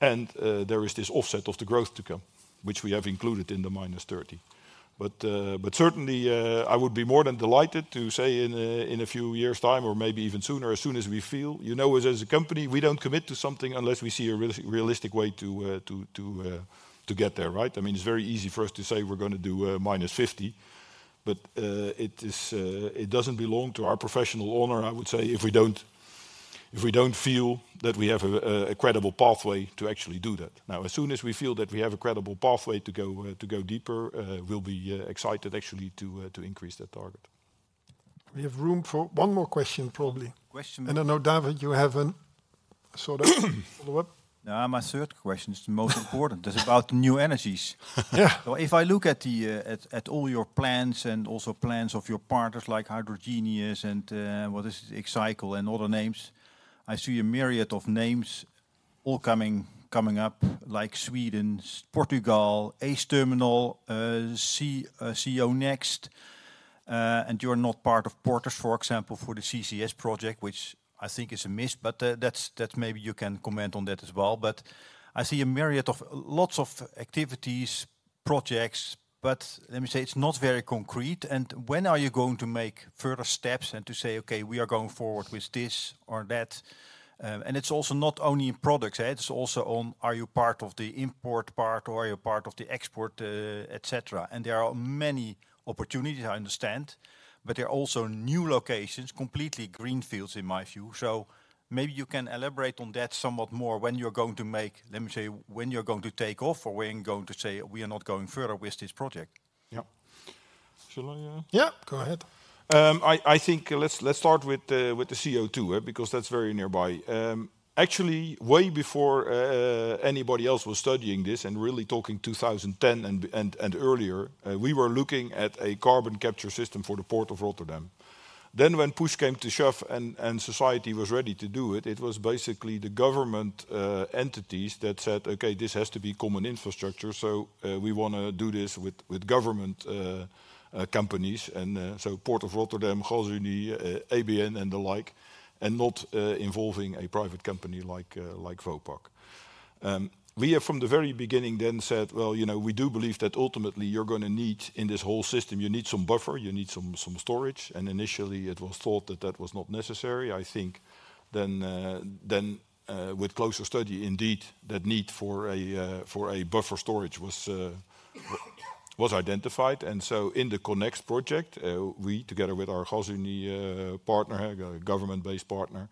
and there is this offset of the growth to come, which we have included in the -30. But certainly, I would be more than delighted to say in a few years' time, or maybe even sooner, as soon as we feel... You know, as a company, we don't commit to something unless we see a realistic way to get there, right? I mean, it's very easy for us to say we're gonna do -50, but it is, it doesn't belong to our professional honor, I would say, if we don't feel that we have a credible pathway to actually do that. Now, as soon as we feel that we have a credible pathway to go to go deeper, we'll be excited actually to increase that target. We have room for one more question, probably. Question- I know, David, you have a sort of follow-up. My third question is the most important. It's about new energies. Yeah. So if I look at all your plans and also plans of your partners like Hydrogenious and, what is it? Xcycle and other names, I see a myriad of names all coming up, like Sweden, Portugal, ACE Terminal, CO2next, and you're not part of Porthos, for example, for the CCS project, which I think is a miss, but, that's, that maybe you can comment on that as well. But I see a myriad of lots of activities, projects, but let me say, it's not very concrete. And when are you going to make further steps and to say, "Okay, we are going forward with this or that"? And it's also not only in products, it's also on, are you part of the import part or are you part of the export, et cetera? There are many opportunities, I understand, but there are also new locations, completely greenfields in my view. Maybe you can elaborate on that somewhat more, when you're going to make... Let me say, when you're going to take off or when you're going to say, "We are not going further with this project. Yep... Shall I, yeah? Yeah, go ahead. I think let's start with the CO2, eh? Because that's very nearby. Actually, way before anybody else was studying this, and really talking 2010 and earlier, we were looking at a carbon capture system for the Port of Rotterdam. Then, when push came to shove and society was ready to do it, it was basically the government entities that said, "Okay, this has to be common infrastructure, so we wanna do this with government companies." So Port of Rotterdam, Gasunie, ABN, and the like, and not involving a private company like Vopak. We have, from the very beginning, then said: "Well, you know, we do believe that ultimately you're gonna need... In this whole system, you need some buffer, you need some storage." And initially, it was thought that that was not necessary. I think then, with closer study, indeed, that need for a buffer storage was identified. And so in the CO2next project, we, together with our Gasunie partner, government-based partner,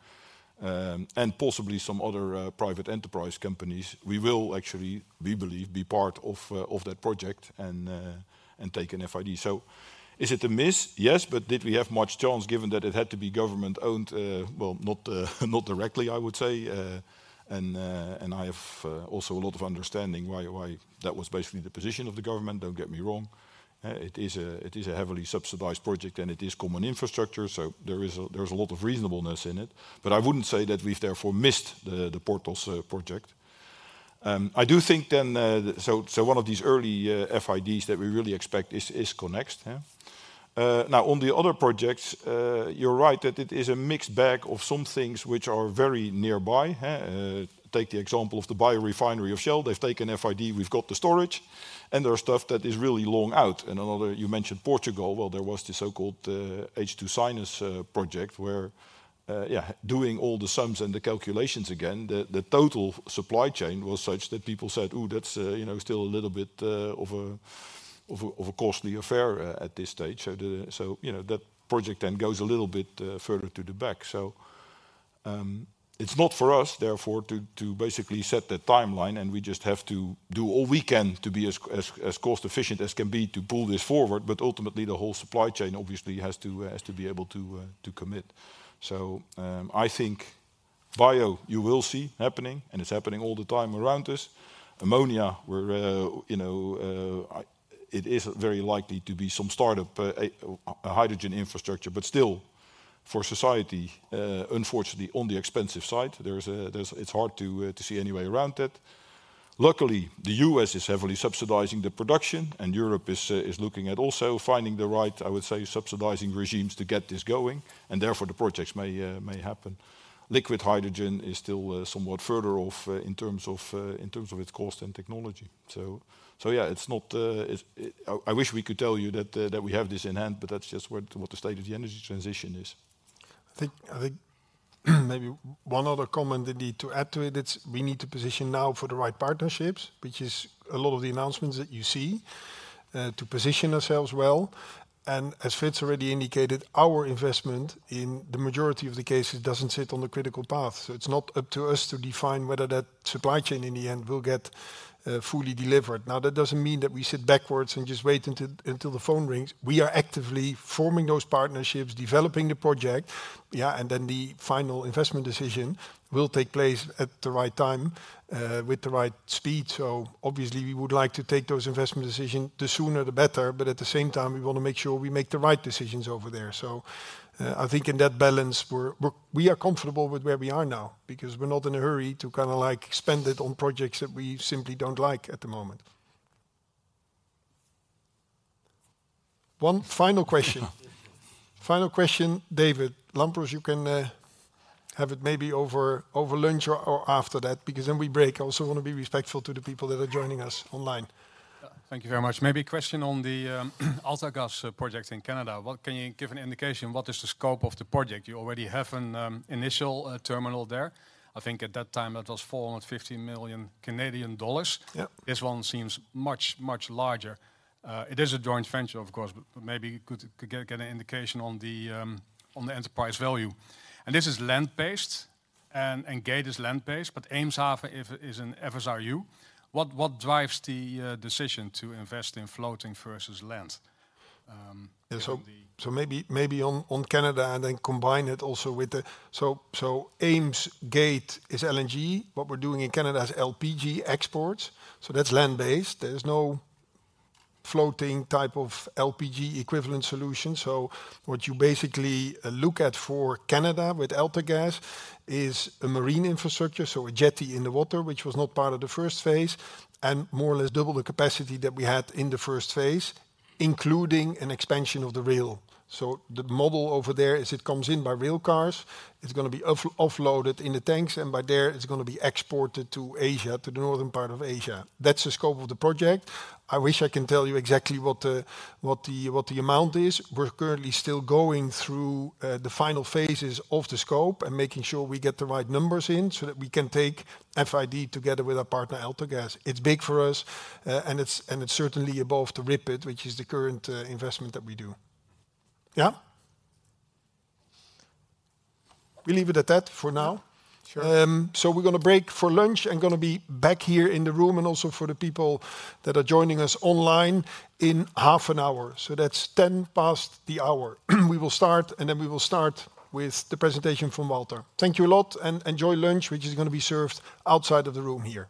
and possibly some other private enterprise companies, we will actually, we believe, be part of that project and take an FID. So is it a miss? Yes. But did we have much chance, given that it had to be government-owned? Well, not directly, I would say. And I have also a lot of understanding why that was basically the position of the government. Don't get me wrong, it is a, it is a heavily subsidized project, and it is common infrastructure, so there is a, there is a lot of reasonableness in it. But I wouldn't say that we've therefore missed the Porthos project. I do think. So one of these early FIDs that we really expect is COnnect, yeah. Now, on the other projects, you're right, that it is a mixed bag of some things which are very nearby. Take the example of the biorefinery of Shell. They've taken FID, we've got the storage, and there are stuff that is really long out. Another, you mentioned Portugal. Well, there was the so-called H2Sines project, where, yeah, doing all the sums and the calculations again, the total supply chain was such that people said: "Ooh, that's, you know, still a little bit of a costly affair at this stage." So, you know, that project then goes a little bit further to the back. So, it's not for us, therefore, to basically set the timeline, and we just have to do all we can to be as cost-efficient as can be to pull this forward. But ultimately, the whole supply chain obviously has to be able to commit. So, I think bio you will see happening, and it's happening all the time around us. Ammonia, where, you know, it is very likely to be some sort of, a hydrogen infrastructure, but still, for society, unfortunately, on the expensive side. There's... It's hard to see any way around it. Luckily, the U.S. is heavily subsidizing the production, and Europe is, is looking at also finding the right, I would say, subsidizing regimes to get this going, and therefore the projects may, may happen. Liquid hydrogen is still, somewhat further off, in terms of, in terms of its cost and technology. So, yeah, it's not, it, it... I wish we could tell you that, that we have this in hand, but that's just what, the state of the energy transition is. I think, I think maybe one other comment I need to add to it, it's we need to position now for the right partnerships, which is a lot of the announcements that you see, to position ourselves well. And as Frits already indicated, our investment in the majority of the cases doesn't sit on the critical path, so it's not up to us to define whether that supply chain in the end will get, fully delivered. Now, that doesn't mean that we sit backwards and just wait until the phone rings. We are actively forming those partnerships, developing the project, yeah, and then the final investment decision will take place at the right time, with the right speed. So obviously, we would like to take those investment decisions, the sooner the better, but at the same time, we wanna make sure we make the right decisions over there. So, I think in that balance, we are comfortable with where we are now, because we're not in a hurry to kinda like spend it on projects that we simply don't like at the moment. One final question. Final question, David Lampros. You can have it maybe over lunch or after that, because then we break. I also wanna be respectful to the people that are joining us online. Thank you very much. Maybe a question on the AltaGas project in Canada. Can you give an indication, what is the scope of the project? You already have an initial terminal there. I think at that time it was 450 million Canadian dollars. Yep. This one seems much, much larger. It is a joint venture, of course, but maybe could get an indication on the enterprise value. And this is land-based, and Gate is land-based, but Eemshaven is an FSRU. What drives the decision to invest in floating versus land? And the- Yeah, so maybe on Canada, and then combine it also with the... So Eems Gate is LNG. What we're doing in Canada is LPG exports, so that's land-based. There's no floating type of LPG equivalent solution. So what you basically look at for Canada with AltaGas is a marine infrastructure, so a jetty in the water, which was not part of the first phase, and more or less double the capacity that we had in the first phase, including an expansion of the rail. So the model over there is it comes in by rail cars, it's gonna be offloaded in the tanks, and by there, it's gonna be exported to Asia, to the northern part of Asia. That's the scope of the project. I wish I can tell you exactly what the amount is. We're currently still going through the final phases of the scope and making sure we get the right numbers in, so that we can take FID together with our partner, AltaGas. It's big for us, and it's, and it's certainly above the RIPET, which is the current investment that we do. Yeah?... We leave it at that for now. Sure. So, we're gonna break for lunch, and gonna be back here in the room, and also for the people that are joining us online, in half an hour. So that's ten past the hour we will start, and then we will start with the presentation from Walter. Thank you a lot, and enjoy lunch, which is gonna be served outside of the room here.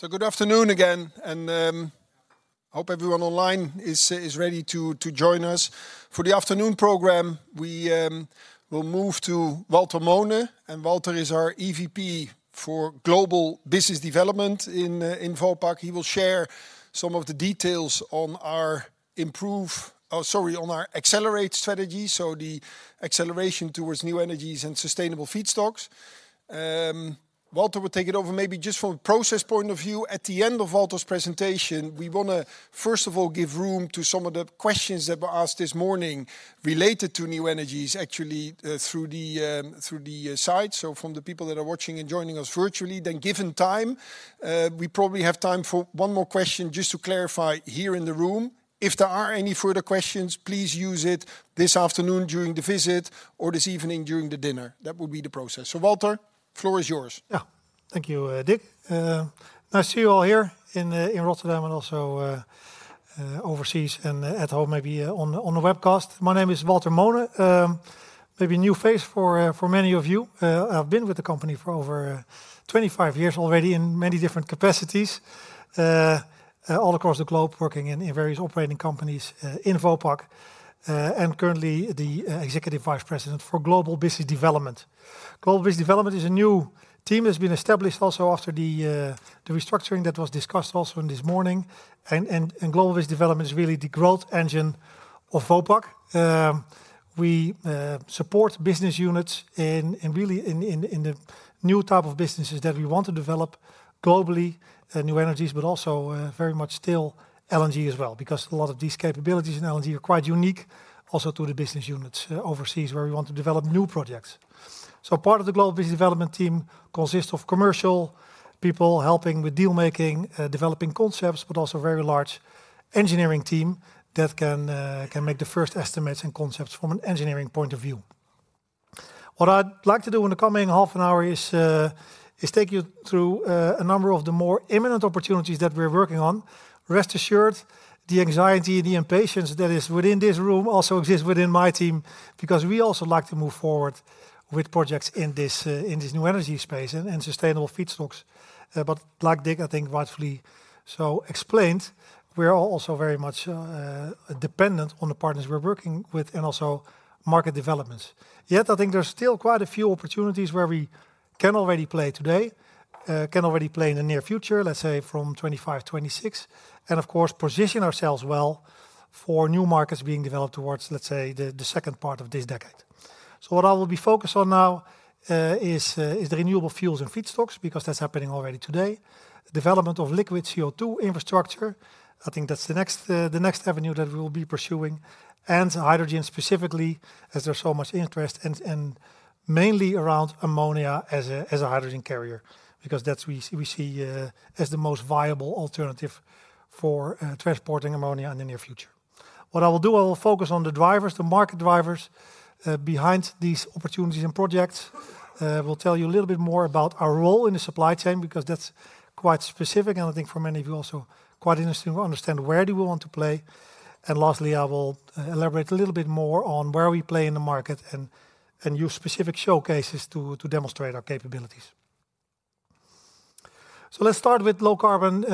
So good afternoon again, and hope everyone online is ready to join us. For the afternoon program, we will move to Walter Moone, and Walter is our EVP for Global Business Development in Vopak. He will share some of the details on our accelerate strategy, so the acceleration towards new energies and sustainable feedstocks. Walter will take it over. Maybe just from a process point of view, at the end of Walter's presentation, we wanna, first of all, give room to some of the questions that were asked this morning related to new energies, actually, through the site, so from the people that are watching and joining us virtually. Then given time, we probably have time for one more question, just to clarify, here in the room. If there are any further questions, please use it this afternoon during the visit or this evening during the dinner. That would be the process. So Walter, floor is yours. Yeah. Thank you, Dick. Nice to see you all here in Rotterdam and also overseas and at home, maybe, on the webcast. My name is Walter Moone. Maybe a new face for many of you. I've been with the company for over 25 years already in many different capacities all across the globe, working in various operating companies in Vopak, and currently the Executive Vice President for Global Business Development. Global Business Development is a new team that's been established also after the restructuring that was discussed also this morning. Global Business Development is really the growth engine of Vopak. We support business units in really the new type of businesses that we want to develop globally, new energies, but also, very much still LNG as well, because a lot of these capabilities in LNG are quite unique also to the business units, overseas, where we want to develop new projects. So part of the Global Business Development team consists of commercial people helping with deal-making, developing concepts, but also a very large engineering team that can make the first estimates and concepts from an engineering point of view. What I'd like to do in the coming half an hour is take you through a number of the more imminent opportunities that we're working on. Rest assured, the anxiety and the impatience that is within this room also exists within my team, because we also like to move forward with projects in this, in this new energy space and, and sustainable feedstocks. But like Dick, I think, rightfully so explained, we are also very much, dependent on the partners we're working with and also market developments. Yet, I think there are still quite a few opportunities where we can already play today, can already play in the near future, let's say from 2025, 2026, and of course, position ourselves well for new markets being developed towards, let's say, the, the second part of this decade. So what I will be focused on now, is, is the renewable fuels and feedstocks, because that's happening already today. Development of liquid CO2 infrastructure, I think that's the next, the next avenue that we will be pursuing. And hydrogen, specifically, as there's so much interest and, and mainly around ammonia as a, as a hydrogen carrier, because that's we see, we see, as the most viable alternative for, transporting ammonia in the near future. What I will do, I will focus on the drivers, the market drivers, behind these opportunities and projects. We'll tell you a little bit more about our role in the supply chain, because that's quite specific, and I think for many of you, also quite interesting to understand where do we want to play. And lastly, I will elaborate a little bit more on where we play in the market and, and use specific showcases to, to demonstrate our capabilities. So let's start with low-carbon,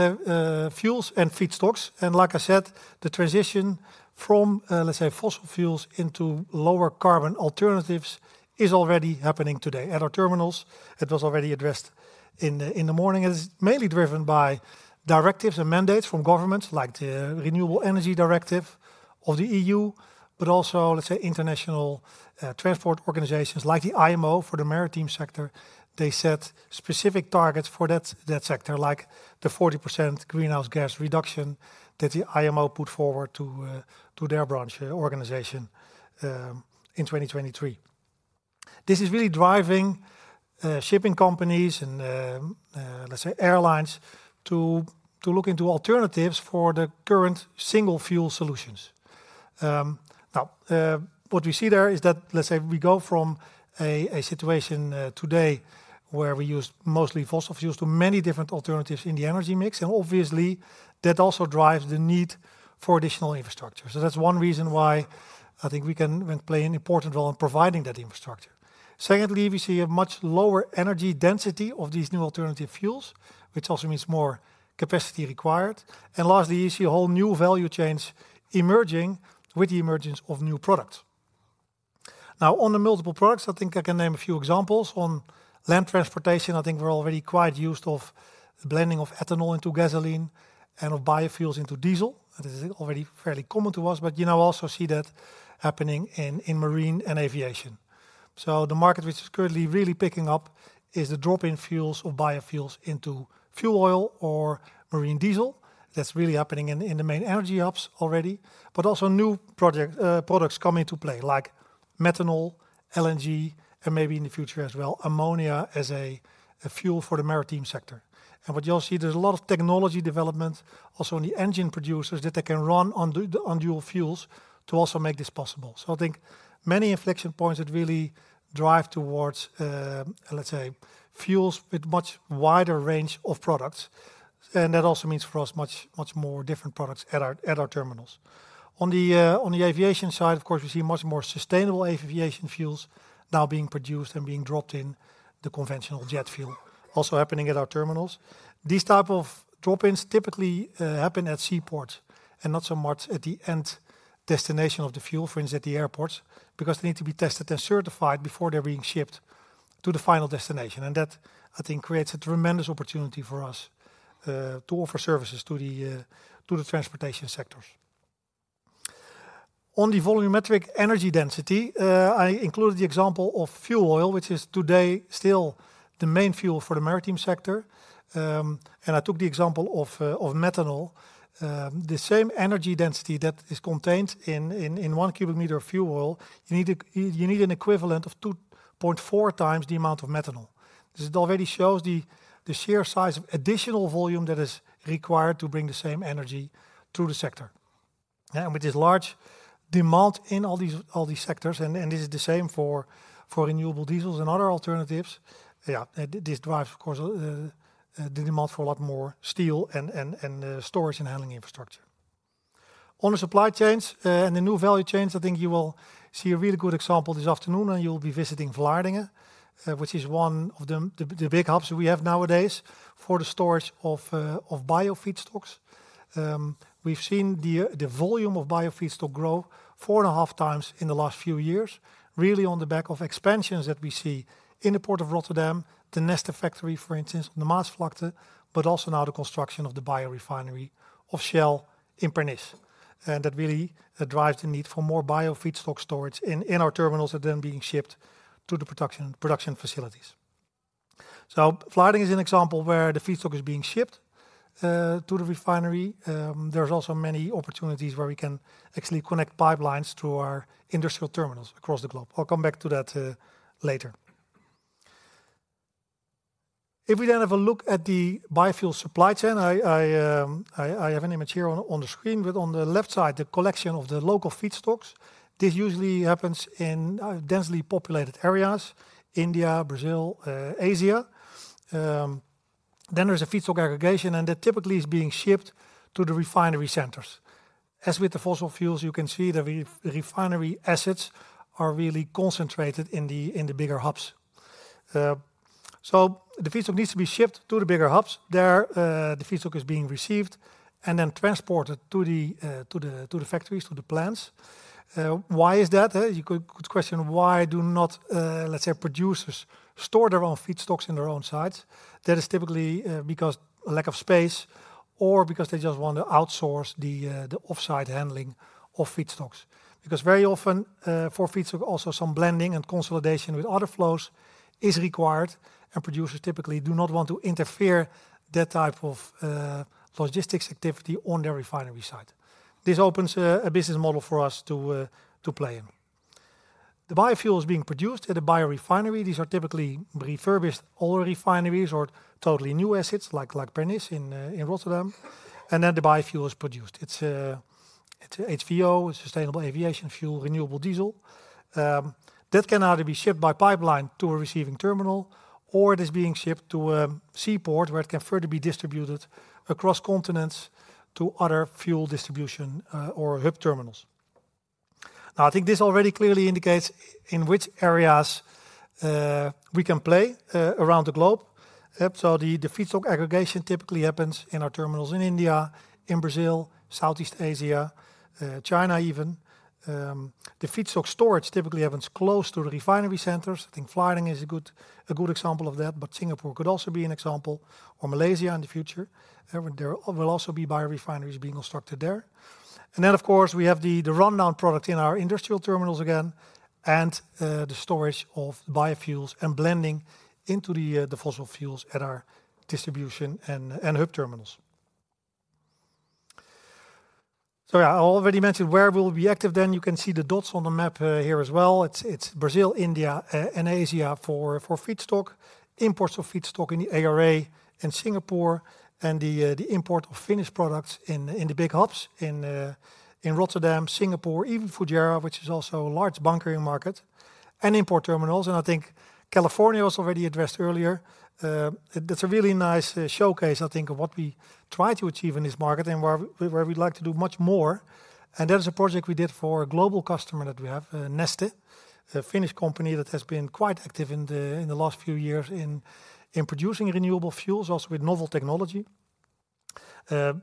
fuels and feedstocks. Like I said, the transition from, let's say, fossil fuels into lower-carbon alternatives is already happening today. At our terminals, it was already addressed in the, in the morning. It is mainly driven by directives and mandates from governments like the Renewable Energy Directive of the EU, but also, let's say, international, transport organizations like the IMO for the maritime sector. They set specific targets for that, that sector, like the 40% greenhouse gas reduction that the IMO put forward to, to their branch, organization, in 2023. This is really driving, shipping companies and, let's say, airlines to, to look into alternatives for the current single-fuel solutions. Now, what we see there is that, let's say, we go from a situation today where we use mostly fossil fuels to many different alternatives in the energy mix, and obviously, that also drives the need for additional infrastructure. So that's one reason why I think we can play an important role in providing that infrastructure. Secondly, we see a much lower energy density of these new alternative fuels, which also means more capacity required. And lastly, you see whole new value chains emerging with the emergence of new products. Now, on the multiple products, I think I can name a few examples. On land transportation, I think we're already quite used to the blending of ethanol into gasoline and of biofuels into diesel. That is already fairly common to us, but you now also see that happening in marine and aviation. So the market, which is currently really picking up, is the drop-in fuels or biofuels into fuel oil or marine diesel. That's really happening in the, in the main energy hubs already. But also new project products come into play, like methanol, LNG, and maybe in the future as well, ammonia as a fuel for the maritime sector. And what you also see, there's a lot of technology development also in the engine producers, that they can run on on dual fuels to also make this possible. So I think many inflection points that really drive towards, let's say, fuels with much wider range of products, and that also means for us, much, much more different products at our, at our terminals. On the aviation side, of course, we see much more sustainable aviation fuels now being produced and being dropped in the conventional jet fuel, also happening at our terminals. These type of drop-ins typically happen at seaports and not so much at the end destination of the fuel, for instance, at the airports, because they need to be tested and certified before they're being shipped to the final destination. And that, I think, creates a tremendous opportunity for us to offer services to the transportation sectors. On the volumetric energy density, I included the example of fuel oil, which is today still the main fuel for the maritime sector, and I took the example of methanol. The same energy density that is contained in one cubic meter of fuel oil, you need an equivalent of 2.4 times the amount of methanol. This already shows the sheer size of additional volume that is required to bring the same energy to the sector. And with this large demand in all these sectors, and this is the same for renewable diesels and other alternatives, yeah, this drives, of course, the demand for a lot more steel and storage and handling infrastructure. On the supply chains and the new value chains, I think you will see a really good example this afternoon, and you will be visiting Vlaardingen, which is one of the big hubs we have nowadays for the storage of bio-feedstocks. We've seen the volume of bio-feedstock grow 4.5 times in the last few years, really on the back of expansions that we see in the Port of Rotterdam, the Neste factory, for instance, the Maasvlakte, but also now the construction of the biorefinery of Shell in Pernis. That really drives the need for more bio-feedstock storage in our terminals and then being shipped to the production facilities. So Vlaardingen is an example where the feedstock is being shipped to the refinery. There's also many opportunities where we can actually connect pipelines to our industrial terminals across the globe. I'll come back to that later. If we then have a look at the biofuel supply chain, I have an image here on the screen, with on the left side, the collection of the local feedstocks. This usually happens in densely populated areas: India, Brazil, Asia. Then there's a feedstock aggregation, and that typically is being shipped to the refinery centers. As with the fossil fuels, you can see the refinery assets are really concentrated in the bigger hubs. So the feedstock needs to be shipped to the bigger hubs. There, the feedstock is being received and then transported to the factories, to the plants. Why is that? You could question, why do not let's say, producers store their own feedstocks in their own sites? That is typically because lack of space or because they just want to outsource the offsite handling of feedstocks. Because very often, for feedstock, also some blending and consolidation with other flows is required, and producers typically do not want to interfere that type of logistics activity on their refinery site. This opens a business model for us to play in. The biofuel is being produced at a biorefinery. These are typically refurbished old refineries or totally new assets, like Pernis in Rotterdam, and then the biofuel is produced. It's HVO, sustainable aviation fuel, renewable diesel. That can either be shipped by pipeline to a receiving terminal, or it is being shipped to a seaport, where it can further be distributed across continents to other fuel distribution or hub terminals. Now, I think this already clearly indicates in which areas we can play around the globe. Yep, so the feedstock aggregation typically happens in our terminals in India, in Brazil, Southeast Asia, China even. The feedstock storage typically happens close to the refinery centers. I think Vlaardingen is a good example of that, but Singapore could also be an example, or Malaysia in the future. There will also be biorefineries being constructed there. And then, of course, we have the rundown product in our industrial terminals again and the storage of biofuels and blending into the fossil fuels at our distribution and hub terminals. So yeah, I already mentioned where we'll be active then. You can see the dots on the map here as well. It's Brazil, India, and Asia for feedstock imports of feedstock in the ARA and Singapore, and the import of finished products in the big hubs in Rotterdam, Singapore, even Fujairah, which is also a large bunkering market and import terminals. I think California was already addressed earlier. That's a really nice showcase, I think, of what we try to achieve in this market and where we'd like to do much more. And that is a project we did for a global customer that we have, Neste, a Finnish company that has been quite active in the last few years in producing renewable fuels, also with novel technology.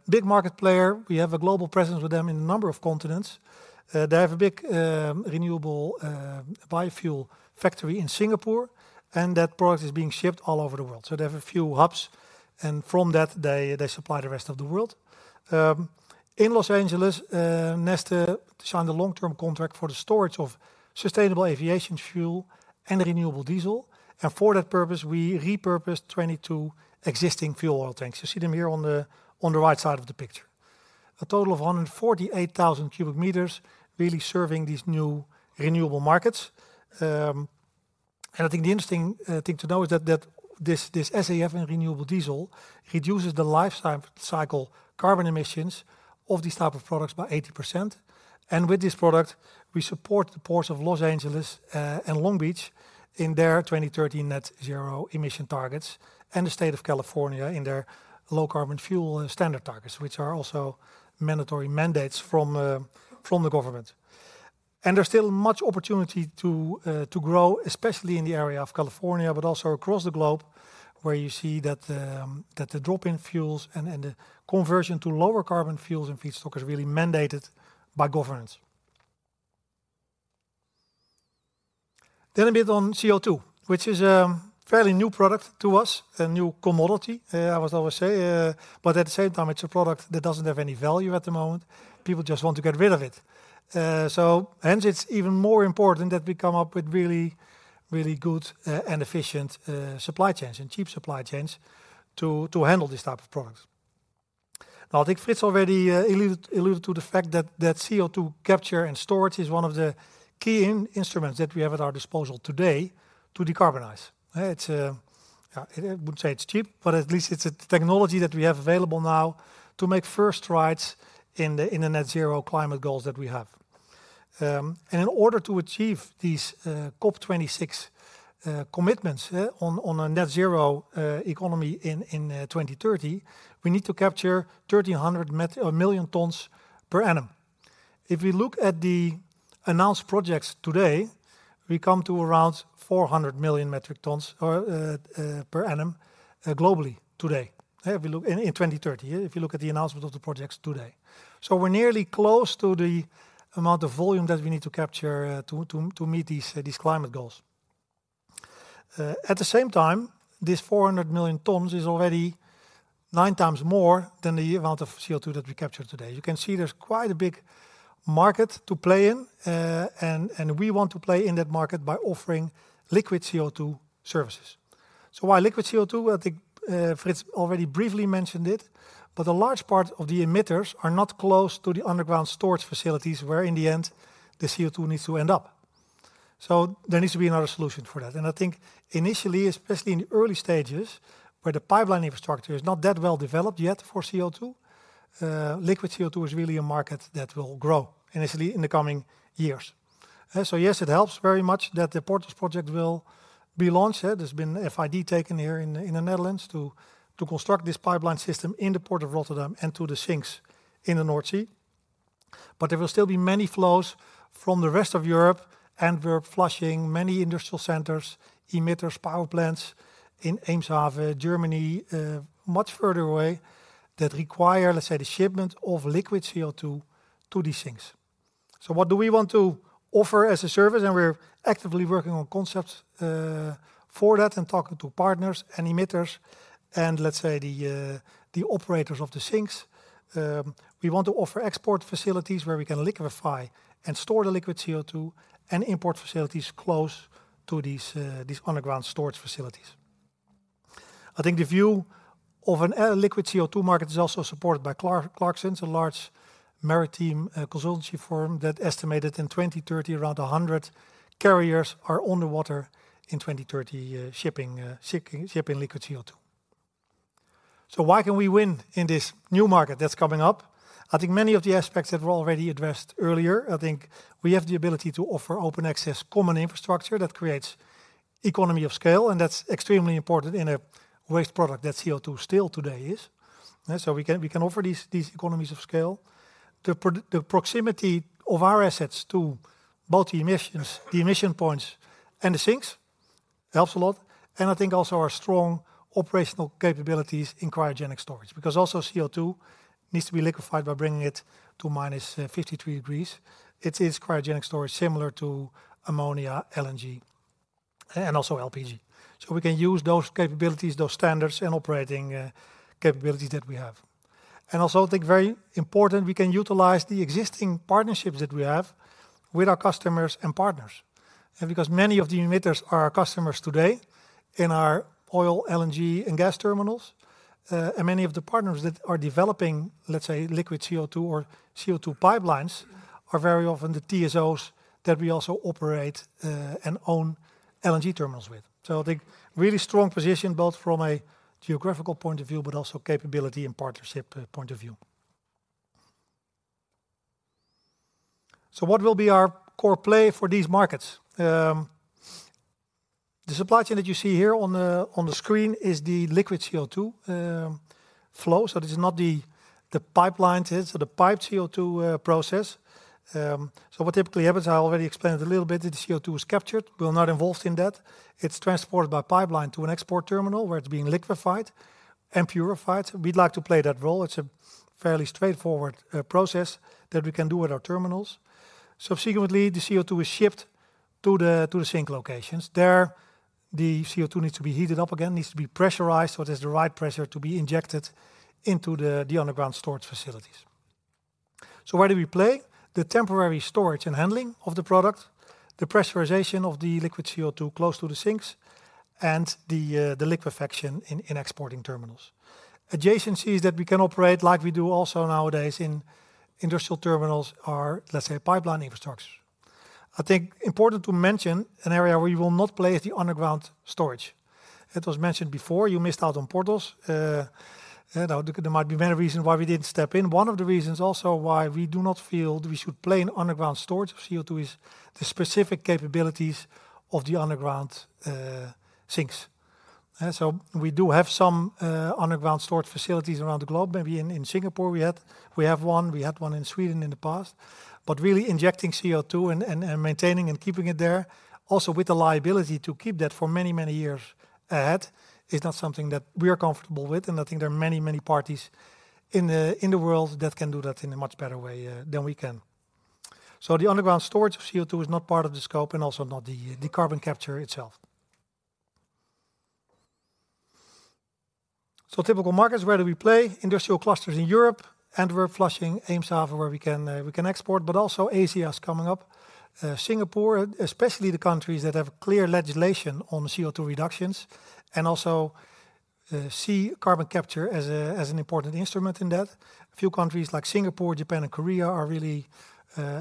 Big market player. We have a global presence with them in a number of continents. They have a big renewable biofuel factory in Singapore, and that product is being shipped all over the world. So they have a few hubs, and from that they, they supply the rest of the world. In Los Angeles, Neste signed a long-term contract for the storage of sustainable aviation fuel and renewable diesel, and for that purpose, we repurposed 22 existing fuel oil tanks. You see them here on the right side of the picture. A total of 148,000 cubic meters really serving these new renewable markets. And I think the interesting thing to know is that this SAF and renewable diesel reduces the lifetime cycle carbon emissions of these type of products by 80%. With this product, we support the ports of Los Angeles and Long Beach in their 2030 net zero emission targets, and the state of California in their low carbon fuel standard targets, which are also mandatory mandates from the government. There's still much opportunity to grow, especially in the area of California, but also across the globe, where you see that the drop in fuels and the conversion to lower carbon fuels and feedstock is really mandated by governments. A bit on CO2, which is a fairly new product to us, a new commodity, I would always say, but at the same time, it's a product that doesn't have any value at the moment. People just want to get rid of it. Hence, it's even more important that we come up with really, really good and efficient supply chains and cheap supply chains to handle this type of products. I think Frits already alluded to the fact that CO2 capture and storage is one of the key instruments that we have at our disposal today to decarbonize. It's I wouldn't say it's cheap, but at least it's a technology that we have available now to make first strides in the net zero climate goals that we have. And in order to achieve these COP 26 commitments on a net zero economy in 2030, we need to capture 1,300 million tons per annum. If we look at the announced projects today, we come to around 400 million metric tons or per annum globally today. If we look in 2030, if you look at the announcement of the projects today. So we're nearly close to the amount of volume that we need to capture to meet these climate goals. At the same time, this 400 million tons is already nine times more than the amount of CO2 that we capture today. You can see there's quite a big market to play in, and we want to play in that market by offering liquid CO2 services. So why liquid CO2? Well, I think, Frits already briefly mentioned it, but a large part of the emitters are not close to the underground storage facilities, where in the end, the CO2 needs to end up. So there needs to be another solution for that. And I think initially, especially in the early stages, where the pipeline infrastructure is not that well developed yet for CO2, liquid CO2 is really a market that will grow initially in the coming years. So yes, it helps very much that the Porthos Project will be launched. There's been FID taken here in the, in the Netherlands to, to construct this pipeline system in the Port of Rotterdam and to the sinks in the North Sea. But there will still be many flows from the rest of Europe, and we're serving many industrial centers, emitters, power plants in areas of Germany, much further away that require, let's say, the shipment of liquid CO2 to these things. So what do we want to offer as a service? We're actively working on concepts for that and talking to partners and emitters and let's say the operators of the sinks. We want to offer export facilities where we can liquefy and store the liquid CO2 and import facilities close to these underground storage facilities. I think the view of a liquid CO2 market is also supported by Clarksons, a large maritime consultancy firm, that estimated in 2030, around 100 carriers are underwater in 2030 shipping liquid CO2. So why can we win in this new market that's coming up? I think many of the aspects that were already addressed earlier, I think we have the ability to offer open access, common infrastructure that creates economy of scale, and that's extremely important in a waste product that CO2 still today is. So we can, we can offer these, these economies of scale. The proximity of our assets to both the emissions, the emission points and the sinks helps a lot. And I think also our strong operational capabilities in cryogenic storage, because also CO2 needs to be liquefied by bringing it to minus 53 degrees. It is cryogenic storage, similar to ammonia, LNG, and also LPG. So we can use those capabilities, those standards and operating capabilities that we have. Also, I think very important, we can utilize the existing partnerships that we have with our customers and partners. Because many of the emitters are our customers today in our oil, LNG and gas terminals, and many of the partners that are developing, let's say, liquid CO₂ or CO₂ pipelines, are very often the TSOs that we also operate and own LNG terminals with. So I think really strong position, both from a geographical point of view, but also capability and partnership point of view. So what will be our core play for these markets? The supply chain that you see here on the screen is the liquid CO₂ flow. So this is not the pipelines, it's the piped CO₂ process. So what typically happens, I already explained it a little bit, the CO₂ is captured. We're not involved in that. It's transported by pipeline to an export terminal, where it's being liquefied and purified. We'd like to play that role. It's a fairly straightforward process that we can do at our terminals. Subsequently, the CO₂ is shipped to the sink locations. There, the CO₂ needs to be heated up again, needs to be pressurized, so it is the right pressure to be injected into the underground storage facilities. So where do we play? The temporary storage and handling of the product, the pressurization of the liquid CO₂ close to the sinks, and the liquefaction in exporting terminals. Adjacencies that we can operate like we do also nowadays in industrial terminals are, let's say, pipeline infrastructure. I think important to mention an area where we will not play is the underground storage. It was mentioned before, you missed out on Porthos. You know, there might be many reasons why we didn't step in. One of the reasons also why we do not feel we should play in underground storage of CO₂ is the specific capabilities of the underground sinks. So we do have some underground storage facilities around the globe. Maybe in Singapore, we had... We have one. We had one in Sweden in the past. But really, injecting CO₂ and maintaining and keeping it there, also with the liability to keep that for many, many years ahead, is not something that we are comfortable with, and I think there are many, many parties in the world that can do that in a much better way than we can. So the underground storage of CO₂ is not part of the scope and also not the carbon capture itself. So typical markets, where do we play? Industrial clusters in Europe, Antwerp, Flushing, Eemshaven, where we can, we can export, but also Asia is coming up. Singapore, especially the countries that have clear legislation on CO₂ reductions and also see carbon capture as a as an important instrument in that. A few countries like Singapore, Japan, and Korea are really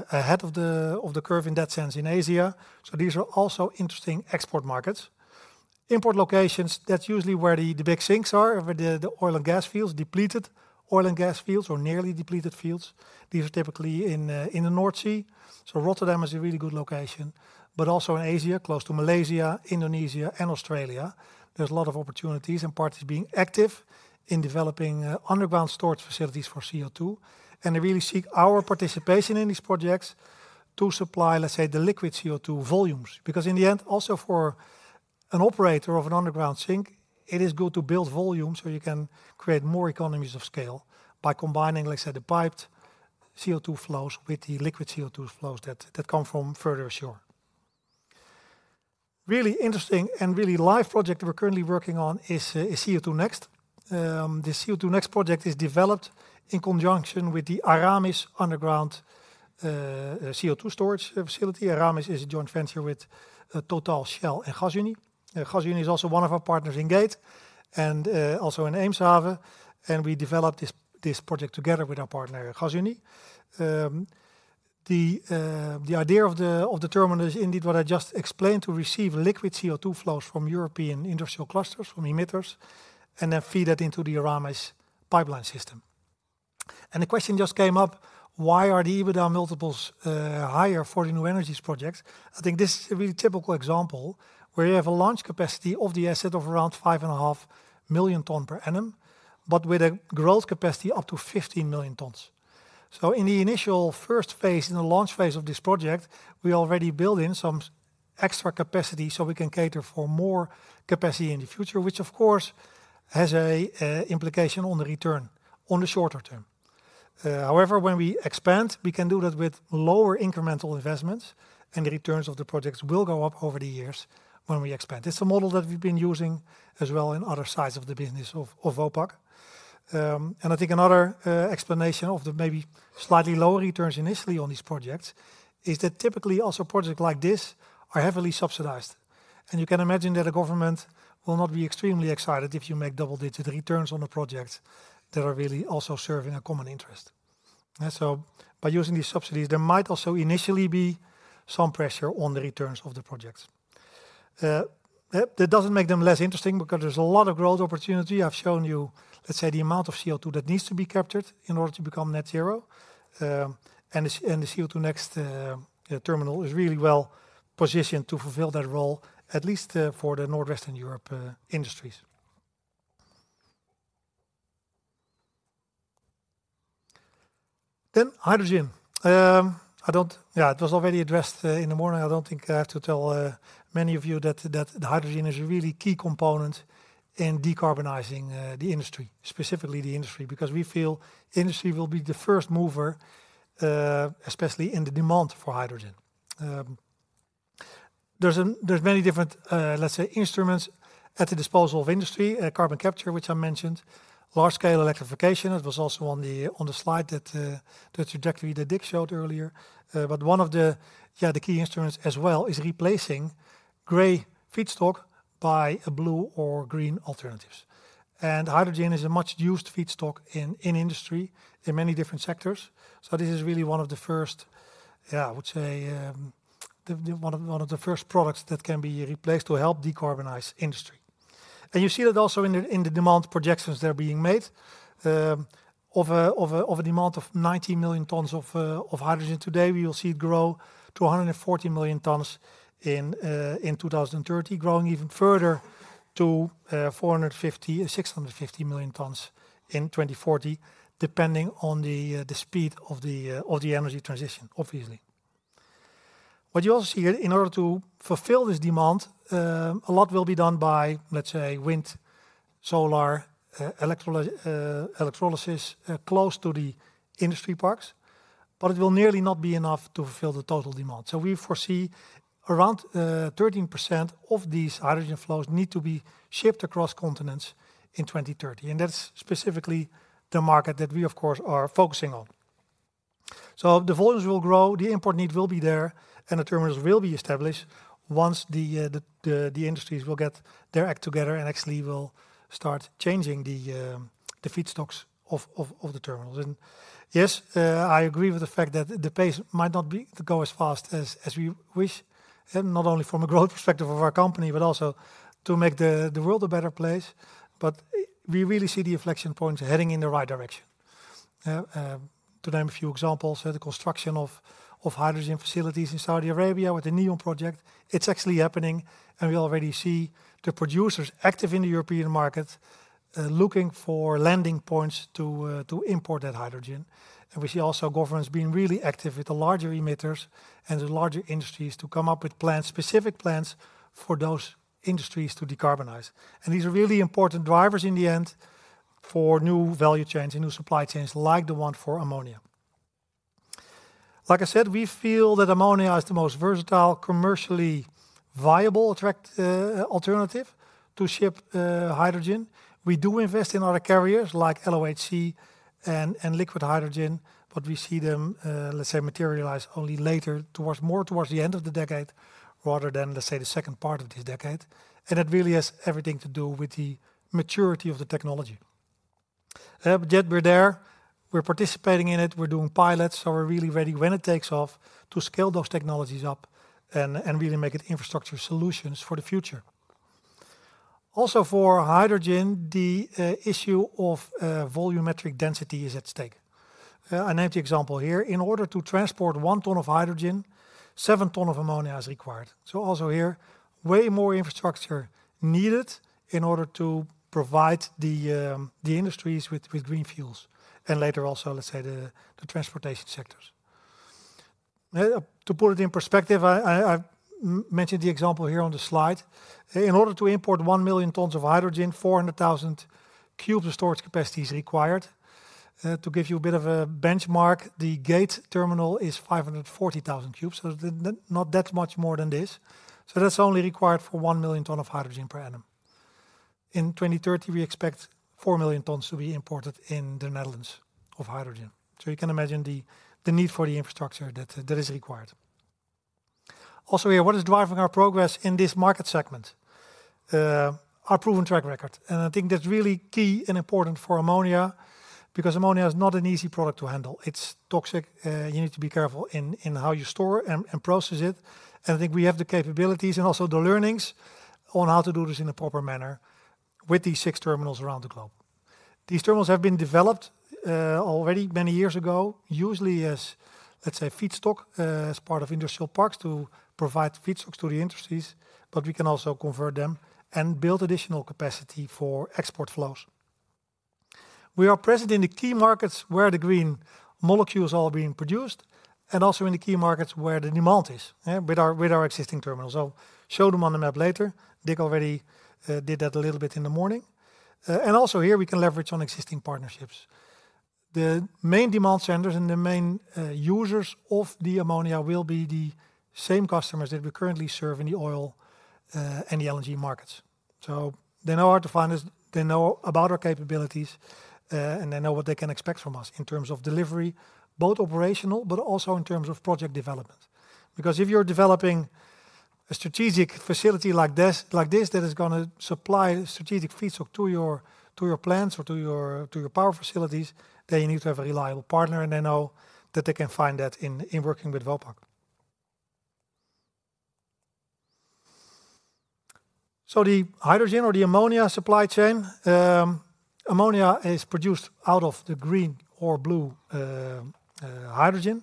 ahead of the curve in that sense in Asia, so these are also interesting export markets. Import locations, that's usually where the big sinks are, where the oil and gas fields, depleted oil and gas fields or nearly depleted fields. These are typically in the North Sea, so Rotterdam is a really good location, but also in Asia, close to Malaysia, Indonesia, and Australia. There's a lot of opportunities and parties being active in developing underground storage facilities for CO2, and they really seek our participation in these projects to supply, let's say, the liquid CO2 volumes. Because in the end, also for an operator of an underground sink, it is good to build volume, so you can create more economies of scale by combining, let's say, the piped CO2 flows with the liquid CO2 flows that come from further ashore. Really interesting and really live project we're currently working on is CO2 Next. The CO2 Next project is developed in conjunction with the Aramis underground CO2 storage facility. Aramis is a joint venture with Total, Shell, and Gasunie. Gasunie is also one of our partners in Gate and also in Eemshaven, and we developed this project together with our partner, Gasunie. The idea of the terminal is indeed what I just explained: to receive liquid CO2 flows from European industrial clusters, from emitters, and then feed that into the Aramis pipeline system. The question just came up, why are the EBITDA multiples higher for the new energies projects? I think this is a really typical example where you have a launch capacity of the asset of around 5.5 million tons per annum, but with a growth capacity up to 15 million tons. So in the initial first phase, in the launch phase of this project, we already built in some extra capacity, so we can cater for more capacity in the future, which of course has an implication on the return on the shorter term. However, when we expand, we can do that with lower incremental investments, and the returns of the projects will go up over the years when we expand. It's a model that we've been using as well in other sides of the business of Vopak. And I think another explanation of the maybe slightly lower returns initially on these projects is that typically also projects like this are heavily subsidized. You can imagine that a government will not be extremely excited if you make double-digit returns on a project that are really also serving a common interest. So by using these subsidies, there might also initially be some pressure on the returns of the projects. That doesn't make them less interesting because there's a lot of growth opportunity. I've shown you, let's say, the amount of CO₂ that needs to be captured in order to become net zero. And the CO₂ Next terminal is really well-positioned to fulfill that role, at least for the Northwestern Europe industries. Then hydrogen. Yeah, it was already addressed in the morning. I don't think I have to tell many of you that the hydrogen is a really key component in decarbonizing the industry, specifically the industry, because we feel industry will be the first mover, especially in the demand for hydrogen. There's a, there's many different, let's say, instruments at the disposal of industry. Carbon capture, which I mentioned, large-scale electrification, it was also on the, on the slide that, the trajectory that Dick showed earlier. But one of the, yeah, the key instruments as well is replacing gray feedstock by a blue or green alternatives. And hydrogen is a much-used feedstock in, in industry in many different sectors, so this is really one of the first, yeah, I would say, the, the one of, one of the first products that can be replaced to help decarbonize industry.... and you see that also in the, in the demand projections that are being made, of a, of a, of a demand of 90 million tons of, of hydrogen today. We will see it grow to 140 million tons in 2030, growing even further to 450-650 million tons in 2040, depending on the speed of the energy transition, obviously. What you also see, in order to fulfill this demand, a lot will be done by, let's say, wind, solar, electrolysis close to the industry parks, but it will nearly not be enough to fulfill the total demand. So we foresee around 13% of these hydrogen flows need to be shipped across continents in 2030, and that's specifically the market that we, of course, are focusing on. So the volumes will grow, the import need will be there, and the terminals will be established once the industries will get their act together and actually will start changing the feedstocks of the terminals. And, yes, I agree with the fact that the pace might not be to go as fast as we wish, and not only from a growth perspective of our company, but also to make the world a better place. But we really see the inflection point heading in the right direction. To name a few examples, the construction of hydrogen facilities in Saudi Arabia with the NEOM project, it's actually happening, and we already see the producers active in the European market, looking for landing points to import that hydrogen. We see also governments being really active with the larger emitters and the larger industries to come up with plans, specific plans, for those industries to decarbonize. These are really important drivers in the end for new value chains and new supply chains, like the one for ammonia. Like I said, we feel that ammonia is the most versatile, commercially viable attract alternative to ship hydrogen. We do invest in other carriers like LOHC and liquid hydrogen, but we see them, let's say, materialize only later, towards more towards the end of the decade, rather than, let's say, the second part of this decade. It really has everything to do with the maturity of the technology. But yet we're there. We're participating in it. We're doing pilots, so we're really ready when it takes off to scale those technologies up and really make it infrastructure solutions for the future. Also, for hydrogen, the issue of volumetric density is at stake. I named the example here. In order to transport one ton of hydrogen, seven ton of ammonia is required. So also here, way more infrastructure needed in order to provide the industries with green fuels, and later also, let's say, the transportation sectors. To put it in perspective, I mentioned the example here on the slide. In order to import 1 million tons of hydrogen, 400,000 cubes of storage capacity is required. To give you a bit of a benchmark, the Gate terminal is 540,000 cubes, so not that much more than this. So that's only required for 1 million ton of hydrogen per annum. In 2030, we expect 4 million tons to be imported in the Netherlands of hydrogen. So you can imagine the need for the infrastructure that is required. Also here, what is driving our progress in this market segment? Our proven track record, and I think that's really key and important for ammonia, because ammonia is not an easy product to handle. It's toxic, you need to be careful in how you store and process it. And I think we have the capabilities and also the learnings on how to do this in a proper manner with these six terminals around the globe. These terminals have been developed already many years ago, usually as, let's say, feedstock as part of industrial parks to provide feedstocks to the industries, but we can also convert them and build additional capacity for export flows. We are present in the key markets where the green molecules are being produced, and also in the key markets where the demand is with our existing terminals. I'll show them on the map later. Dick already did that a little bit in the morning. And also here, we can leverage on existing partnerships. The main demand centers and the main users of the ammonia will be the same customers that we currently serve in the oil and the LNG markets. So they know how to find us, they know about our capabilities, and they know what they can expect from us in terms of delivery, both operational but also in terms of project development. Because if you're developing a strategic facility like this, like this, that is gonna supply strategic feedstock to your, to your plants or to your, to your power facilities, then you need to have a reliable partner, and they know that they can find that in, in working with Vopak. So the hydrogen or the ammonia supply chain, ammonia is produced out of the green or blue, hydrogen.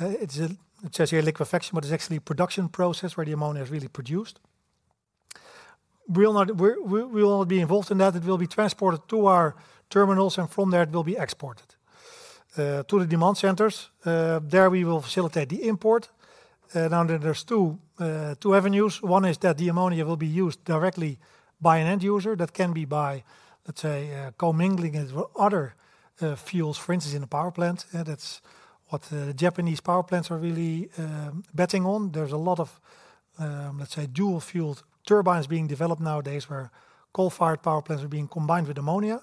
It's a, it says here liquefaction, but it's actually a production process where the ammonia is really produced. We will not-- we, we will not be involved in that. It will be transported to our terminals, and from there, it will be exported to the demand centers. There, we will facilitate the import, and then there's two avenues. One is that the ammonia will be used directly by an end user. That can be by, let's say, co-mingling with other fuels, for instance, in a power plant, and that's what the Japanese power plants are really betting on. There's a lot of, let's say, dual-fueled turbines being developed nowadays, where coal-fired power plants are being combined with ammonia,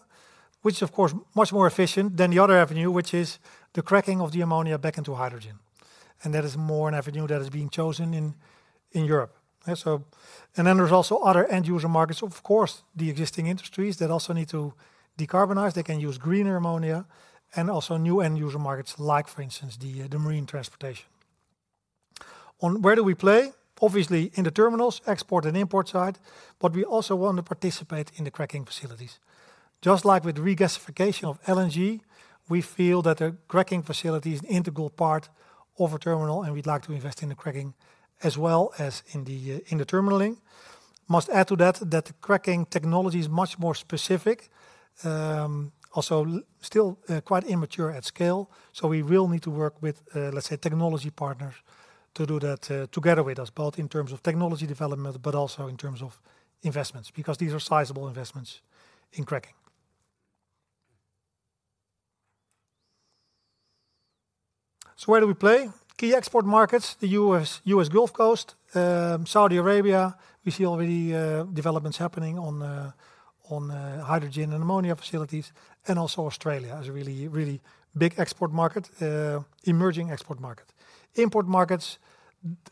which is, of course, much more efficient than the other avenue, which is the cracking of the ammonia back into hydrogen, and that is more an avenue that is being chosen in Europe. And so... And then there's also other end-user markets. Of course, the existing industries that also need to decarbonize, they can use greener ammonia, and also new end-user markets, like, for instance, the, the marine transportation.... On where do we play? Obviously, in the terminals, export and import side, but we also want to participate in the cracking facilities. Just like with regasification of LNG, we feel that a cracking facility is an integral part of a terminal, and we'd like to invest in the cracking as well as in the, in the terminaling. Must add to that, that the cracking technology is much more specific, also still, quite immature at scale, so we will need to work with, let's say, technology partners to do that, together with us, both in terms of technology development, but also in terms of investments, because these are sizable investments in cracking. So where do we play? Key export markets: the U.S., U.S. Gulf Coast, Saudi Arabia, we see already developments happening on hydrogen and ammonia facilities, and also Australia is a really, really big export market, emerging export market. Import markets,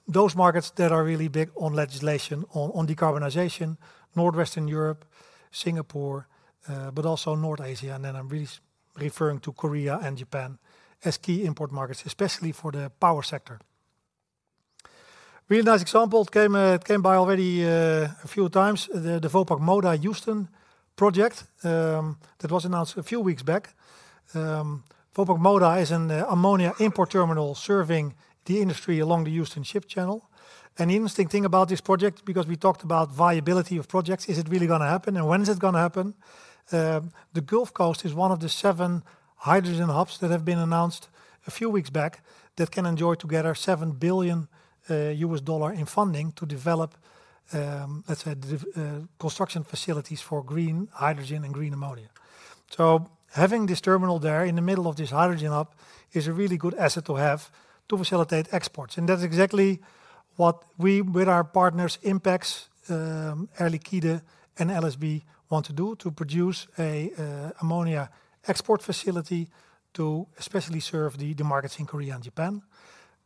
those markets that are really big on legislation, on decarbonization: Northwestern Europe, Singapore, but also North Asia, and then I'm really referring to Korea and Japan as key import markets, especially for the power sector. Really nice example, it came by already a few times, the Vopak Moda Houston project, that was announced a few weeks back. Vopak Moda is an ammonia import terminal serving the industry along the Houston Ship Channel. An interesting thing about this project, because we talked about viability of projects, is it really gonna happen, and when is it gonna happen? The Gulf Coast is one of the seven hydrogen hubs that have been announced a few weeks back that can enjoy together $7 billion in funding to develop, let's say, construction facilities for green hydrogen and green ammonia. So having this terminal there in the middle of this hydrogen hub is a really good asset to have to facilitate exports, and that's exactly what we, with our partners, INPEX, Air Liquide, and LSB, want to do to produce a ammonia export facility to especially serve the markets in Korea and Japan.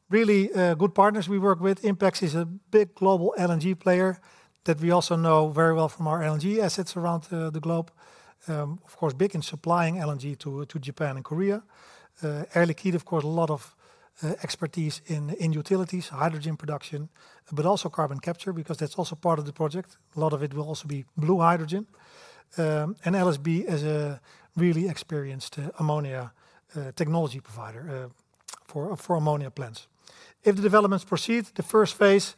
Really, good partners we work with. INPEX is a big global LNG player that we also know very well from our LNG assets around the globe. Of course, big in supplying LNG to Japan and Korea. Air Liquide, of course, a lot of expertise in utilities, hydrogen production, but also carbon capture, because that's also part of the project. A lot of it will also be blue hydrogen. And LSB is a really experienced ammonia technology provider for ammonia plants. If the developments proceed, the first phase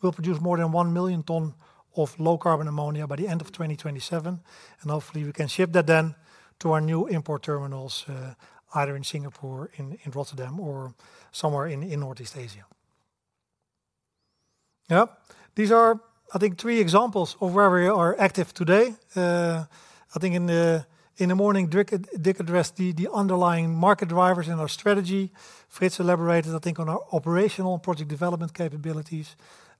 will produce more than 1 million ton of low-carbon ammonia by the end of 2027, and hopefully we can ship that then to our new import terminals, either in Singapore, in Rotterdam, or somewhere in Northeast Asia. Yeah. These are, I think, three examples of where we are active today. I think in the morning, Dick addressed the underlying market drivers and our strategy. Frits elaborated, I think, on our operational project development capabilities,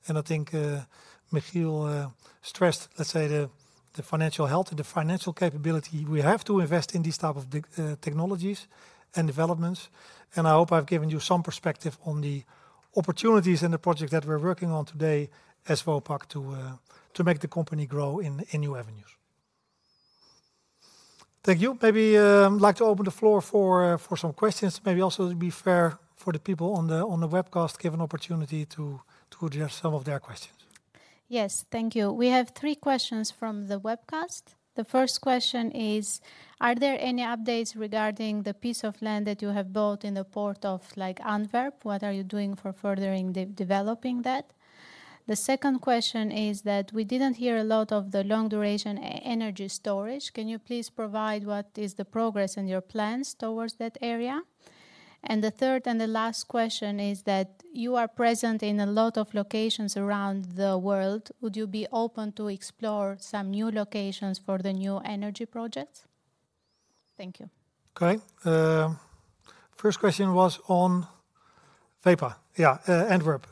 and I think, Michiel stressed, let's say, the financial health and the financial capability we have to invest in these type of digital technologies and developments. And I hope I've given you some perspective on the opportunities and the projects that we're working on today as Vopak to make the company grow in new avenues. Thank you. Maybe, I'd like to open the floor for some questions. Maybe also to be fair, for the people on the webcast, give an opportunity to address some of their questions. Yes. Thank you. We have three questions from the webcast. The first question is: "Are there any updates regarding the piece of land that you have bought in the port of, like, Antwerp? What are you doing for furthering developing that?" The second question is that: "We didn't hear a lot of the long-duration energy storage. Can you please provide what is the progress and your plans towards that area?" And the third and the last question is that: "You are present in a lot of locations around the world. Would you be open to explore some new locations for the new energy projects? Thank you. Okay. First question was on VEPA. Yeah, Antwerp.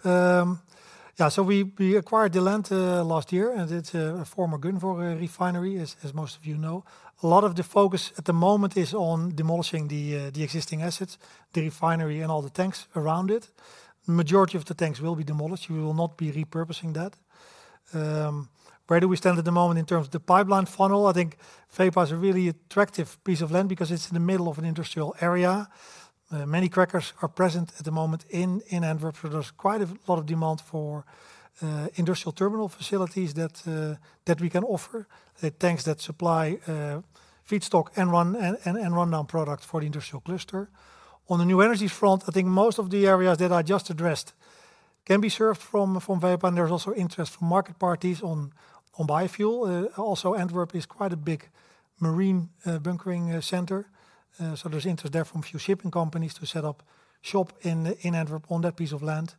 Yeah, so we, we acquired the land, last year, and it's a former Gunvor refinery, as most of you know. A lot of the focus at the moment is on demolishing the existing assets, the refinery and all the tanks around it. Majority of the tanks will be demolished. We will not be repurposing that. Where do we stand at the moment in terms of the pipeline funnel? I think VEPA is a really attractive piece of land because it's in the middle of an industrial area. Many crackers are present at the moment in Antwerp, so there's quite a lot of demand for industrial terminal facilities that we can offer, the tanks that supply feedstock and rundown products for the industrial cluster. On the new energy front, I think most of the areas that I just addressed can be served from VEPA, and there's also interest from market parties on biofuel. Also, Antwerp is quite a big marine bunkering center, so there's interest there from a few shipping companies to set up shop in Antwerp on that piece of land.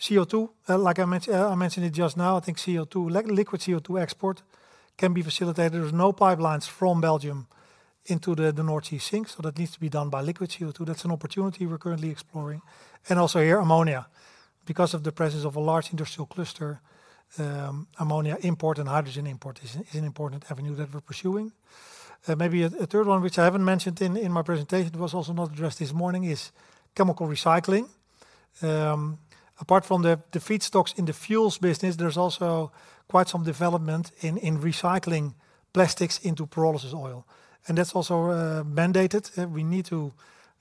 CO2, like I mentioned just now, I think CO2, liquid CO2 export can be facilitated. There's no pipelines from Belgium into the North Sea sink, so that needs to be done by liquid CO2. That's an opportunity we're currently exploring. And also, here, ammonia. Because of the presence of a large industrial cluster, ammonia import and hydrogen import is an important avenue that we're pursuing. Maybe a third one, which I haven't mentioned in my presentation, was also not addressed this morning, is chemical recycling. Apart from the feedstocks in the fuels business, there's also quite some development in recycling plastics into pyrolysis oil, and that's also mandated. We need to.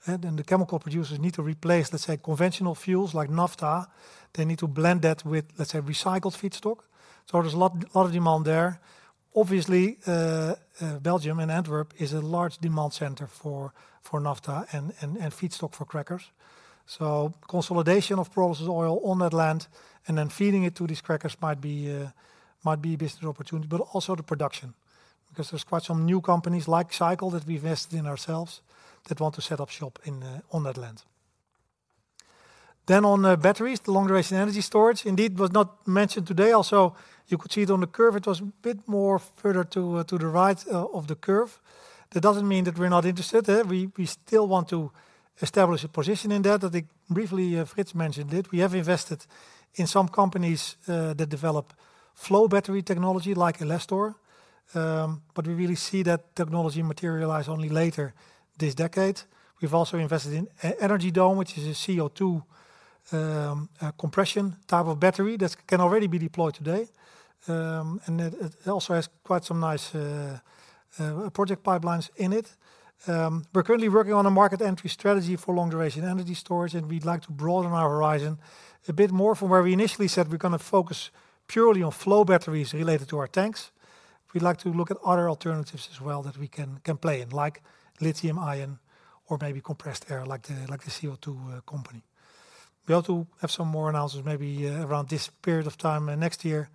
And the chemical producers need to replace, let's say, conventional fuels like naphtha. They need to blend that with, let's say, recycled feedstock. So there's a lot of demand there. Obviously, Belgium and Antwerp is a large demand center for naphtha and feedstock for crackers. So consolidation of pyrolysis oil on that land and then feeding it to these crackers might be, might be a business opportunity, but also the production, because there's quite some new companies like Xycle, that we've invested in ourselves, that want to set up shop in, on that land. Then on, batteries, the long-duration energy storage, indeed, was not mentioned today. Also, you could see it on the curve. It was a bit more further to, to the right, of the curve. That doesn't mean that we're not interested. We, we still want to establish a position in that. I think briefly, Frits mentioned it. We have invested in some companies, that develop flow battery technology, like Elestor, but we really see that technology materialize only later this decade. We've also invested in Energy Dome, which is a CO2 compression type of battery that can already be deployed today. And it also has quite some nice project pipelines in it. We're currently working on a market entry strategy for long-duration energy storage, and we'd like to broaden our horizon a bit more from where we initially said we're gonna focus purely on flow batteries related to our tanks. We'd like to look at other alternatives as well that we can play in, like lithium ion or maybe compressed air, like the CO2 company. We hope to have some more analysis maybe around this period of time next year,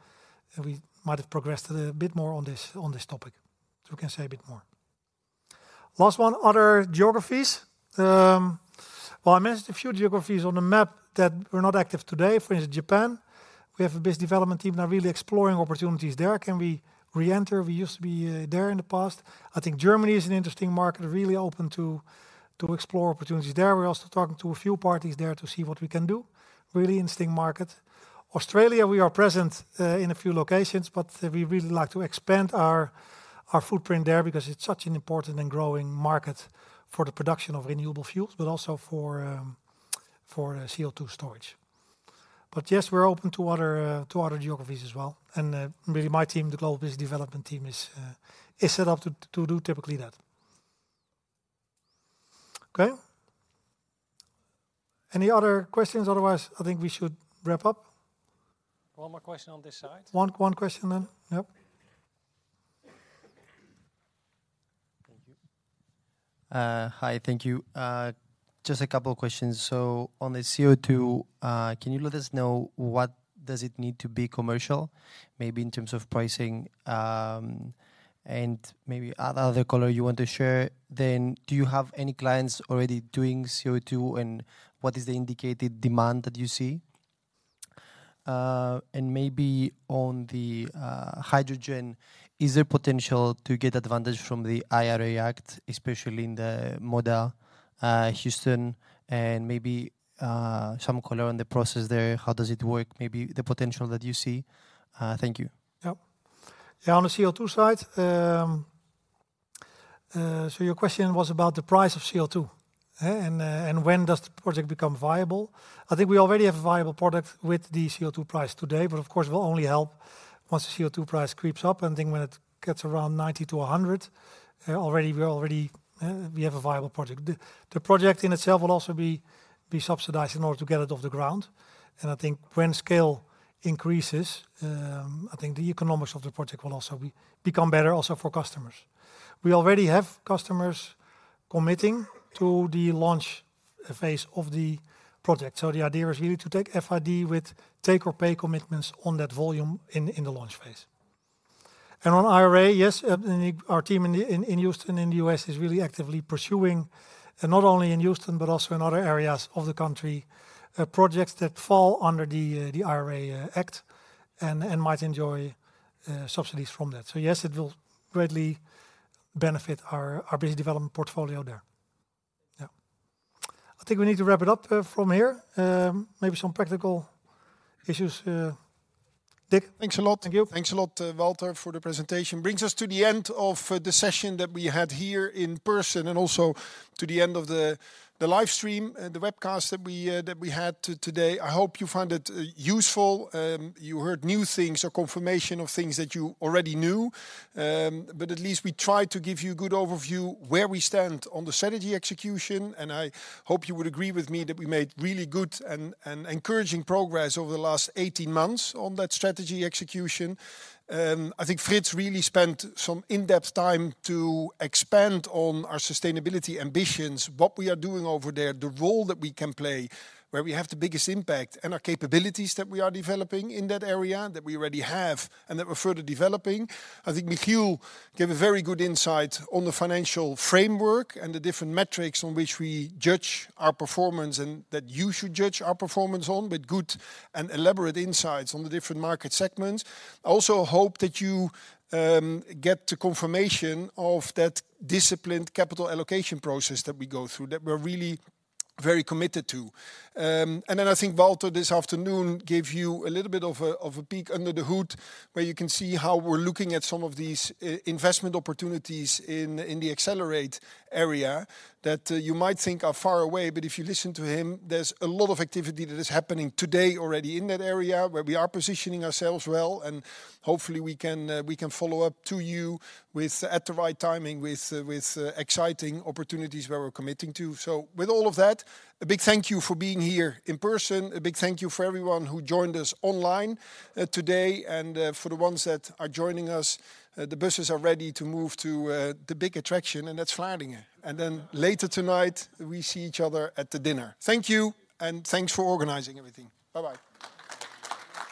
and we might have progressed a bit more on this topic, so we can say a bit more. Last one, other geographies. Well, I mentioned a few geographies on the map that we're not active today. For instance, Japan, we have a business development team now really exploring opportunities there. Can we re-enter? We used to be there in the past. I think Germany is an interesting market, really open to explore opportunities there. We're also talking to a few parties there to see what we can do. Really interesting market. Australia, we are present in a few locations, but we'd really like to expand our footprint there because it's such an important and growing market for the production of renewable fuels, but also for CO2 storage. But yes, we're open to other geographies as well. And really, my team, the Global Business Development team, is set up to do typically that. Okay. Any other questions? Otherwise, I think we should wrap up. One more question on this side. One, one question then. Yep. Thank you. Hi. Thank you. Just a couple of questions. So on the CO2, can you let us know what does it need to be commercial, maybe in terms of pricing, and maybe other color you want to share? Then, do you have any clients already doing CO2, and what is the indicated demand that you see? And maybe on the hydrogen, is there potential to get advantage from the IRA Act, especially in the Moda Houston, and maybe some color on the process there? How does it work? Maybe the potential that you see. Thank you. Yep. Yeah, on the CO2 side, so your question was about the price of CO2, and when does the project become viable? I think we already have a viable product with the CO2 price today, but of course, it will only help once the CO2 price creeps up. I think when it gets around 90-100, already we have a viable project. The project in itself will also be subsidized in order to get it off the ground, and I think when scale increases, I think the economics of the project will also become better also for customers. We already have customers committing to the launch phase of the project, so the idea is really to take FID with take or pay commitments on that volume in the launch phase. On IRA, yes, our team in, in, in Houston, in the US, is really actively pursuing, and not only in Houston but also in other areas of the country, projects that fall under the, the IRA Act and might enjoy subsidies from that. So yes, it will greatly benefit our business development portfolio there. Yeah. I think we need to wrap it up from here. Maybe some practical issues, Dick. Thanks a lot. Thank you. Thanks a lot, Walter, for the presentation. Brings us to the end of the session that we had here in person and also to the end of the live stream and the webcast that we had today. I hope you found it useful, you heard new things or confirmation of things that you already knew. But at least we tried to give you a good overview where we stand on the strategy execution, and I hope you would agree with me that we made really good and encouraging progress over the last 18 months on that strategy execution. I think Frits really spent some in-depth time to expand on our sustainability ambitions, what we are doing over there, the role that we can play, where we have the biggest impact, and our capabilities that we are developing in that area, that we already have and that we're further developing. I think Michiel gave a very good insight on the financial framework and the different metrics on which we judge our performance and that you should judge our performance on, with good and elaborate insights on the different market segments. I also hope that you get the confirmation of that disciplined capital allocation process that we go through, that we're really very committed to. And then I think Walter, this afternoon, gave you a little bit of a peek under the hood, where you can see how we're looking at some of these investment opportunities in the accelerate area that you might think are far away, but if you listen to him, there's a lot of activity that is happening today already in that area, where we are positioning ourselves well. And hopefully we can follow up to you with at the right timing, with exciting opportunities where we're committing to. So with all of that, a big thank you for being here in person. A big thank you for everyone who joined us online today. And for the ones that are joining us, the buses are ready to move to the big attraction, and that's Vlaardingen. Then later tonight, we see each other at the dinner. Thank you, and thanks for organizing everything. Bye-bye.